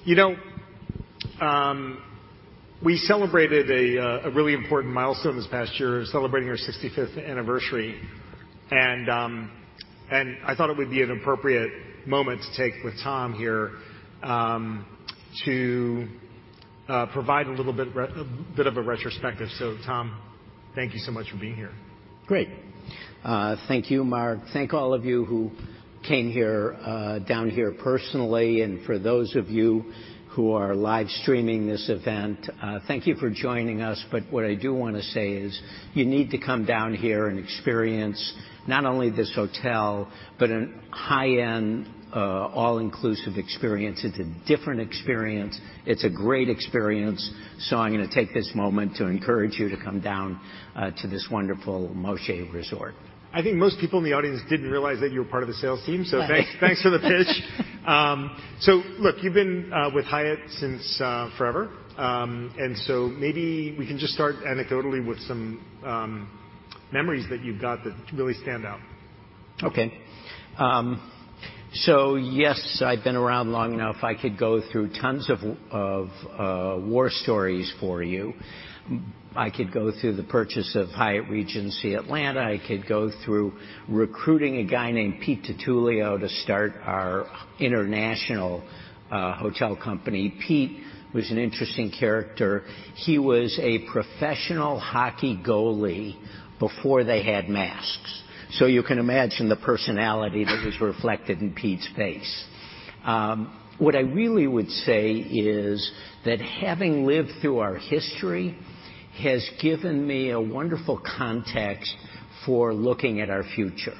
Speaker 2: You know, we celebrated a really important milestone this past year, celebrating our 65th anniversary. I thought it would be an appropriate moment to take with Tom here, to provide a bit of a retrospective. Tom, thank you so much for being here.
Speaker 10: Great. Thank you, Mark. Thank all of you who came here, down here personally, and for those of you who are live streaming this event, thank you for joining us. What I do wanna say is, you need to come down here and experience not only this hotel but a high-end, all-inclusive experience. It's a different experience. It's a great experience. I'm gonna take this moment to encourage you to come down, to this wonderful Moxché Resort.
Speaker 2: I think most people in the audience didn't realize that you were part of the sales team. Thanks for the pitch. Look, you've been with Hyatt since forever. Maybe we can just start anecdotally with some memories that you've got that really stand out.
Speaker 10: Okay. Yes, I've been around long enough. I could go through tons of war stories for you. I could go through the purchase of Hyatt Regency Atlanta. I could go through recruiting a guy named Peter Fulton to start our international hotel company. Pete was an interesting character. He was a professional hockey goalie before they had masks. You can imagine the personality that was reflected in Pete's face. What I really would say is that having lived through our history has given me a wonderful context for looking at our future.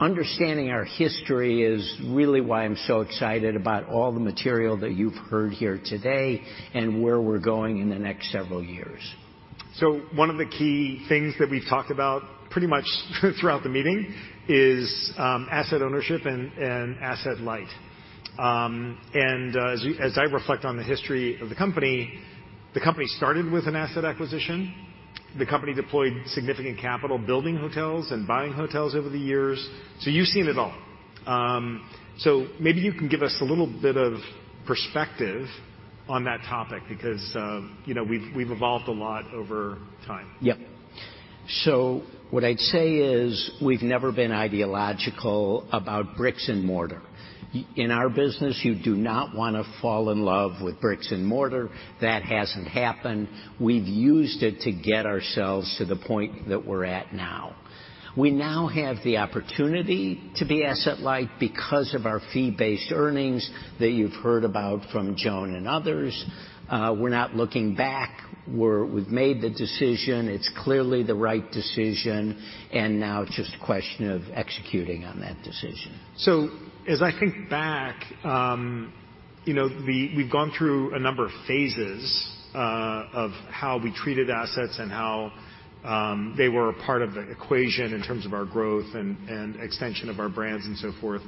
Speaker 10: Understanding our history is really why I'm so excited about all the material that you've heard here today and where we're going in the next several years.
Speaker 2: One of the key things that we've talked about pretty much throughout the meeting is asset ownership and asset light. As I reflect on the history of the company, the company started with an asset acquisition. The company deployed significant capital building hotels and buying hotels over the years. You've seen it all. Maybe you can give us a little bit of perspective on that topic because, you know, we've evolved a lot over time.
Speaker 10: What I'd say is we've never been ideological about bricks and mortar. In our business, you do not wanna fall in love with bricks and mortar. That hasn't happened. We've used it to get ourselves to the point that we're at now. We now have the opportunity to be asset-light because of our fee-based earnings that you've heard about from Joan and others. We're not looking back. We've made the decision. It's clearly the right decision, and now it's just a question of executing on that decision.
Speaker 2: As I think back, you know, we've gone through a number of phases of how we treated assets and how they were a part of the equation in terms of our growth and extension of our brands and so forth.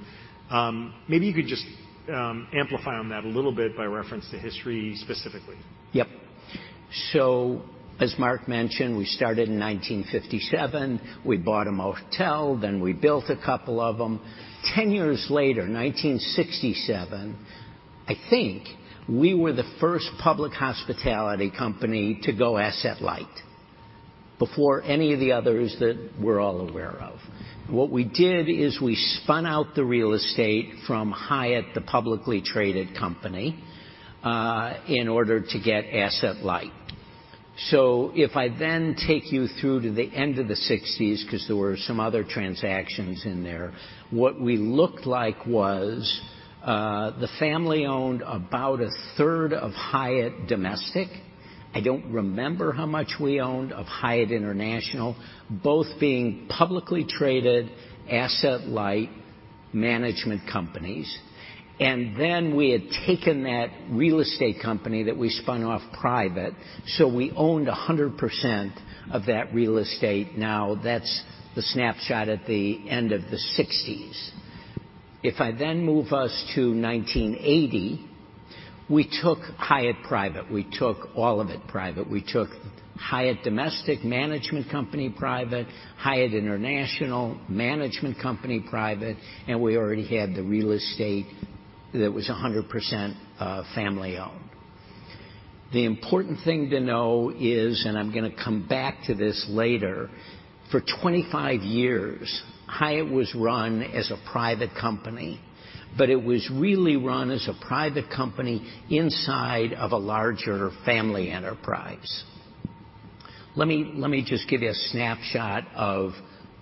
Speaker 2: Maybe you could just amplify on that a little bit by reference to history specifically.
Speaker 10: Yep. As Mark mentioned, we started in 1957. We bought a motel, then we built a couple of them. 10 years later, 1967, I think we were the first public hospitality company to go asset light before any of the others that we're all aware of. What we did is we spun out the real estate from Hyatt, the publicly traded company, in order to get asset light. If I then take you through to the end of the sixties, 'cause there were some other transactions in there, what we looked like was, the family owned about 1/3 of Hyatt Domestic. I don't remember how much we owned of Hyatt International, both being publicly traded asset light management companies. Then we had taken that real estate company that we spun off private. We owned 100% of that real estate. That's the snapshot at the end of the 60s. Move us to 1980, we took Hyatt private. We took all of it private. We took Hyatt Domestic Management Company private, Hyatt International Management Company private, we already had the real estate that was 100% family-owned. The important thing to know is, I'm gonna come back to this later, for 25 years, Hyatt was run as a private company, it was really run as a private company inside of a larger family enterprise. Let me just give you a snapshot of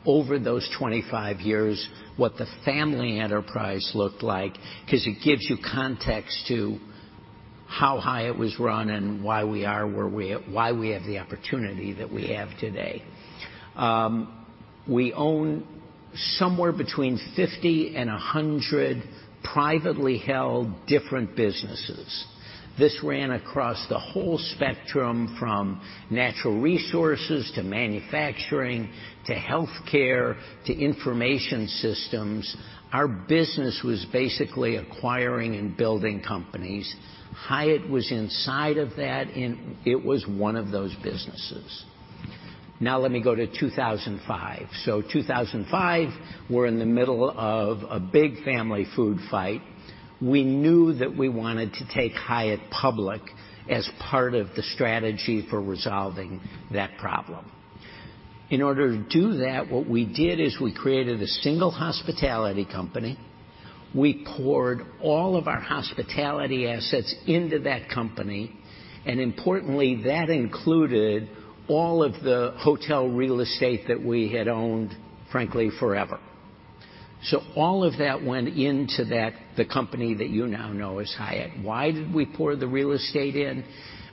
Speaker 10: over those 25 years, what the family enterprise looked like, 'cause it gives you context to how Hyatt was run and why we are where we are, why we have the opportunity that we have today. We own somewhere between 50 and 100 privately held different businesses. This ran across the whole spectrum, from natural resources to manufacturing to healthcare to information systems. Our business was basically acquiring and building companies. Hyatt was inside of that, and it was one of those businesses. Now let me go to 2005. 2005, we're in the middle of a big family food fight. We knew that we wanted to take Hyatt public as part of the strategy for resolving that problem. In order to do that, what we did is we created a single hospitality company. We poured all of our hospitality assets into that company, and importantly, that included all of the hotel real estate that we had owned, frankly, forever. All of that went into that, the company that you now know as Hyatt. Why did we pour the real estate in?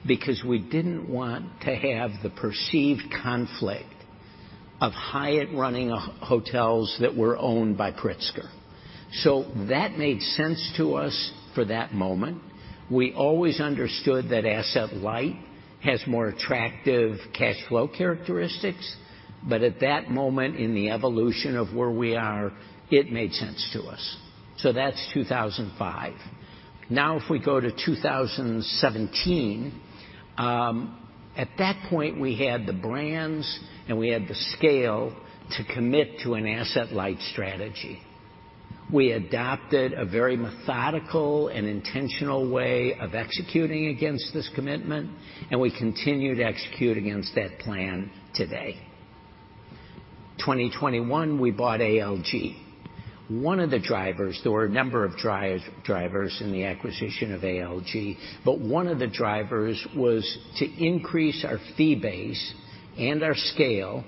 Speaker 10: We didn't want to have the perceived conflict of Hyatt running hotels that were owned by Pritzker. That made sense to us for that moment. We always understood that asset light has more attractive cash flow characteristics, but at that moment in the evolution of where we are, it made sense to us. That's 2005. If we go to 2017, at that point, we had the brands, and we had the scale to commit to an asset-light strategy. We adopted a very methodical and intentional way of executing against this commitment, and we continue to execute against that plan today. 2021, we bought ALG. There were a number of drivers in the acquisition of ALG, but one of the drivers was to increase our fee base and our scale,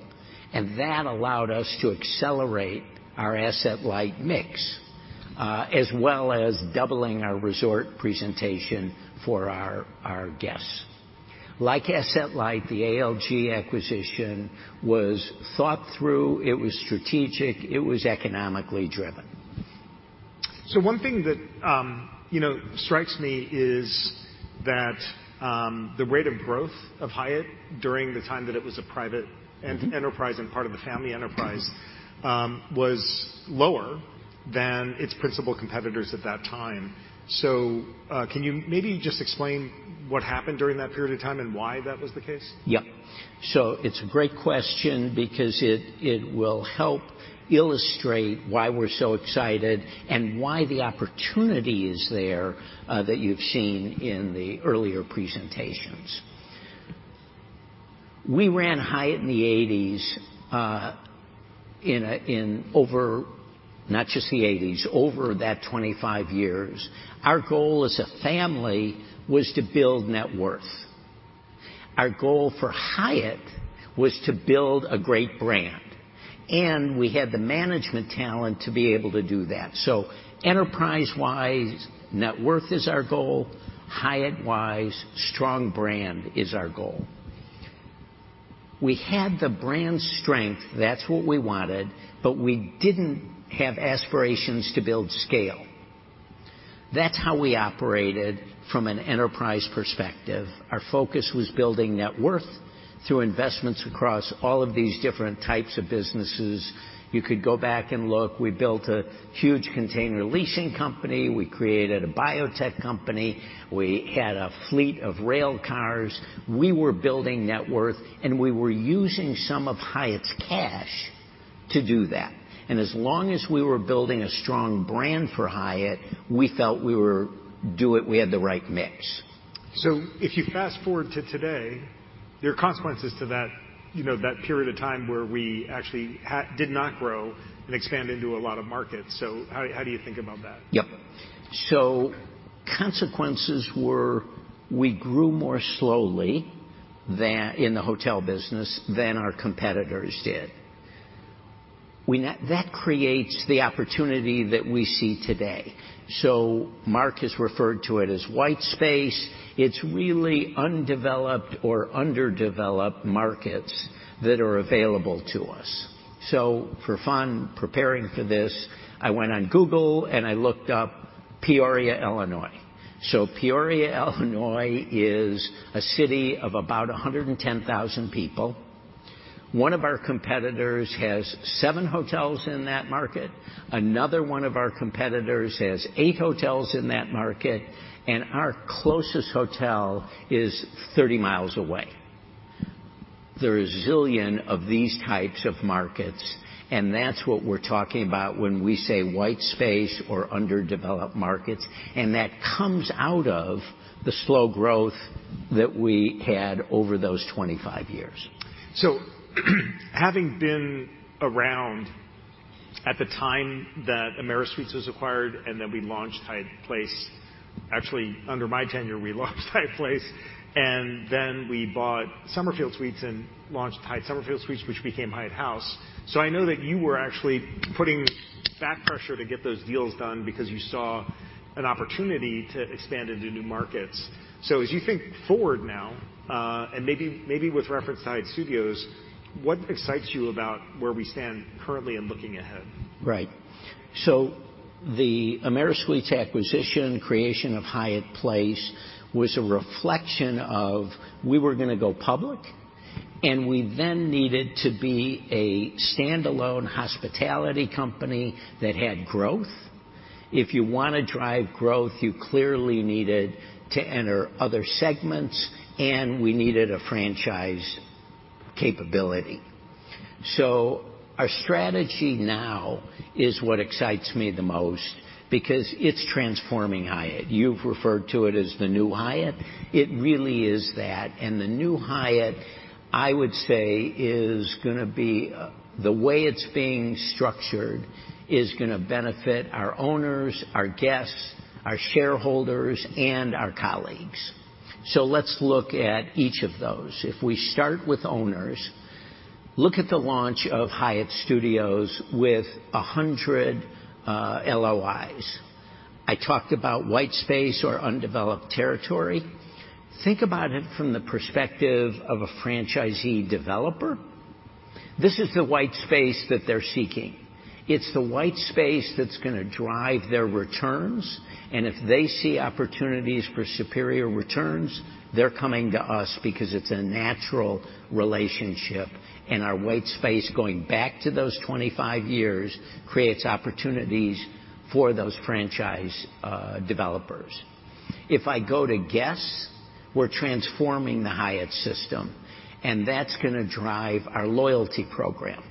Speaker 10: and that allowed us to accelerate our asset-light mix, as well as doubling our resort presentation for our guests. Like asset light, the ALG acquisition was thought through, it was strategic, it was economically driven.
Speaker 2: One thing that, you know, strikes me is that the rate of growth of Hyatt during the time that it was a private enterprise and part of the family enterprise, was lower than its principal competitors at that time. Can you maybe just explain what happened during that period of time and why that was the case?
Speaker 10: Yeah. It's a great question because it will help illustrate why we're so excited and why the opportunity is there that you've seen in the earlier presentations. We ran Hyatt in the 80s, not just the 80s, over that 25 years, our goal as a family was to build net worth. Our goal for Hyatt was to build a great brand, and we had the management talent to be able to do that. Enterprise-wise, net worth is our goal. Hyatt-wise, strong brand is our goal. We had the brand strength. That's what we wanted, but we didn't have aspirations to build scale. That's how we operated from an enterprise perspective. Our focus was building net worth through investments across all of these different types of businesses. You could go back and look, we built a huge container leasing company. We created a biotech company. We had a fleet of rail cars. We were building net worth, and we were using some of Hyatt's cash to do that. As long as we were building a strong brand for Hyatt, we felt do it, we had the right mix.
Speaker 2: If you fast-forward to today, there are consequences to that, you know, that period of time where we actually did not grow and expand into a lot of markets. How do you think about that?
Speaker 10: Yep. Consequences were we grew more slowly in the hotel business than our competitors did. That creates the opportunity that we see today. Mark has referred to it as white space. It's really undeveloped or underdeveloped markets that are available to us. For fun, preparing for this, I went on Google, and I looked up Peoria, Illinois. Peoria, Illinois, is a city of about 110,000 people. One of our competitors has seven hotels in that market. Another one of our competitors has eight hotels in that market, and our closest hotel is 30 miles away. There is zillion of these types of markets, and that's what we're talking about when we say white space or underdeveloped markets. That comes out of the slow growth that we had over those 25 years.
Speaker 2: Having been around at the time that AmeriSuites was acquired, and then we launched Hyatt Place. Actually, under my tenure, we launched Hyatt Place, and then we bought Summerfield Suites and launched Hyatt Summerfield Suites, which became Hyatt House. I know that you were actually putting back pressure to get those deals done because you saw an opportunity to expand into new markets. As you think forward now, and maybe with reference to Hyatt Studios, what excites you about where we stand currently and looking ahead?
Speaker 10: Right. The AmeriSuites acquisition, creation of Hyatt Place was a reflection of we were gonna go public, and we then needed to be a standalone hospitality company that had growth. If you wanna drive growth, you clearly needed to enter other segments, and we needed a franchise capability. Our strategy now is what excites me the most because it's transforming Hyatt. You've referred to it as the new Hyatt. It really is that. The new Hyatt, I would say, is gonna be, the way it's being structured, is gonna benefit our owners, our guests, our shareholders, and our colleagues. Let's look at each of those. If we start with owners, look at the launch of Hyatt Studios with 100 LOIs. I talked about white space or undeveloped territory. Think about it from the perspective of a franchisee developer. This is the white space that they're seeking. It's the white space that's gonna drive their returns. If they see opportunities for superior returns, they're coming to us because it's a natural relationship. Our white space going back to those 25 years creates opportunities for those franchise developers. If I go to guests, we're transforming the Hyatt system, that's gonna drive our loyalty program.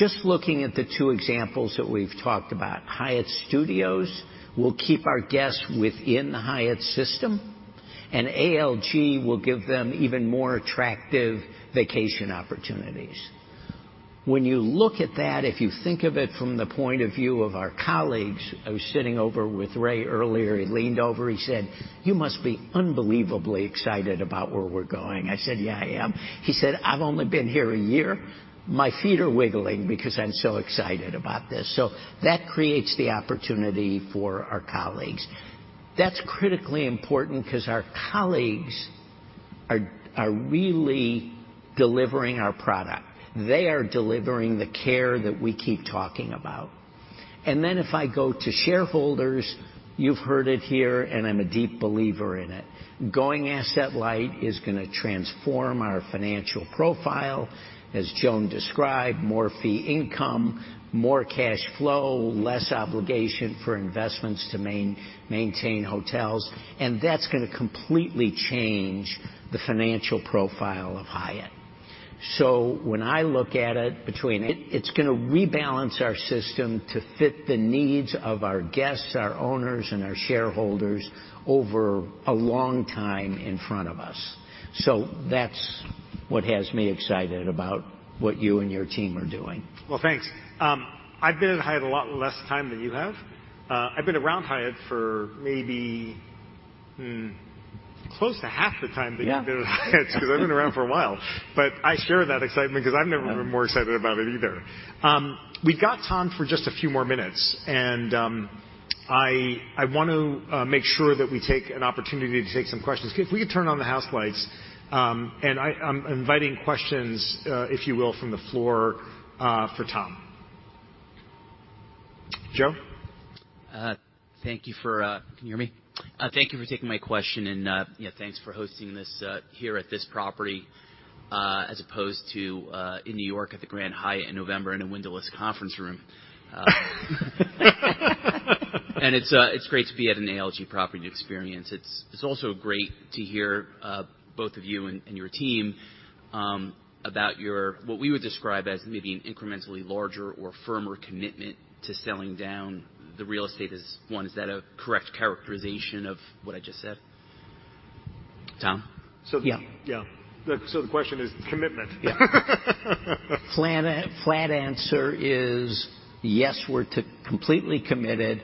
Speaker 10: Just looking at the two examples that we've talked about, Hyatt Studios will keep our guests within the Hyatt system, ALG will give them even more attractive vacation opportunities. When you look at that, if you think of it from the point of view of our colleagues. I was sitting over with Ray earlier, he leaned over, he said, "You must be unbelievably excited about where we're going." I said, "Yeah, I am." He said, "I've only been here a year, my feet are wiggling because I'm so excited about this." That creates the opportunity for our colleagues. That's critically important 'cause our colleagues are really delivering our product. They are delivering the care that we keep talking about. If I go to shareholders, you've heard it here, and I'm a deep believer in it. Going asset-light is gonna transform our financial profile. As Joan described, more fee income, more cash flow, less obligation for investments to maintain hotels, that's gonna completely change the financial profile of Hyatt. It's gonna rebalance our system to fit the needs of our guests, our owners, and our shareholders over a long time in front of us. That's what has me excited about what you and your team are doing.
Speaker 2: Well, thanks. I've been at Hyatt a lot less time than you have. I've been around Hyatt for maybe, close to half the time that you've been at Hyatt 'cause I've been around for a while. I share that excitement 'cause I've never been more excited about it either. We've got Tom for just a few more minutes, and I want to make sure that we take an opportunity to take some questions. If we could turn on the house lights, and I'm inviting questions, if you will, from the floor, for Tom. Joe?
Speaker 11: Thank you for. Can you hear me? Thank you for taking my question and, yeah, thanks for hosting this here at this property as opposed to in New York at the Grand Hyatt in November in a windowless conference room. It's great to be at an ALG property and experience it. It's also great to hear both of you and your team about your what we would describe as maybe an incrementally larger or firmer commitment to selling down the real estate. One, is that a correct characterization of what I just said? Tom?
Speaker 10: Yeah.
Speaker 2: Yeah. The question is commitment.
Speaker 10: Yeah. Flat answer is yes, we're completely committed.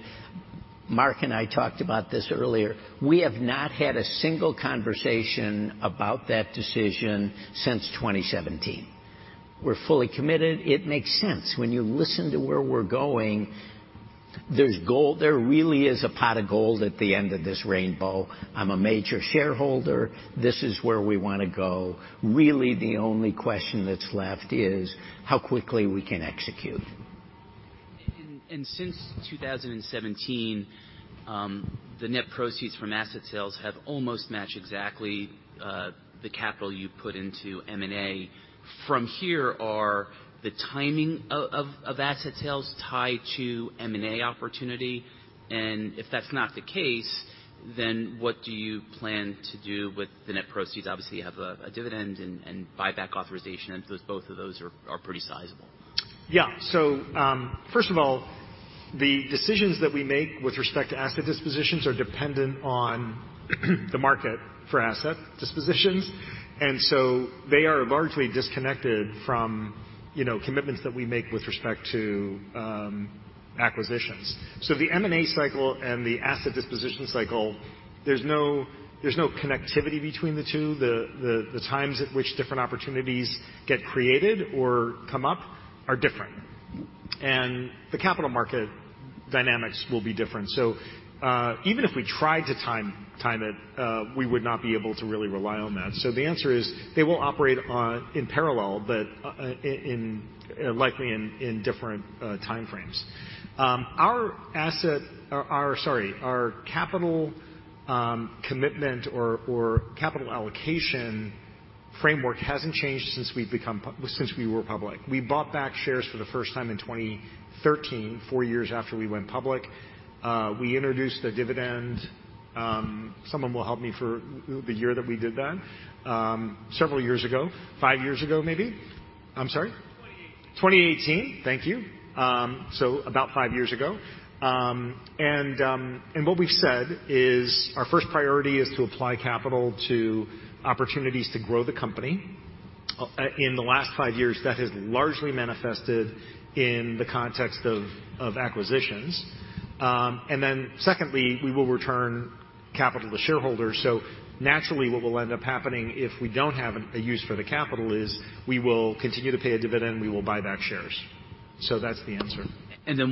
Speaker 10: Mark and I talked about this earlier. We have not had a single conversation about that decision since 2017. We're fully committed. It makes sense. When you listen to where we're going, there really is a pot of gold at the end of this rainbow. I'm a major shareholder. This is where we wanna go. Really, the only question that's left is how quickly we can execute.
Speaker 11: Since 2017, the net proceeds from asset sales have almost matched exactly the capital you put into M&A. From here, are the timing of asset sales tied to M&A opportunity? If that's not the case, then what do you plan to do with the net proceeds? Obviously, you have a dividend and buyback authorization. Both of those are pretty sizable.
Speaker 2: Yeah. First of all, the decisions that we make with respect to asset dispositions are dependent on the market for asset dispositions. They are largely disconnected from, you know, commitments that we make with respect to acquisitions. The M&A cycle and the asset disposition cycle, there's no connectivity between the two. The times at which different opportunities get created or come up are different. The capital market dynamics will be different. Even if we tried to time it, we would not be able to really rely on that. The answer is, they will operate in parallel, but in different time frames. Our capital commitment or capital allocation framework hasn't changed since we were public. We bought back shares for the first time in 2013, four years after we went public. We introduced a dividend, someone will help me for the year that we did that. Several years ago. Five years ago, maybe. I'm sorry?
Speaker 11: 2018.
Speaker 2: 2018. Thank you. About 5 years ago. What we've said is our first priority is to apply capital to opportunities to grow the company. In the last 5 years, that has largely manifested in the context of acquisitions. Secondly, we will return capital to shareholders. Naturally, what will end up happening if we don't have a use for the capital is we will continue to pay a dividend, we will buy back shares. That's the answer.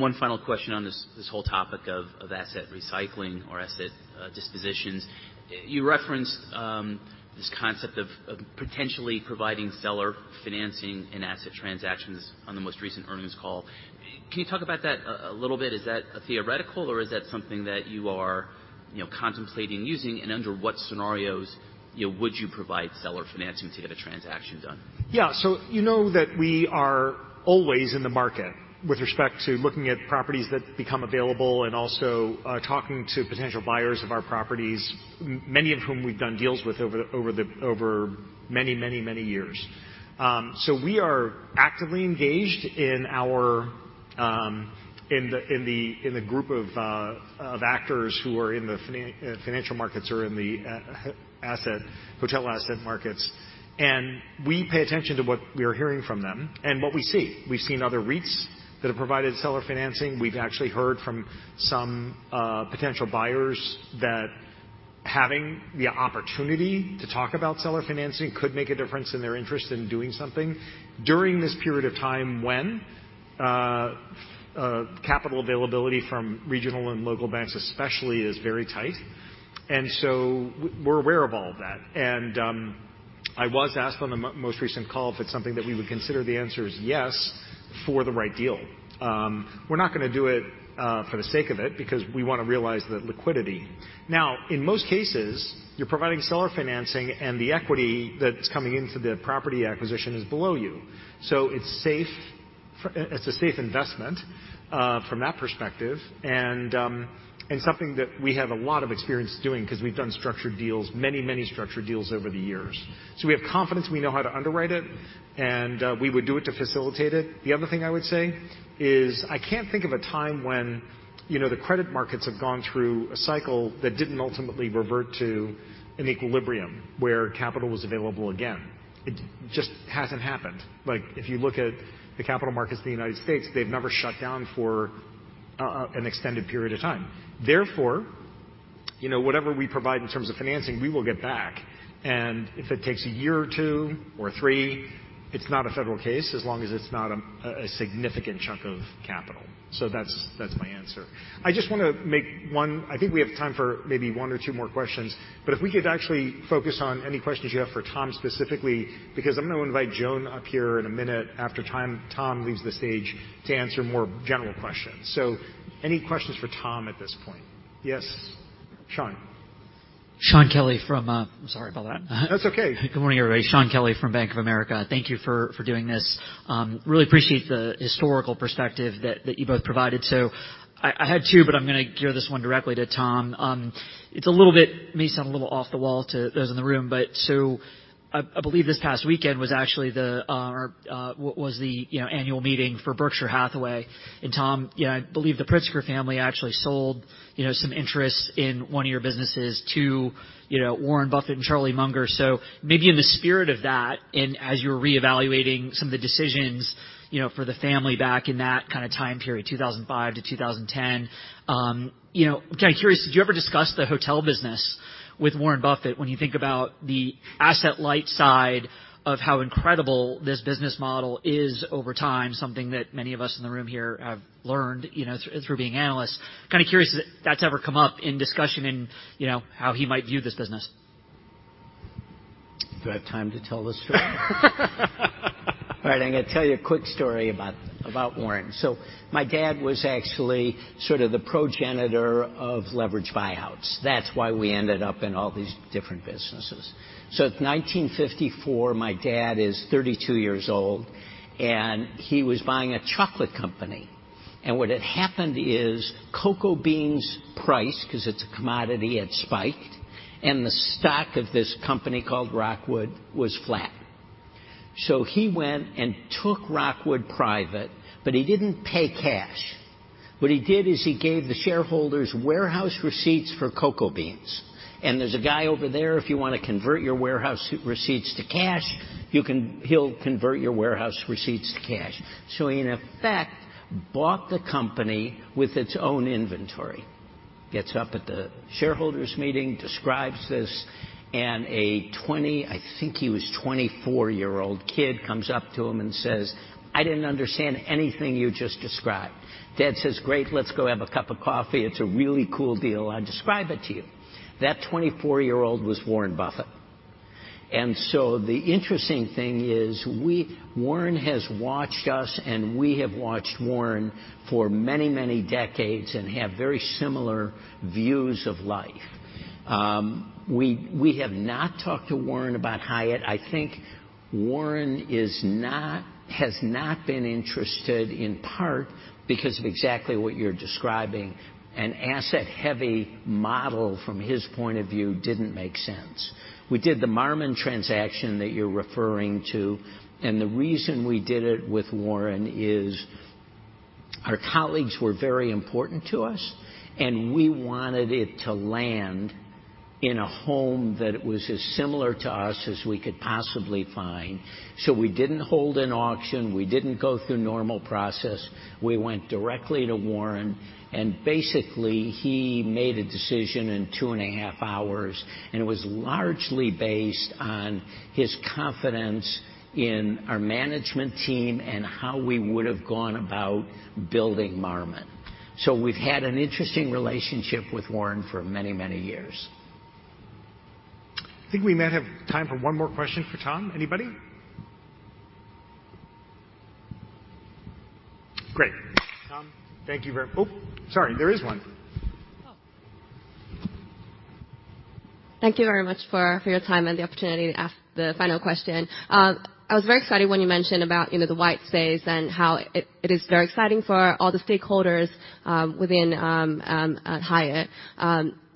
Speaker 11: One final question on this whole topic of asset recycling or asset dispositions. You referenced this concept of potentially providing seller financing in asset transactions on the most recent earnings call. Can you talk about that a little bit? Is that a theoretical, or is that something that you are, you know, contemplating using? Under what scenarios, you know, would you provide seller financing to get a transaction done?
Speaker 2: Yeah. You know that we are always in the market with respect to looking at properties that become available and also, talking to potential buyers of our properties, many of whom we've done deals with over many years. We are actively engaged in our in the group of actors who are in the financial markets or in the hotel asset markets. We pay attention to what we are hearing from them and what we see. We've seen other REITs that have provided seller financing. We've actually heard from some potential buyers that having the opportunity to talk about seller financing could make a difference in their interest in doing something during this period of time when capital availability from regional and local banks especially is very tight. We're aware of all of that. I was asked on the most recent call if it's something that we would consider. The answer is yes, for the right deal. We're not gonna do it for the sake of it because we wanna realize the liquidity. Now, in most cases, you're providing seller financing, and the equity that's coming into the property acquisition is below you. It's safe. It's a safe investment from that perspective, and something that we have a lot of experience doing because we've done many structured deals over the years. We have confidence we know how to underwrite it, and we would do it to facilitate it. The other thing I would say is I can't think of a time when, you know, the credit markets have gone through a cycle that didn't ultimately revert to an equilibrium where capital was available again. It just hasn't happened. Like, if you look at the capital markets in the United States, they've never shut down for an extended period of time. You know, whatever we provide in terms of financing, we will get back. If it takes a year or two or three, it's not a federal case, as long as it's not a significant chunk of capital. That's, that's my answer. I just wanna make one. I think we have time for maybe one or two more questions, but if we could actually focus on any questions you have for Tom specifically, because I'm gonna invite Joan up here in a minute after Tom leaves the stage to answer more general questions. Any questions for Tom at this point? Yes, Shaun.
Speaker 12: Shaun Kelley from, I'm sorry about that.
Speaker 2: That's okay.
Speaker 12: Good morning, everybody. Shaun Kelley from Bank of America. Thank you for doing this. Really appreciate the historical perspective that you both provided. I had two, but I'm gonna give this one directly to Tom. May sound a little off the wall to those in the room. I believe this past weekend was actually what was the, you know, annual meeting for Berkshire Hathaway. Tom, you know, I believe the Pritzker family actually sold, you know, some interests in one of your businesses to, you know, Warren Buffett and Charlie Munger. Maybe in the spirit of that and as you're reevaluating some of the decisions, you know, for the family back in that kinda time period, 2005-2010, you know, kinda curious, did you ever discuss the hotel business with Warren Buffett when you think about the asset light side of how incredible this business model is over time, something that many of us in the room here have learned, you know, through being analysts? Kinda curious if that's ever come up in discussion in, you know, how he might view this business.
Speaker 2: Do I have time to tell this story? All right, I'm gonna tell you a quick story about Warren Buffett. My dad was actually sort of the progenitor of leveraged buyouts. That's why we ended up in all these different businesses. It's 1954, my dad is 32 years old, and he was buying a chocolate company.
Speaker 10: What had happened is cocoa beans price, because it's a commodity, had spiked, and the stock of this company called Rockwood was flat. He went and took Rockwood private, but he didn't pay cash. What he did is he gave the shareholders warehouse receipts for cocoa beans. There's a guy over there, if you wanna convert your warehouse receipts to cash, he'll convert your warehouse receipts to cash. In effect, bought the company with its own inventory. Gets up at the shareholders' meeting, describes this, and a 24-year-old kid comes up to him and says, "I didn't understand anything you just described." Dad says, "Great. Let's go have a cup of coffee. It's a really cool deal. I'll describe it to you." That 24-year-old was Warren Buffett. The interesting thing is Warren has watched us, and we have watched Warren for many decades and have very similar views of life. We have not talked to Warren about Hyatt. I think Warren has not been interested in part because of exactly what you're describing. An asset-heavy model from his point of view didn't make sense. We did the Marmon transaction that you're referring to, and the reason we did it with Warren is our colleagues were very important to us, and we wanted it to land in a home that was as similar to us as we could possibly find. We didn't hold an auction. We didn't go through normal process. We went directly to Warren, basically, he made a decision in 2 and a half hours, and it was largely based on his confidence in our management team and how we would have gone about building Marmon. We've had an interesting relationship with Warren for many, many years.
Speaker 2: I think we might have time for one more question for Tom. Anybody? Great. Tom, thank you very-- Ooh, sorry, there is one.
Speaker 11: Thank you very much for your time and the opportunity to ask the final question. I was very excited when you mentioned about, you know, the white space and how it is very exciting for all the stakeholders within Hyatt.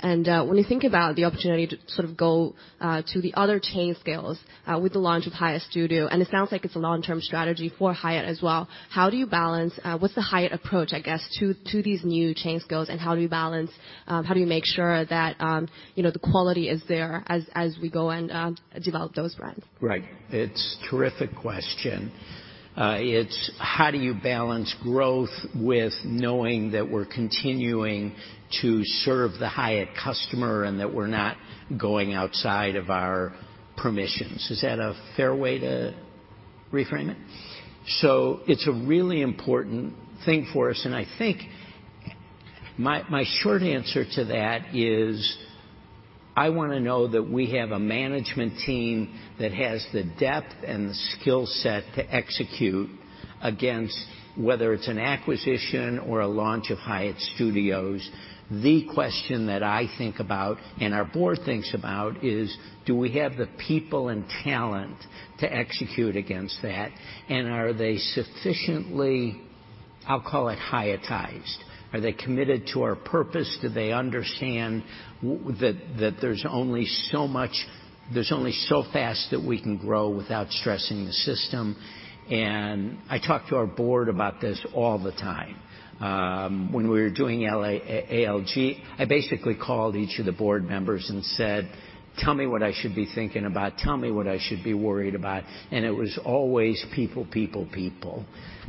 Speaker 11: When you think about the opportunity to sort of go to the other chain scales with the launch of Hyatt Studios, and it sounds like it's a long-term strategy for Hyatt as well. How do you balance, what's the Hyatt approach, I guess, to these new chain scales and how do you balance, how do you make sure that, you know, the quality is there as we go and develop those brands?
Speaker 10: Right. It's terrific question. It's how do you balance growth with knowing that we're continuing to serve the Hyatt customer and that we're not going outside of our permissions? Is that a fair way to reframe it? It's a really important thing for us, and I think my short answer to that is, I wanna know that we have a management team that has the depth and the skill set to execute against whether it's an acquisition or a launch of Hyatt Studios. The question that I think about and our board thinks about is, do we have the people and talent to execute against that? Are they sufficiently, I'll call it Hyattized? Are they committed to our purpose? Do they understand that there's only so fast that we can grow without stressing the system? I talk to our board about this all the time. When we were doing L.A., ALG, I basically called each of the board members and said, "Tell me what I should be thinking about. Tell me what I should be worried about." It was always people, people.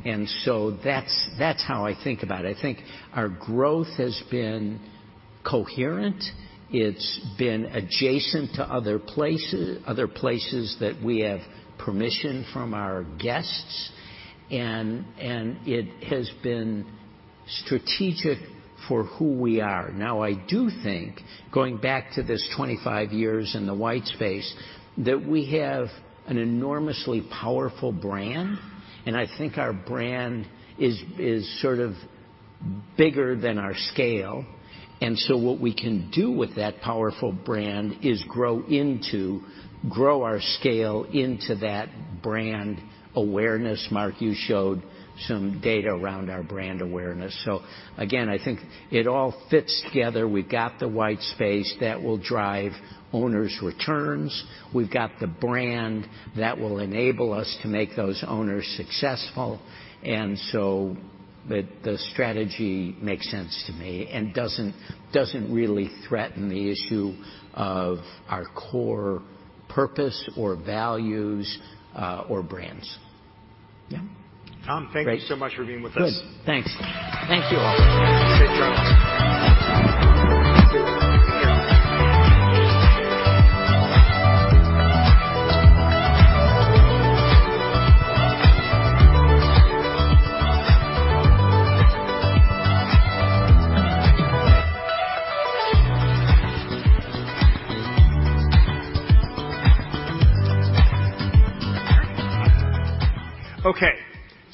Speaker 10: That's how I think about it. I think our growth has been coherent. It's been adjacent to other places that we have permission from our guests. It has been strategic for who we are. Now, I do think, going back to this 25 years in the white space, that we have an enormously powerful brand, and I think our brand is sort of bigger than our scale. What we can do with that powerful brand is grow our scale into that brand awareness mark. You showed some data around our brand awareness. Again, I think it all fits together. We've got the white space that will drive owners' returns. We've got the brand that will enable us to make those owners successful. The strategy makes sense to me and doesn't really threaten the issue of our core purpose or values or brands. Yeah.
Speaker 2: Tom, thank you so much for being with us.
Speaker 10: Good. Thanks. Thank you all.
Speaker 2: Safe travels.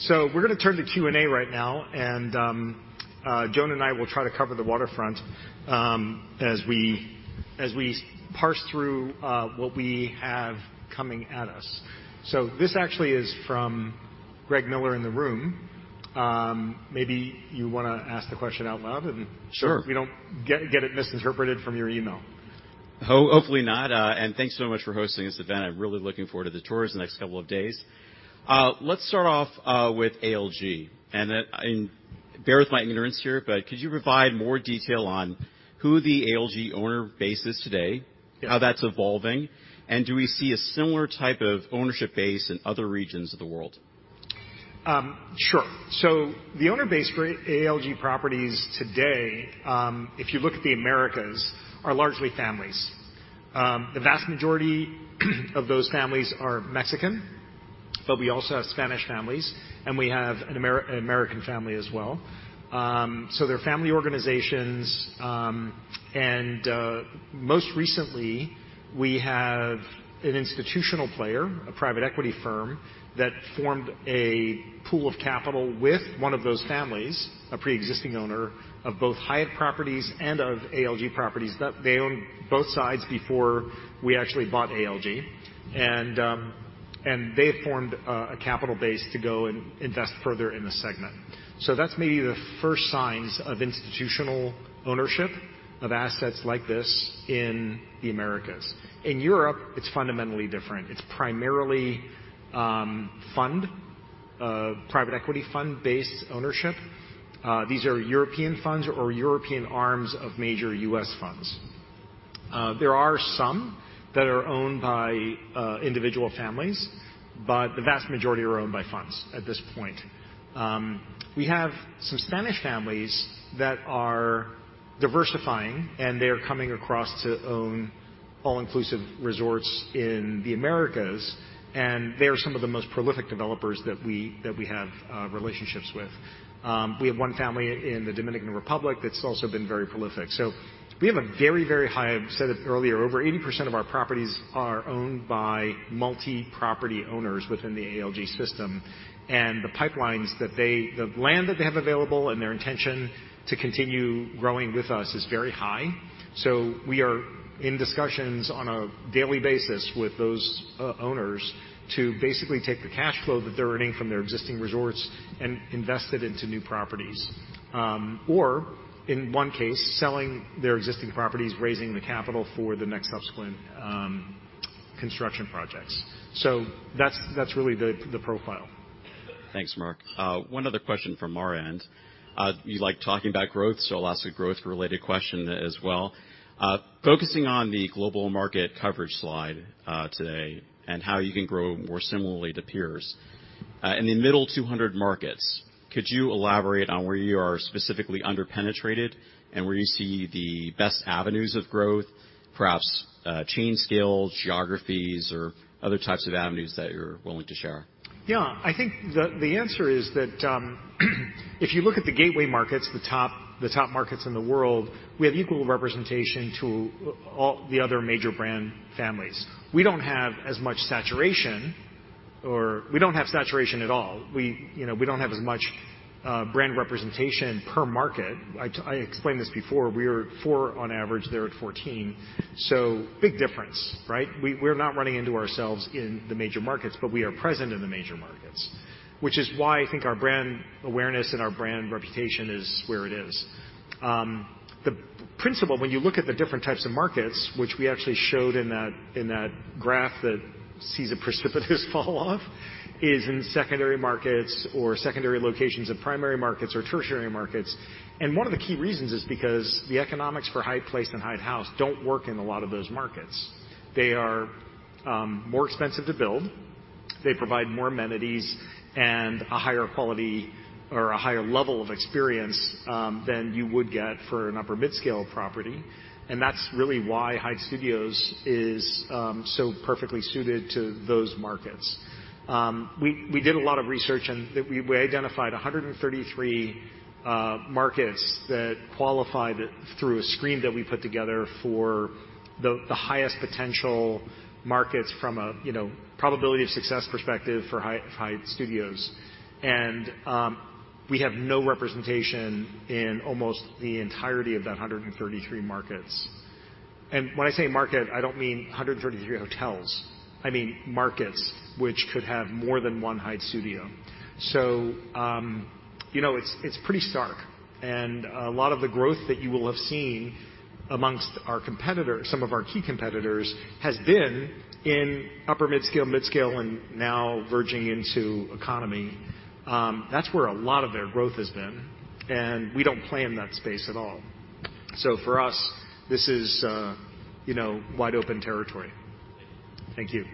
Speaker 2: Okay. We're gonna turn to Q&A right now, and Joan and I will try to cover the waterfront. As we parse through what we have coming at us. This actually is from Gregory Miller in the room. Maybe you wanna ask the question out loud.
Speaker 13: Sure.
Speaker 2: We don't get it misinterpreted from your email.
Speaker 13: Hopefully not. Thanks so much for hosting this event. I'm really looking forward to the tours the next couple of days. Let's start off with ALG. Bear with my ignorance here, could you provide more detail on who the ALG owner base is today?
Speaker 2: Yes.
Speaker 13: How that's evolving, and do we see a similar type of ownership base in other regions of the world?
Speaker 2: Sure. The owner base for ALG properties today, if you look at the Americas, are largely families. The vast majority of those families are Mexican, but we also have Spanish families, and we have an American family as well. They're family organizations. Most recently, we have an institutional player, a private equity firm, that formed a pool of capital with one of those families, a preexisting owner of both Hyatt properties and of ALG properties. They owned both sides before we actually bought ALG. They formed a capital base to go and invest further in the segment. That's maybe the first signs of institutional ownership of assets like this in the Americas. In Europe, it's fundamentally different. It's primarily fund, private equity fund-based ownership. These are European funds or European arms of major U.S. funds. There are some that are owned by individual families, but the vast majority are owned by funds at this point. We have some Spanish families that are diversifying, and they're coming across to own all-inclusive resorts in the Americas, and they are some of the most prolific developers that we have relationships with. We have one family in the Dominican Republic that's also been very prolific. So we have a very, very high. I said it earlier, over 80% of our properties are owned by multi-property owners within the ALG system. The pipelines. The land that they have available and their intention to continue growing with us is very high. We are in discussions on a daily basis with those owners to basically take the cash flow that they're earning from their existing resorts and invest it into new properties. Or in one case, selling their existing properties, raising the capital for the next subsequent construction projects. That's really the profile.
Speaker 13: Thanks, Mark. 1 other question from our end. you like talking about growth, so I'll ask a growth related question as well. focusing on the global market coverage slide, today and how you can grow more similarly to peers. in the middle 200 markets, could you elaborate on where you are specifically under-penetrated and where you see the best avenues of growth, perhaps, chain scale, geographies or other types of avenues that you're willing to share?
Speaker 2: Yeah. I think the answer is that, if you look at the gateway markets, the top, the top markets in the world, we have equal representation to all the other major brand families. We don't have as much saturation or we don't have saturation at all. We, you know, we don't have as much brand representation per market. I explained this before. We're 4 on average. They're at 14. Big difference, right? We're not running into ourselves in the major markets, but we are present in the major markets, which is why I think our brand awareness and our brand reputation is where it is. The principle, when you look at the different types of markets, which we actually showed in that, in that graph that sees a precipitous fall off, is in secondary markets or secondary locations of primary markets or tertiary markets. One of the key reasons is because the economics for Hyatt Place and Hyatt House don't work in a lot of those markets. They are more expensive to build. They provide more amenities and a higher quality or a higher level of experience than you would get for an upper mid-scale property. That's really why Hyatt Studios is so perfectly suited to those markets. We did a lot of research and that we identified 133 markets that qualified through a screen that we put together for the highest potential markets from a, you know, probability of success perspective for Hyatt Studios. We have no representation in almost the entirety of that 133 markets. When I say market, I don't mean 133 hotels. I mean markets which could have more than one Hyatt Studio. You know, it's pretty stark. A lot of the growth that you will have seen amongst our key competitors, has been in upper mid-scale, mid-scale, and now verging into economy. That's where a lot of their growth has been, and we don't play in that space at all. For us, this is, you know, wide open territory.
Speaker 13: Thank you.
Speaker 2: Thank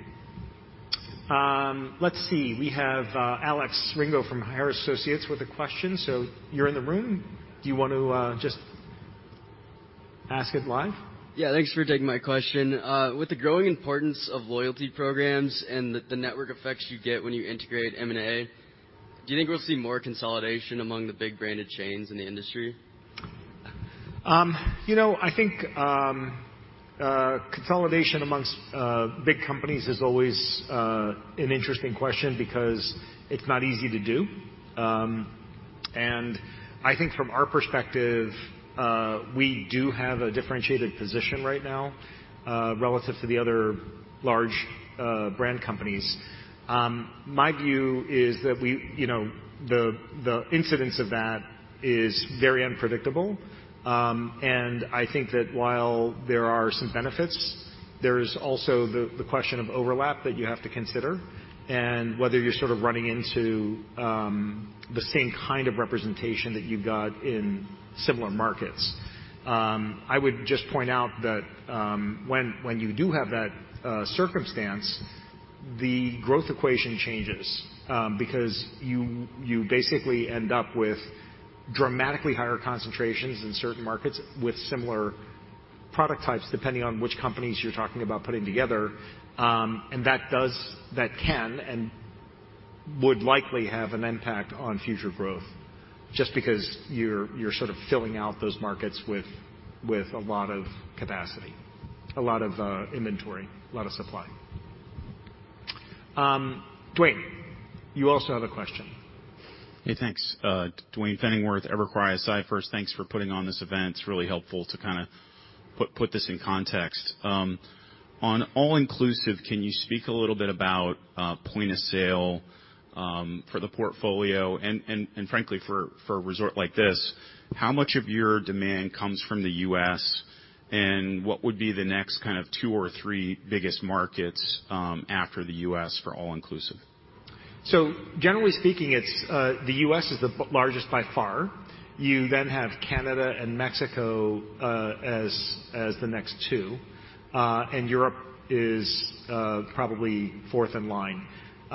Speaker 2: you. Let's see. We have, Alex Ringo from Harris Associates with a question. You're in the room. Do you want to, just ask it live?
Speaker 14: Yeah. Thanks for taking my question. With the growing importance of loyalty programs and the network effects you get when you integrate M&A, do you think we'll see more consolidation among the big branded chains in the industry?
Speaker 2: You know, I think consolidation amongst big companies is always an interesting question because it's not easy to do. I think from our perspective, we do have a differentiated position right now, relative to the other large brand companies. My view is that, you know, the incidence of that is very unpredictable. I think that while there are some benefits, there is also the question of overlap that you have to consider and whether you're sort of running into the same kind of representation that you got in similar markets. I would just point out that when you do have that circumstance, the growth equation changes because you basically end up with dramatically higher concentrations in certain markets with similar product types, depending on which companies you're talking about putting together. That can and would likely have an impact on future growth just because you're sort of filling out those markets with a lot of capacity, a lot of inventory, a lot of supply. Duane, you also have a question.
Speaker 15: Yeah, thanks. Duane Pfenningwerth, Evercore ISI. First, thanks for putting on this event. It's really helpful to kinda put this in context. On all-inclusive, can you speak a little bit about point of sale for the portfolio and frankly for a resort like this? How much of your demand comes from the U.S., and what would be the next kind of two or three biggest markets after the U.S. for all-inclusive?
Speaker 2: Generally speaking, it's the U.S. is the largest by far. You then have Canada and Mexico as the next two, and Europe is probably fourth in line.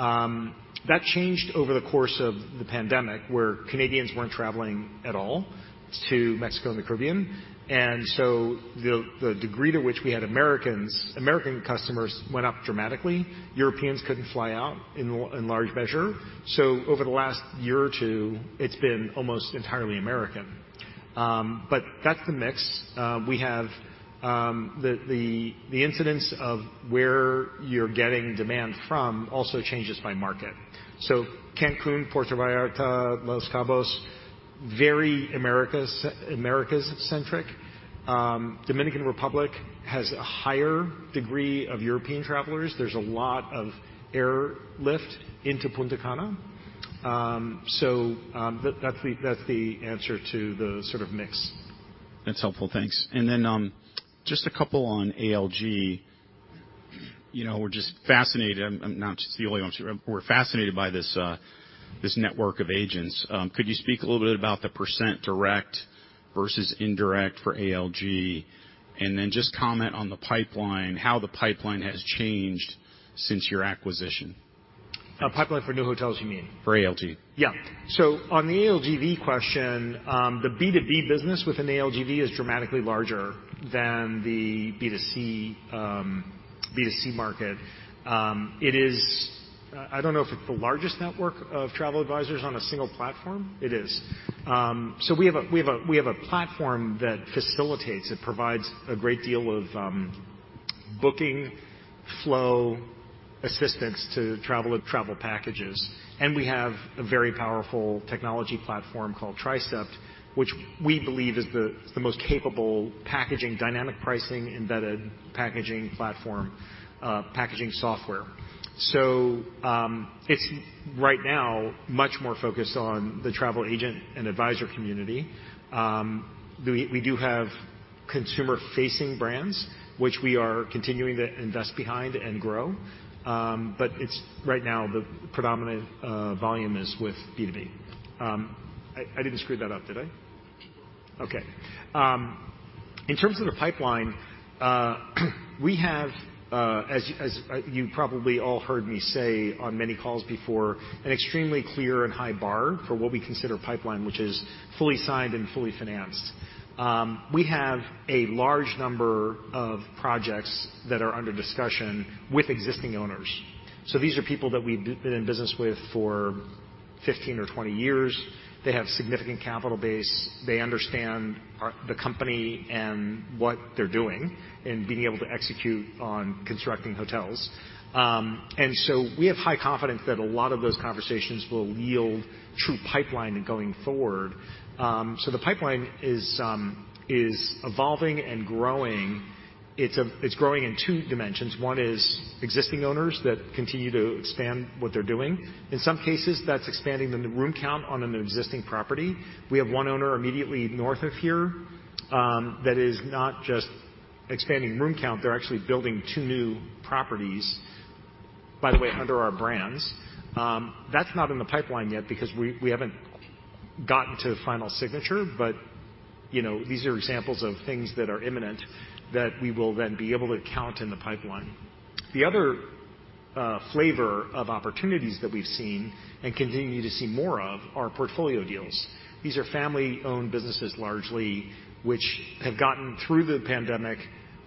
Speaker 2: That changed over the course of the pandemic, where Canadians weren't traveling at all to Mexico and the Caribbean. The degree to which we had American customers went up dramatically. Europeans couldn't fly out in large measure. Over the last year or two, it's been almost entirely American. But that's the mix. We have the incidence of where you're getting demand from also changes by market. Cancun, Puerto Vallarta, Los Cabos, very Americas centric. Dominican Republic has a higher degree of European travelers. There's a lot of air lift into Punta Cana. That's the answer to the sort of mix.
Speaker 15: That's helpful. Thanks. Then, just a couple on ALG. You know, we're just fascinated. I'm not just the only one. We're fascinated by this network of agents. Could you speak a little bit about the % direct versus indirect for ALG? Then just comment on the pipeline, how the pipeline has changed since your acquisition.
Speaker 2: pipeline for new hotels, you mean?
Speaker 15: For ALG.
Speaker 2: Yeah. On the ALGV question, the B2B business within ALGV is dramatically larger than the B2C B2C market. I don't know if it's the largest network of travel advisors on a single platform. It is. We have a platform that facilitates. It provides a great deal of booking flow assistance to travel packages. We have a very powerful technology platform called Trisept, which we believe is the most capable packaging, dynamic pricing, embedded packaging platform, packaging software. It's right now much more focused on the travel agent and advisor community. We do have consumer-facing brands, which we are continuing to invest behind and grow. Right now the predominant volume is with B2B. I didn't screw that up, did I?
Speaker 15: You're good.
Speaker 2: Okay. In terms of the pipeline, we have, as you probably all heard me say on many calls before, an extremely clear and high bar for what we consider pipeline, which is fully signed and fully financed. We have a large number of projects that are under discussion with existing owners. These are people that we've been in business with for 15 or 20 years. They have significant capital base. They understand the company and what they're doing and being able to execute on constructing hotels. We have high confidence that a lot of those conversations will yield true pipeline going forward. The pipeline is evolving and growing. It's growing in 2 dimensions. One is existing owners that continue to expand what they're doing. In some cases, that's expanding the room count on an existing property. We have 1 owner immediately north of here, that is not just expanding room count, they're actually building 2 new properties, by the way, under our brands. That's not in the pipeline yet because we haven't gotten to final signature. You know, these are examples of things that are imminent that we will then be able to count in the pipeline. The other flavor of opportunities that we've seen and continue to see more of are portfolio deals. These are family-owned businesses, largely, which have gotten through the pandemic,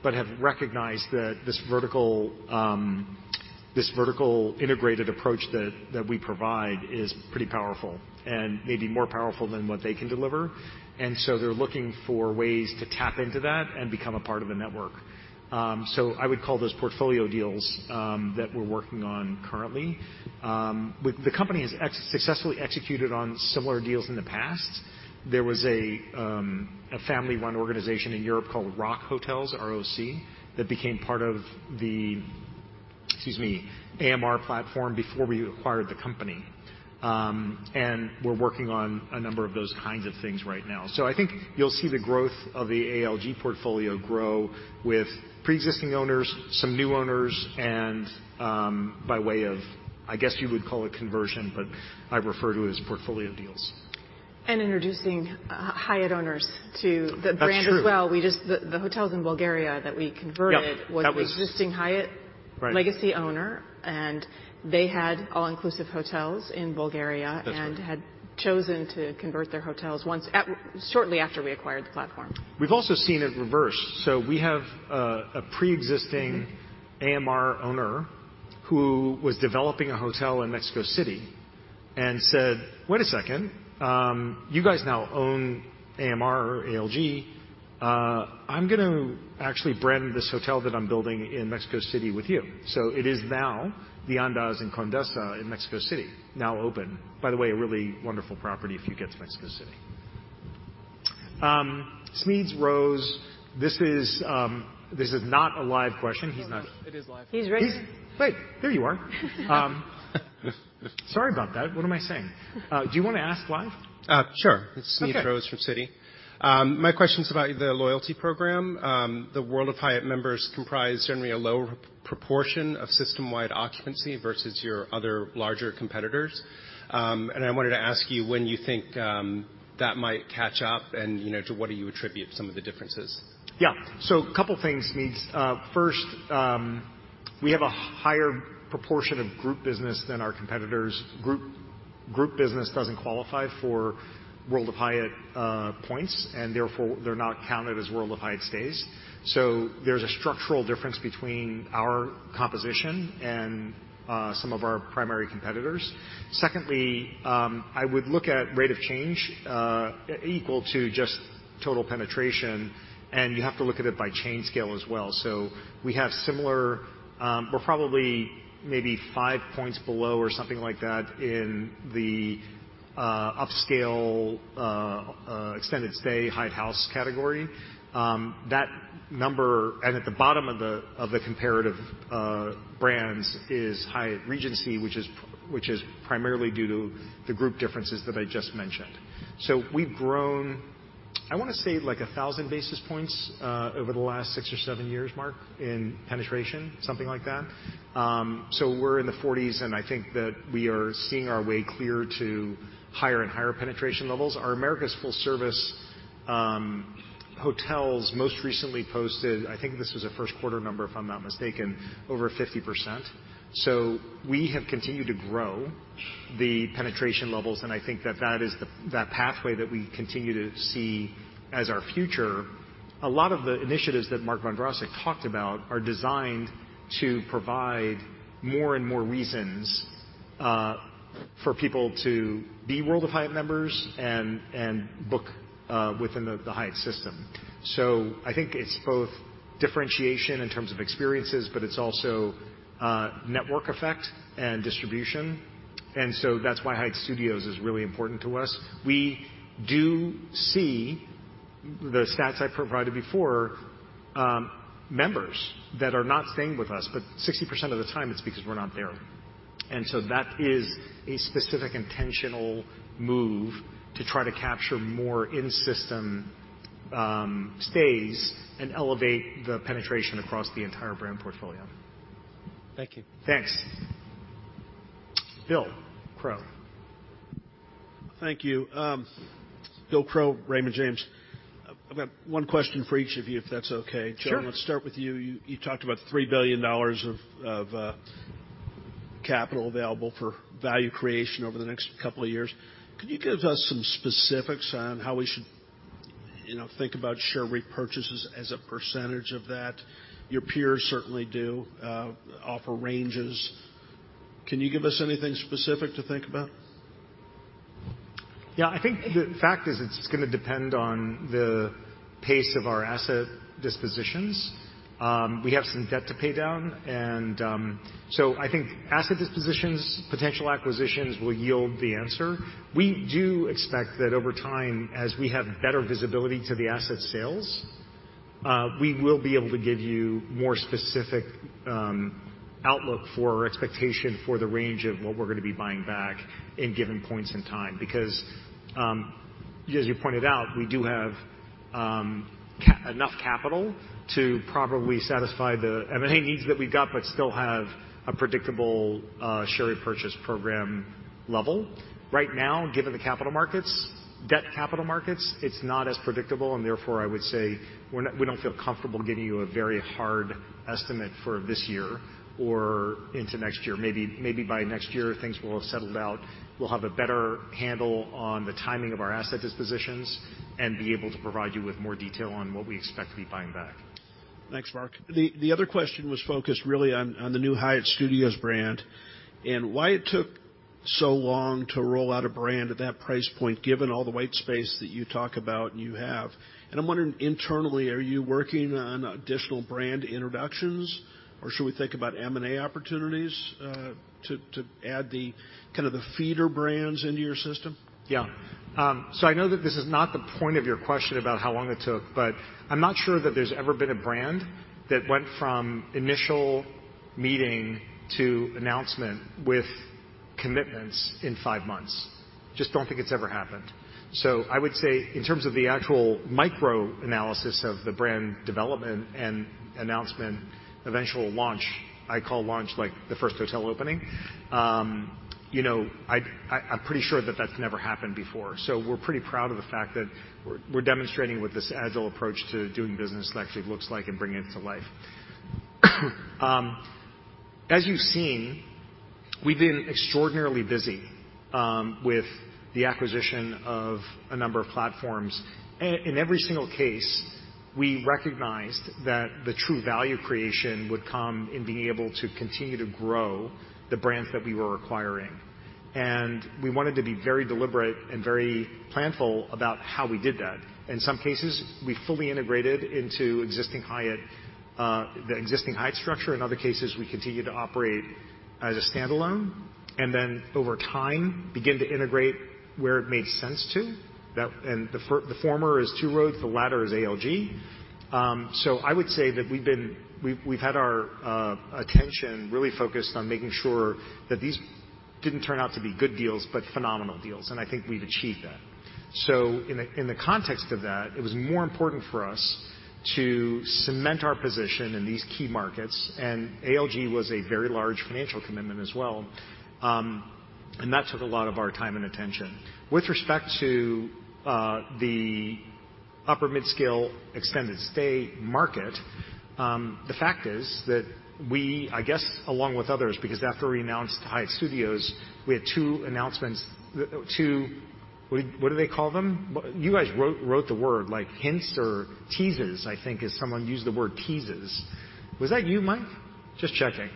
Speaker 2: but have recognized that this vertical integrated approach that we provide is pretty powerful and maybe more powerful than what they can deliver. They're looking for ways to tap into that and become a part of the network. I would call those portfolio deals that we're working on currently. The company has successfully executed on similar deals in the past. There was a family-run organization in Europe called ROC Hotels, R-O-C, that became part of the, excuse me, AMR platform before we acquired the company. We're working on a number of those kinds of things right now. I think you'll see the growth of the ALG portfolio grow with pre-existing owners, some new owners, and by way of, I guess, you would call it conversion, but I refer to it as portfolio deals.
Speaker 9: Introducing Hyatt owners to the brand as well.
Speaker 2: That's true.
Speaker 9: The hotels in Bulgaria that we converted.
Speaker 2: Yep.
Speaker 9: was an existing Hyatt-
Speaker 2: Right.
Speaker 9: -legacy owner, they had all-inclusive hotels in Bulgaria.
Speaker 2: That's right.
Speaker 9: had chosen to convert their hotels once shortly after we acquired the platform.
Speaker 2: We've also seen it reverse. We have a pre-existing AMR owner who was developing a hotel in Mexico City and said, "Wait a second. You guys now own AMR or ALG. I'm gonna actually brand this hotel that I'm building in Mexico City with you." It is now the Andaz in Condesa in Mexico City, now open. By the way, a really wonderful property if you get to Mexico City. Smedes Rose. This is not a live question.
Speaker 16: It is live.
Speaker 9: He's right here.
Speaker 2: He's Wait. There you are. Sorry about that. What am I saying? Do you wanna ask live?
Speaker 16: Sure.
Speaker 2: Okay.
Speaker 16: It's Smedes Rose from Citi. My question's about the loyalty program. The World of Hyatt members comprise certainly a lower proportion of system-wide occupancy versus your other larger competitors. I wanted to ask you when you think that might catch up and, you know, to what do you attribute some of the differences?
Speaker 2: A couple things, Smedes Rose. First, we have a higher proportion of group business than our competitors. Group business doesn't qualify for World of Hyatt points, therefore, they're not counted as World of Hyatt stays. There's a structural difference between our composition and some of our primary competitors. Secondly, I would look at rate of change equal to just total penetration, you have to look at it by chain scale as well. We have similar. We're probably maybe 5 points below or something like that in the upscale extended stay Hyatt House category. That number at the bottom of the comparative brands is Hyatt Regency, which is primarily due to the group differences that I just mentioned. We've grown, I wanna say, like 1,000 basis points over the last 6 or 7 years, Mark, in penetration, something like that. We're in the 40s, and I think that we are seeing our way clear to higher and higher penetration levels. Our America's full-service hotels most recently posted, I think this was a first-quarter number, if I'm not mistaken, over 50%. We have continued to grow the penetration levels, and I think that that is that pathway that we continue to see as our future. A lot of the initiatives that Mark Vondrasek talked about are designed to provide more and more reasons for people to be World of Hyatt members and book within the Hyatt system. I think it's both differentiation in terms of experiences, but it's also network effect and distribution. That's why Hyatt Studios is really important to us. We do see the stats I provided before, members that are not staying with us, but 60% of the time it's because we're not there. That is a specific intentional move to try to capture more in-system stays and elevate the penetration across the entire brand portfolio.
Speaker 16: Thank you.
Speaker 2: Thanks. Bill Crow.
Speaker 17: Thank you. Bill Crow, Raymond James. I've got one question for each of you if that's okay.
Speaker 2: Sure.
Speaker 17: John, let's start with you. You talked about $3 billion of capital available for value creation over the next couple of years. Could you give us some specifics on how we should, you know, think about share repurchases as a percentage of that? Your peers certainly do offer ranges. Can you give us anything specific to think about?
Speaker 2: Yeah. I think the fact is it's gonna depend on the pace of our asset dispositions. We have some debt to pay down and I think asset dispositions, potential acquisitions will yield the answer. We do expect that over time, as we have better visibility to the asset sales, we will be able to give you more specific outlook for expectation for the range of what we're gonna be buying back in given points in time. As you pointed out, we do have enough capital to probably satisfy the M&A needs that we've got but still have a predictable share repurchase program level. Given the capital markets, debt capital markets, it's not as predictable, and therefore, I would say we don't feel comfortable giving you a very hard estimate for this year or into next year. Maybe by next year, things will have settled out. We'll have a better handle on the timing of our asset dispositions and be able to provide you with more detail on what we expect to be buying back.
Speaker 17: Thanks, Mark. The other question was focused really on the new Hyatt Studios brand and why it took so long to roll out a brand at that price point, given all the white space that you talk about and you have. I'm wondering, internally, are you working on additional brand introductions, or should we think about M&A opportunities to add the kind of the feeder brands into your system?
Speaker 2: Yeah. I know that this is not the point of your question about how long it took, but I'm not sure that there's ever been a brand that went from initial meeting to announcement with commitments in five months. Just don't think it's ever happened. I would say in terms of the actual micro-analysis of the brand development and announcement, eventual launch, I call launch like the first hotel opening, you know, I'm pretty sure that that's never happened before. We're pretty proud of the fact that we're demonstrating what this agile approach to doing business actually looks like and bringing it to life. As you've seen, we've been extraordinarily busy with the acquisition of a number of platforms. Every single case, we recognized that the true value creation would come in being able to continue to grow the brands that we were acquiring. We wanted to be very deliberate and very planful about how we did that. In some cases, we fully integrated into existing Hyatt the existing Hyatt structure. In other cases, we continued to operate as a standalone, and then over time, begin to integrate where it made sense to. The former is Two Roads, the latter is ALG. I would say that we've had our attention really focused on making sure that these didn't turn out to be good deals, but phenomenal deals, and I think we've achieved that. In the context of that, it was more important for us to cement our position in these key markets, and ALG was a very large financial commitment as well. That took a lot of our time and attention. With respect to the upper mid-scale extended stay market, the fact is that we, I guess, along with others, because after we announced Hyatt Studios, we had two announcements. What do they call them? You guys wrote the word like hints or teases, I think, as someone used the word teases. Was that you, Mike? Just checking.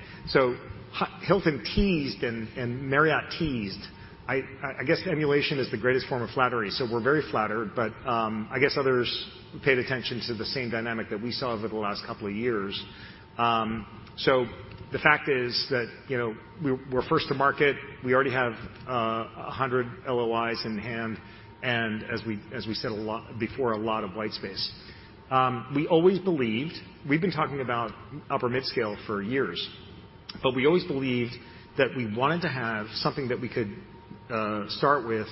Speaker 2: Hilton teased and Marriott teased. I guess emulation is the greatest form of flattery. We're very flattered. I guess others paid attention to the same dynamic that we saw over the last couple of years. The fact is that, you know, we're first to market. We already have 100 LOIs in hand and as we said before, a lot of white space. We always believed. We've been talking about upper midscale for years, we always believed that we wanted to have something that we could start with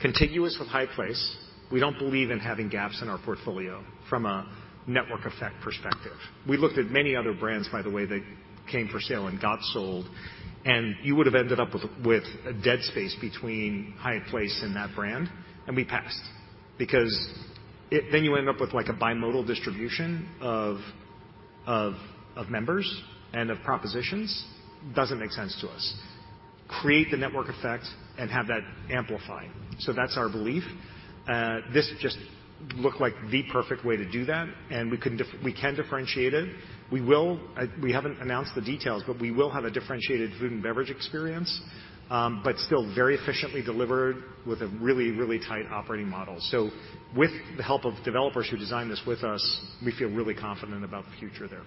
Speaker 2: contiguous with Hyatt Place. We don't believe in having gaps in our portfolio from a network effect perspective. We looked at many other brands, by the way, that came for sale and got sold, and you would have ended up with a, with a dead space between Hyatt Place and that brand, and we passed because then you end up with like a bimodal distribution of members and of propositions. Doesn't make sense to us. Create the network effect and have that amplify. That's our belief. This just looked like the perfect way to do that, and we can differentiate it. We will... we haven't announced the details, but we will have a differentiated food and beverage experience, but still very efficiently delivered with a really, really tight operating model. With the help of developers who designed this with us, we feel really confident about the future there.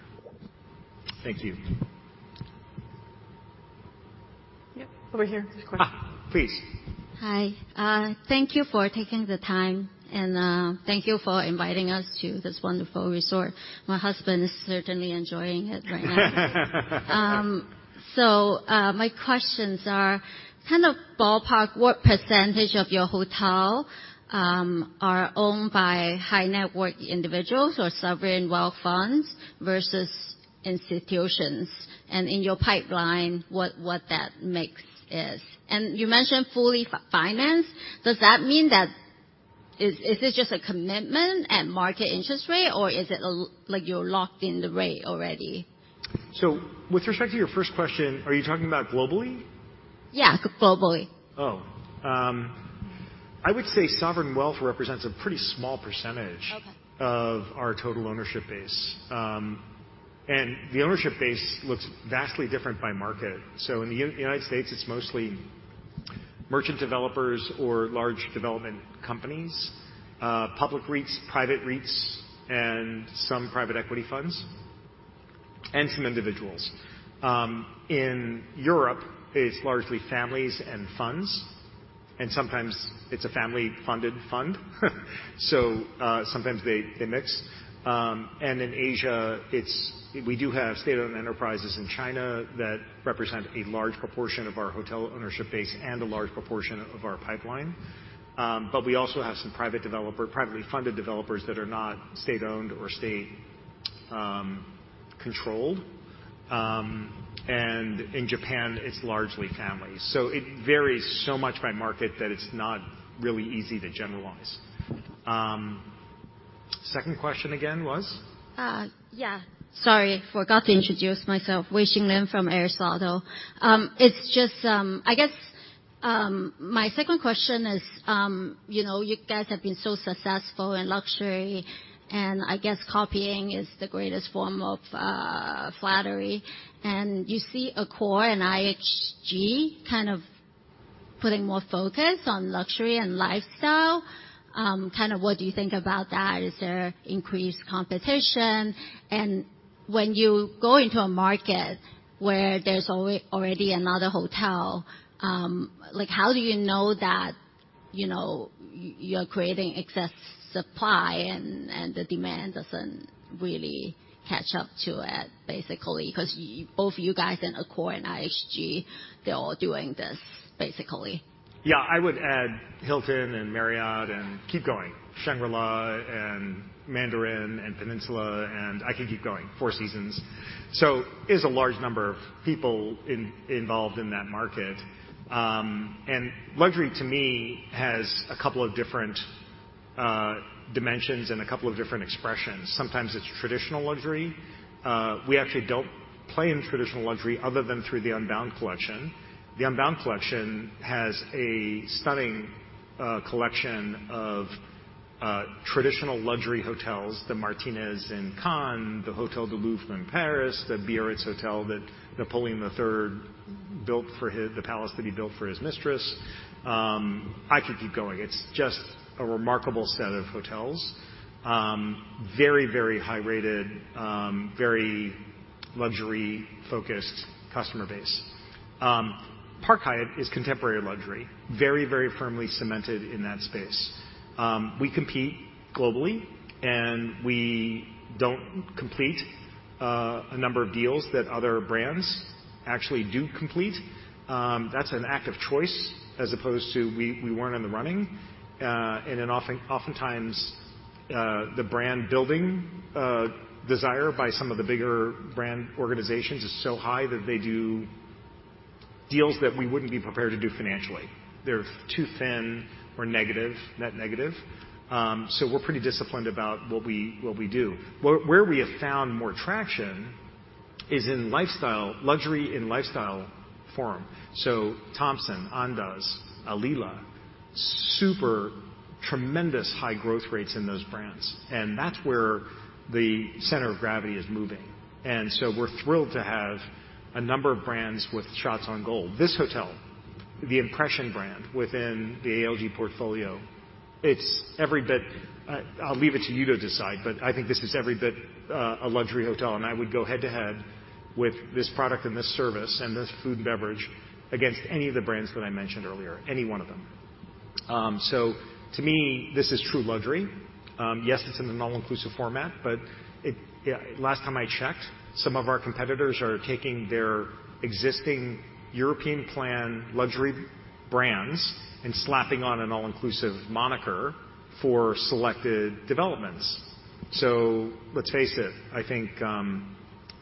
Speaker 2: Thank you.
Speaker 3: Yep. Over here. There's a question.
Speaker 2: Please.
Speaker 18: Hi. Thank you for taking the time, and thank you for inviting us to this wonderful resort. My husband is certainly enjoying it right now. My questions are kind of ballpark, what percentage of your hotel are owned by high-net-worth individuals or sovereign wealth funds versus institutions? And in your pipeline, what that mix is. And you mentioned fully financed. Does that mean that... Is it just a commitment at market interest rate, or is it like, you're locked in the rate already?
Speaker 2: With respect to your first question, are you talking about globally?
Speaker 18: Yeah, globally.
Speaker 2: I would say sovereign wealth represents a pretty small percentage.
Speaker 18: Okay.
Speaker 2: -of our total ownership base. The ownership base looks vastly different by market. In the United States, it's mostly merchant developers or large development companies, public REITs, private REITs, and some private equity funds and some individuals. In Europe, it's largely families and funds, and sometimes it's a family-funded fund. Sometimes they mix. In Asia, it's we do have state-owned enterprises in China that represent a large proportion of our hotel ownership base and a large proportion of our pipeline. We also have some privately funded developers that are not state-owned or state controlled. In Japan, it's largely families. It varies so much by market that it's not really easy to generalize. Second question again was?
Speaker 18: Yeah. Sorry. Forgot to introduce myself. Weixin Lin from Aristotle. It's just. My second question is, you know, you guys have been so successful in luxury, and I guess copying is the greatest form of flattery. You see Accor and IHG kind of putting more focus on luxury and lifestyle. Kind of what do you think about that? Is there increased competition? When you go into a market where there's already another hotel, like, how do you know that, you know, you're creating excess supply and the demand doesn't really catch up to it, basically? Both you guys and Accor and IHG, they're all doing this, basically.
Speaker 2: Yeah. I would add Hilton and Marriott and keep going. Shangri-La and Mandarin and Peninsula, and I can keep going. Four Seasons. It's a large number of people involved in that market. Luxury to me has a couple of different dimensions and a couple of different expressions. Sometimes it's traditional luxury. We actually don't play in traditional luxury other than through the Unbound Collection. The Unbound Collection has a stunning collection of traditional luxury hotels. The Martinez in Cannes, the Hotel du Louvre in Paris, the Hôtel du Palais that Napoleon III built for the palace that he built for his mistress. I could keep going. It's just a remarkable set of hotels. Very, very high rated, very luxury-focused customer base. Park Hyatt is contemporary luxury. Very, very firmly cemented in that space. We compete globally. We don't complete a number of deals that other brands actually do complete. That's an active choice as opposed to we weren't in the running. Oftentimes, the brand-building desire by some of the bigger brand organizations is so high that they do deals that we wouldn't be prepared to do financially. They're too thin or negative, net negative. We're pretty disciplined about what we do. Where we have found more traction is in lifestyle, luxury and lifestyle forum. Thompson, Andaz, Alila, super tremendous high growth rates in those brands. That's where the center of gravity is moving. We're thrilled to have a number of brands with shots on goal. This hotel, the Impression brand within the ALG portfolio, it's every bit... I'll leave it to you to decide, I think this is every bit a luxury hotel, and I would go head-to-head with this product and this service and this food and beverage against any of the brands that I mentioned earlier. Any one of them. To me, this is true luxury. Yes, it's in an all-inclusive format, but last time I checked, some of our competitors are taking their existing European plan luxury brands and slapping on an all-inclusive moniker for selected developments. Let's face it, I think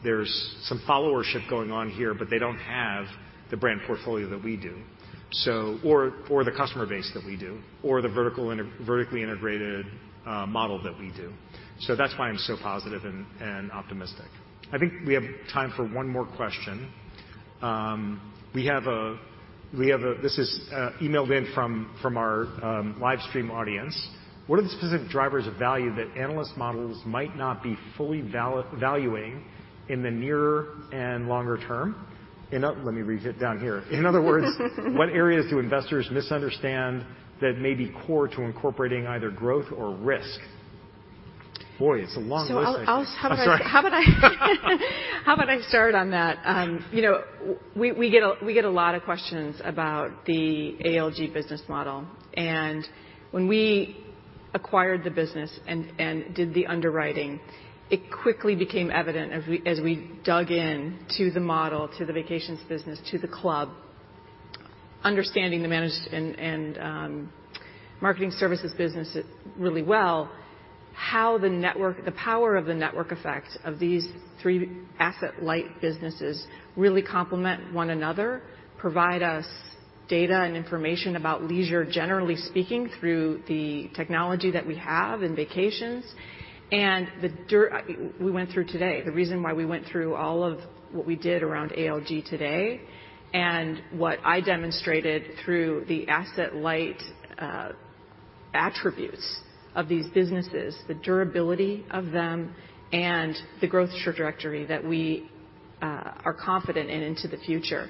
Speaker 2: there's some followership going on here, but they don't have the brand portfolio that we do. Or the customer base that we do or the vertically integrated model that we do. That's why I'm so positive and optimistic. I think we have time for one more question. We have a this is emailed in from our live stream audience. "What are the specific drivers of value that analyst models might not be fully valuing in the nearer and longer term?" Let me read it down here. "In other words, what areas do investors misunderstand that may be core to incorporating either growth or risk?" Boy, it's a long list, I think.
Speaker 9: I'll.
Speaker 2: I'm sorry.
Speaker 9: How about I start on that? you know, we get a lot of questions about the ALG business model. when we acquired the business and did the underwriting, it quickly became evident as we dug in to the model, to the vacations business, to the club, understanding the marketing services business really well, how the power of the network effect of these three asset-light businesses really complement one another, provide us data and information about leisure, generally speaking, through the technology that we have in vacations. We went through today. The reason why we went through all of what we did around ALG today and what I demonstrated through the asset-light attributes of these businesses, the durability of them, and the growth trajectory that we are confident in into the future.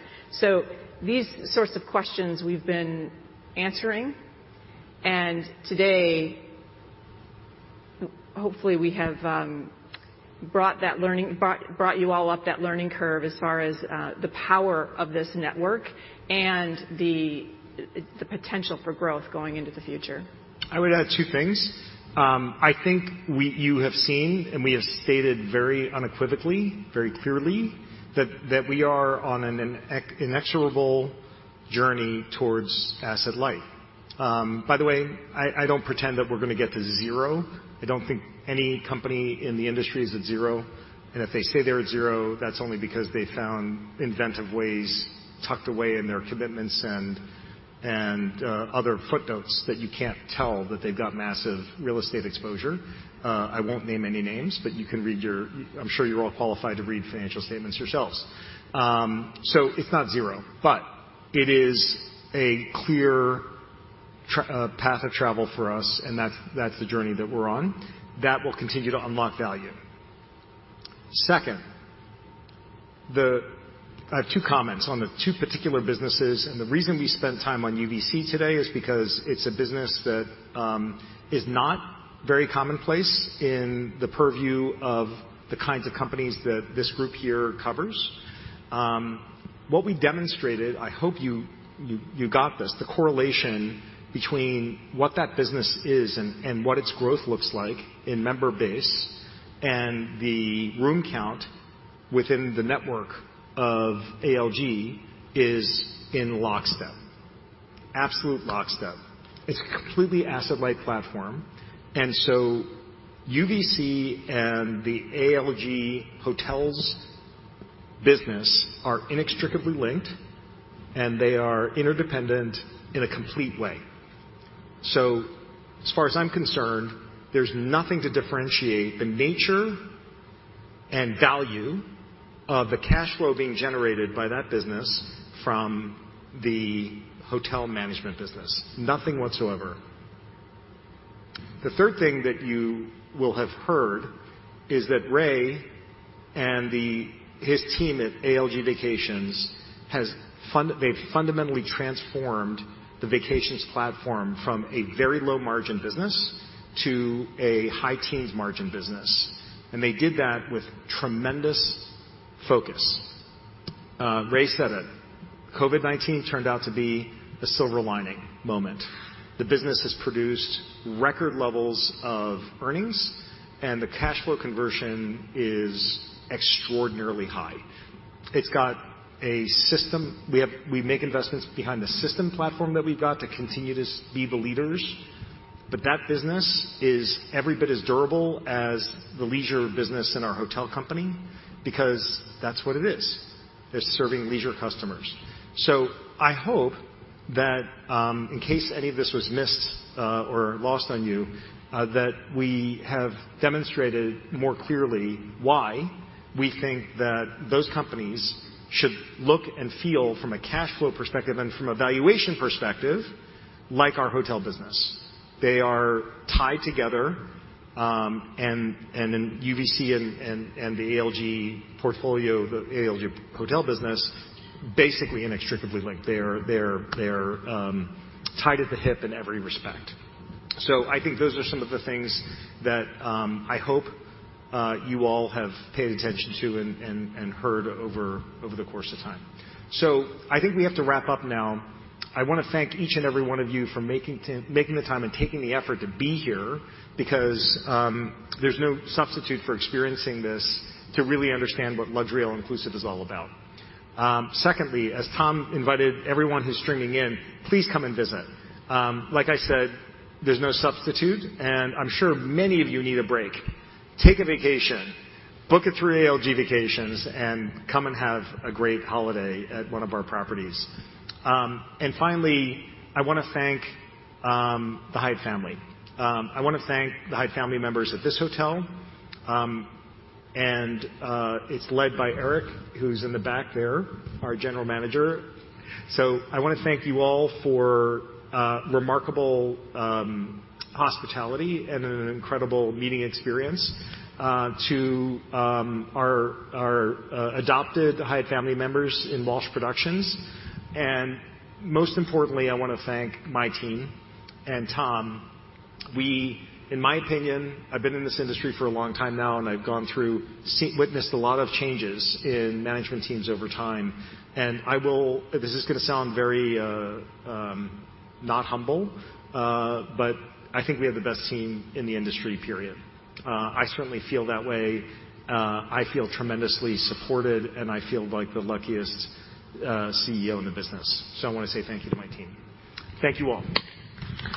Speaker 9: These sorts of questions we've been answering, and today, hopefully, we have brought you all up that learning curve as far as the power of this network and the potential for growth going into the future.
Speaker 2: I would add two things. I think you have seen, and we have stated very unequivocally, very clearly, that we are on an inexorable journey towards asset light. By the way, I don't pretend that we're gonna get to zero. I don't think any company in the industry is at zero. If they say they're at zero, that's only because they found inventive ways tucked away in their commitments and other footnotes that you can't tell that they've got massive real estate exposure. I won't name any names, but you can read I'm sure you're all qualified to read financial statements yourselves. It's not zero, but it is a clear path of travel for us, and that's the journey that we're on. That will continue to unlock value. Second, I have two comments on the two particular businesses. The reason we spent time on UVC today is because it's a business that is not very commonplace in the purview of the kinds of companies that this group here covers. What we demonstrated, I hope you got this, the correlation between what that business is and what its growth looks like in member base and the room count within the network of ALG is in lockstep. Absolute lockstep. It's a completely asset-light platform. UVC and the ALG Hotels business are inextricably linked, and they are interdependent in a complete way. As far as I'm concerned, there's nothing to differentiate the nature and value of the cash flow being generated by that business from the hotel management business. Nothing whatsoever. The third thing that you will have heard is that Ray and his team at ALG Vacations they've fundamentally transformed the vacations platform from a very low margin business to a high teens margin business. They did that with tremendous focus. Ray said that COVID-19 turned out to be a silver lining moment. The business has produced record levels of earnings, and the cash flow conversion is extraordinarily high. It's got a system. We make investments behind the system platform that we've got to continue to be the leaders, but that business is every bit as durable as the leisure business in our hotel company because that's what it is. They're serving leisure customers. I hope that, in case any of this was missed or lost on you, that we have demonstrated more clearly why we think that those companies should look and feel from a cash flow perspective and from a valuation perspective like our hotel business. They are tied together, and in UVC and the ALG portfolio, the ALG hotel business, basically inextricably linked. They are tied at the hip in every respect. I think those are some of the things that I hope you all have paid attention to and heard over the course of time. I think we have to wrap up now. I wanna thank each and every one of you for making the time and taking the effort to be here because there's no substitute for experiencing this to really understand what luxury all-inclusive is all about. Secondly, as Tom invited everyone who's streaming in, please come and visit. Like I said, there's no substitute, and I'm sure many of you need a break. Take a vacation. Book it through ALG Vacations and come and have a great holiday at one of our properties. Finally, I wanna thank the Hyatt family. I wanna thank the Hyatt family members at this hotel. And it's led by Eric, who's in the back there, our general manager. I wanna thank you all for remarkable hospitality and an incredible meeting experience to our adopted Hyatt family members in Walsh Productions. Most importantly, I wanna thank my team and Tom. We, in my opinion, I've been in this industry for a long time now, witnessed a lot of changes in management teams over time. This is gonna sound very not humble, but I think we have the best team in the industry, period. I certainly feel that way. I feel tremendously supported, and I feel like the luckiest CEO in the business. I wanna say thank you to my team. Thank you all.